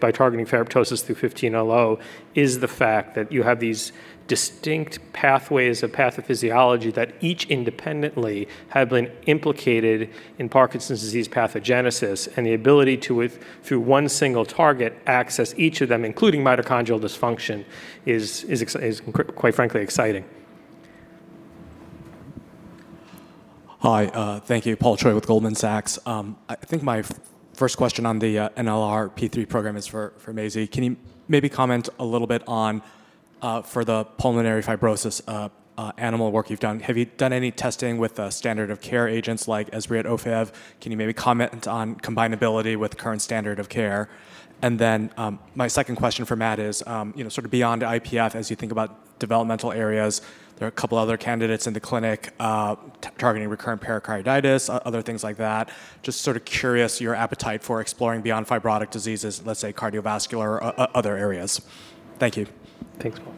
by targeting ferroptosis through 15-LO, is the fact that you have these distinct pathways of pathophysiology that each independently have been implicated in Parkinson's disease pathogenesis. The ability to, through one single target, access each of them, including mitochondrial dysfunction, is quite frankly exciting. Hi, thank you. Paul Choi with Goldman Sachs. I think my first question on the NLRP3 program is for Mayzie. Can you maybe comment a little bit on, for the pulmonary fibrosis animal work you've done, have you done any testing with standard of care agents like Esbriet or Ofev? Can you maybe comment on combinability with current standard of care? My second question for Matt is, sort of beyond IPF, as you think about developmental areas, there are a couple of other candidates in the clinic targeting recurrent pericarditis, other things like that. Just sort of curious your appetite for exploring beyond fibrotic diseases, let's say cardiovascular or other areas. Thank you. Thanks, Paul.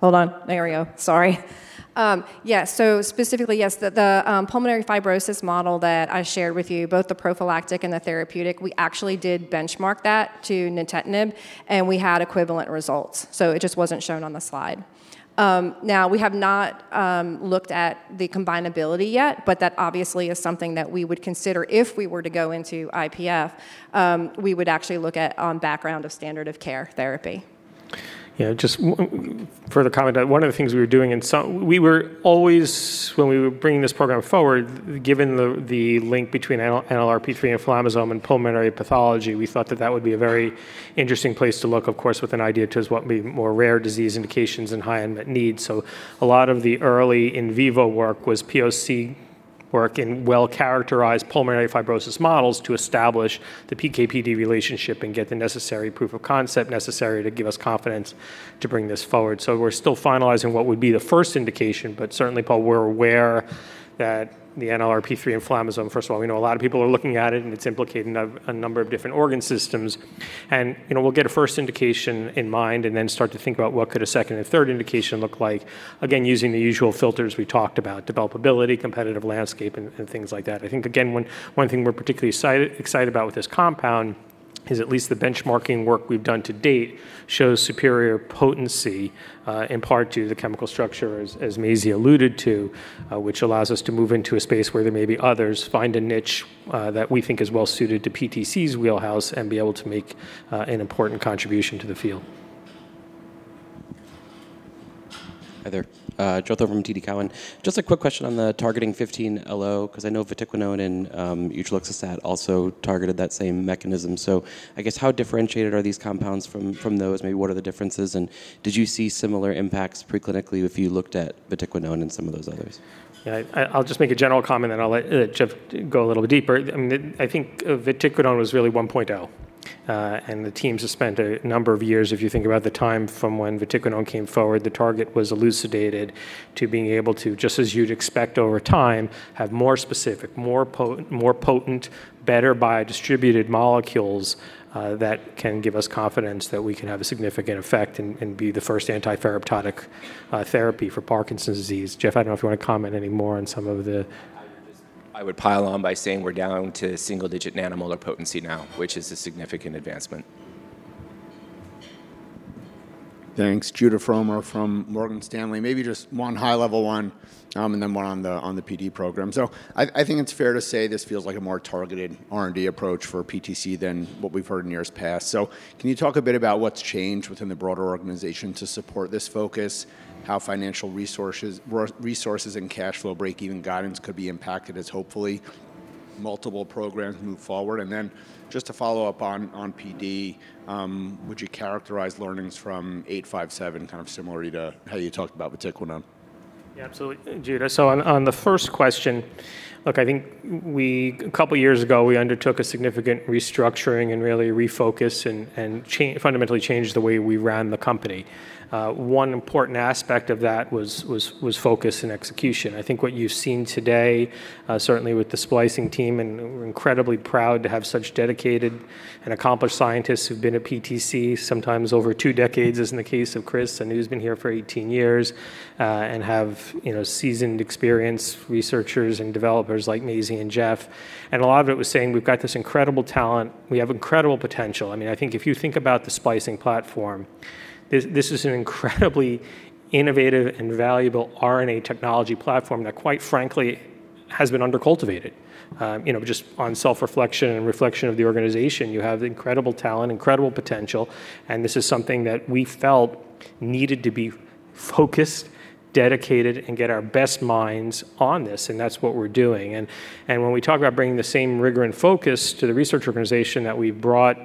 Hold on. There we go. Sorry. Yeah, so specifically, yes, the pulmonary fibrosis model that I shared with you, both the prophylactic and the therapeutic, we actually did benchmark that to Ofev, and we had equivalent results. It just was not shown on the slide. Now, we have not looked at the combinability yet, but that obviously is something that we would consider if we were to go into IPF. We would actually look at on background of standard of care therapy. Yeah, just further comment on one of the things we were doing. We were always, when we were bringing this program forward, given the link between NLRP3 and inflammasome and pulmonary pathology, we thought that that would be a very interesting place to look, of course, with an idea to what would be more rare disease indications and high-end needs. A lot of the early in vivo work was POC work in well-characterized pulmonary fibrosis models to establish the PK/PD relationship and get the necessary proof of concept necessary to give us confidence to bring this forward. We're still finalizing what would be the first indication, but certainly, Paul, we're aware that the NLRP3 and inflammasome, first of all, we know a lot of people are looking at it, and it's implicated in a number of different organ systems. We'll get a first indication in mind and then start to think about what could a second and third indication look like, again, using the usual filters we talked about: developability, competitive landscape, and things like that. I think, again, one thing we're particularly excited about with this compound is at least the benchmarking work we've done to date shows superior potency, in part due to the chemical structure, as Mayzie alluded to, which allows us to move into a space where there may be others, find a niche that we think is well-suited to PTC's wheelhouse, and be able to make an important contribution to the field. Hi there. Joseph Thome from TD Cowen. Just a quick question on the targeting 15-LO, because I know Vatiquinone and Utreloxastat also targeted that same mechanism. I guess, how differentiated are these compounds from those? Maybe what are the differences? Did you see similar impacts preclinically if you looked at vatiquinone and some of those others? Yeah, I'll just make a general comment, then I'll let Jeff go a little bit deeper. I think vatiquinone was really 1.0. And the teams have spent a number of years, if you think about the time from when vatiquinone came forward, the target was elucidated to being able to, just as you'd expect over time, have more specific, more potent, better biodistributed molecules that can give us confidence that we can have a significant effect and be the first anti-ferroptotic therapy for Parkinson's disease. Jeff, I don't know if you want to comment any more on some of the. I would pile on by saying we're down to single-digit nanomolar potency now, which is a significant advancement. Thanks. Judah Frommer from Morgan Stanley. Maybe just one high-level one and then one on the PD program. I think it's fair to say this feels like a more targeted R&D approach for PTC than what we've heard in years past. Can you talk a bit about what's changed within the broader organization to support this focus, how financial resources and cash flow break-even guidance could be impacted as hopefully multiple programs move forward? To follow up on PD, would you characterize learnings from 857 kind of similarly to how you talked about vatiquinone? Yeah, absolutely. Judah, on the first question, look, I think a couple of years ago, we undertook a significant restructuring and really refocused and fundamentally changed the way we ran the company. One important aspect of that was focus and execution. I think what you've seen today, certainly with the splicing team, and we're incredibly proud to have such dedicated and accomplished scientists who've been at PTC, sometimes over two decades, as in the case of Chris, who's been here for 18 years, and have seasoned experience, researchers and developers like Mayzie and Jeff. A lot of it was saying we've got this incredible talent. We have incredible potential. I mean, I think if you think about the splicing platform, this is an incredibly innovative and valuable RNA technology platform that, quite frankly, has been undercultivated. Just on self-reflection and reflection of the organization, you have incredible talent, incredible potential, and this is something that we felt needed to be focused, dedicated, and get our best minds on this. That is what we are doing. When we talk about bringing the same rigor and focus to the research organization that we brought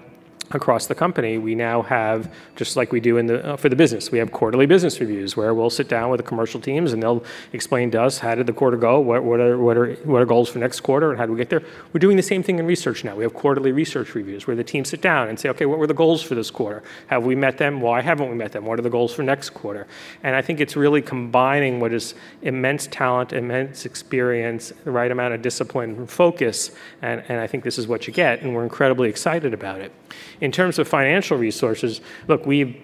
across the company, we now have, just like we do for the business, quarterly business reviews where we will sit down with the commercial teams, and they will explain to us, how did the quarter go? What are goals for next quarter? How do we get there? We are doing the same thing in research now. We have quarterly research reviews where the teams sit down and say, okay, what were the goals for this quarter? Have we met them? Why have we not met them? What are the goals for next quarter? I think it's really combining what is immense talent, immense experience, the right amount of discipline and focus, and I think this is what you get, and we're incredibly excited about it. In terms of financial resources, look, we've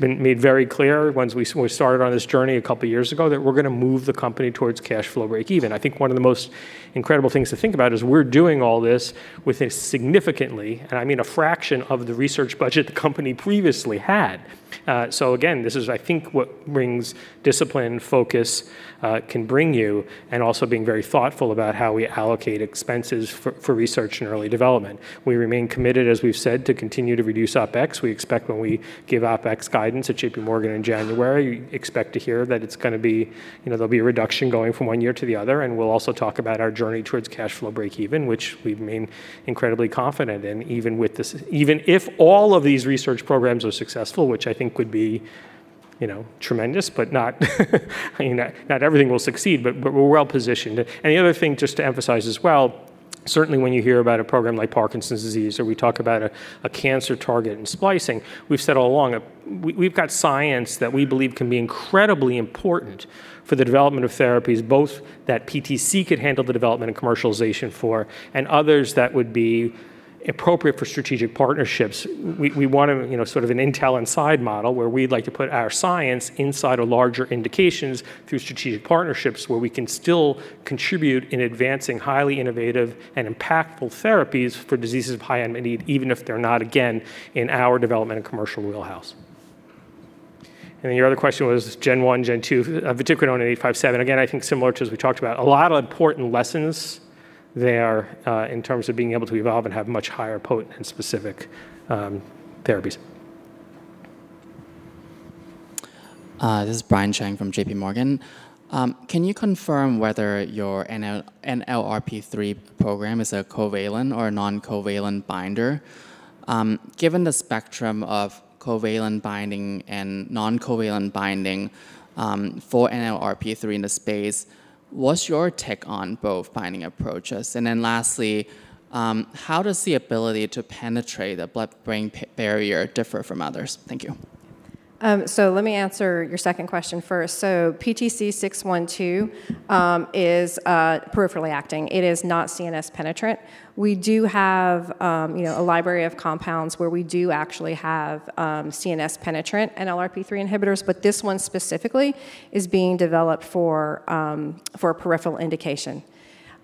made very clear once we started on this journey a couple of years ago that we're going to move the company towards cash flow break-even. I think one of the most incredible things to think about is we're doing all this with a significantly, and I mean a fraction of the research budget the company previously had. Again, this is, I think, what discipline and focus can bring you, and also being very thoughtful about how we allocate expenses for research and early development. We remain committed, as we've said, to continue to reduce OpEx. We expect when we give OpEx guidance at J.P. Morgan in January, you expect to hear that it's going to be there'll be a reduction going from one year to the other. We'll also talk about our journey towards cash flow break-even, which we remain incredibly confident in, even if all of these research programs are successful, which I think would be tremendous, but not everything will succeed, but we're well positioned. The other thing just to emphasize as well, certainly when you hear about a program like Parkinson's disease or we talk about a cancer target and splicing, we've said all along we've got science that we believe can be incredibly important for the development of therapies, both that PTC could handle the development and commercialization for, and others that would be appropriate for strategic partnerships. We want sort of an intel inside model where we'd like to put our science inside of larger indications through strategic partnerships where we can still contribute in advancing highly innovative and impactful therapies for diseases of high-end need, even if they're not, again, in our development and commercial wheelhouse. Your other question was Gen 1, Gen 2, vatiquinone and 857. I think similar to as we talked about, a lot of important lessons there in terms of being able to evolve and have much higher potent and specific therapies. This is Brian Cheng from J.P. Morgan. Can you confirm whether your NLRP3 program is a covalent or a non-covalent binder? Given the spectrum of covalent binding and non-covalent binding for NLRP3 in the space, what's your take on both binding approaches? Lastly, how does the ability to penetrate the blood-brain barrier differ from others? Thank you. Let me answer your second question first. PTC612 is peripherally acting. It is not CNS penetrant. We do have a library of compounds where we do actually have CNS penetrant NLRP3 inhibitors, but this one specifically is being developed for peripheral indication.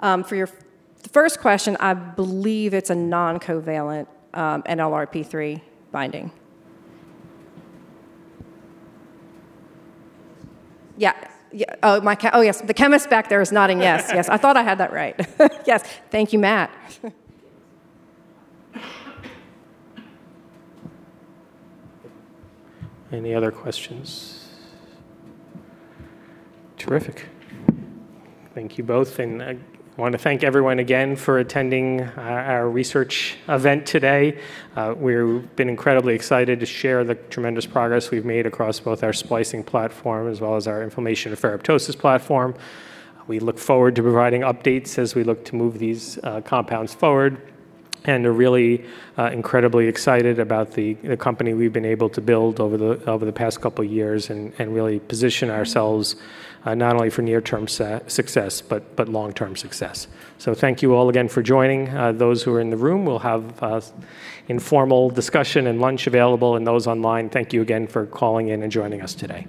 For your first question, I believe it is a non-covalent NLRP3 binding. Yeah. Oh, yes. The chemist back there is nodding yes. Yes, I thought I had that right. Yes. Thank you, Matt. Any other questions? Terrific. Thank you both. I want to thank everyone again for attending our research event today. We've been incredibly excited to share the tremendous progress we've made across both our splicing platform as well as our inflammation and ferroptosis platform. We look forward to providing updates as we look to move these compounds forward. We're really incredibly excited about the company we've been able to build over the past couple of years and really position ourselves not only for near-term success, but long-term success. Thank you all again for joining. Those who are in the room, we'll have informal discussion and lunch available. Those online, thank you again for calling in and joining us today.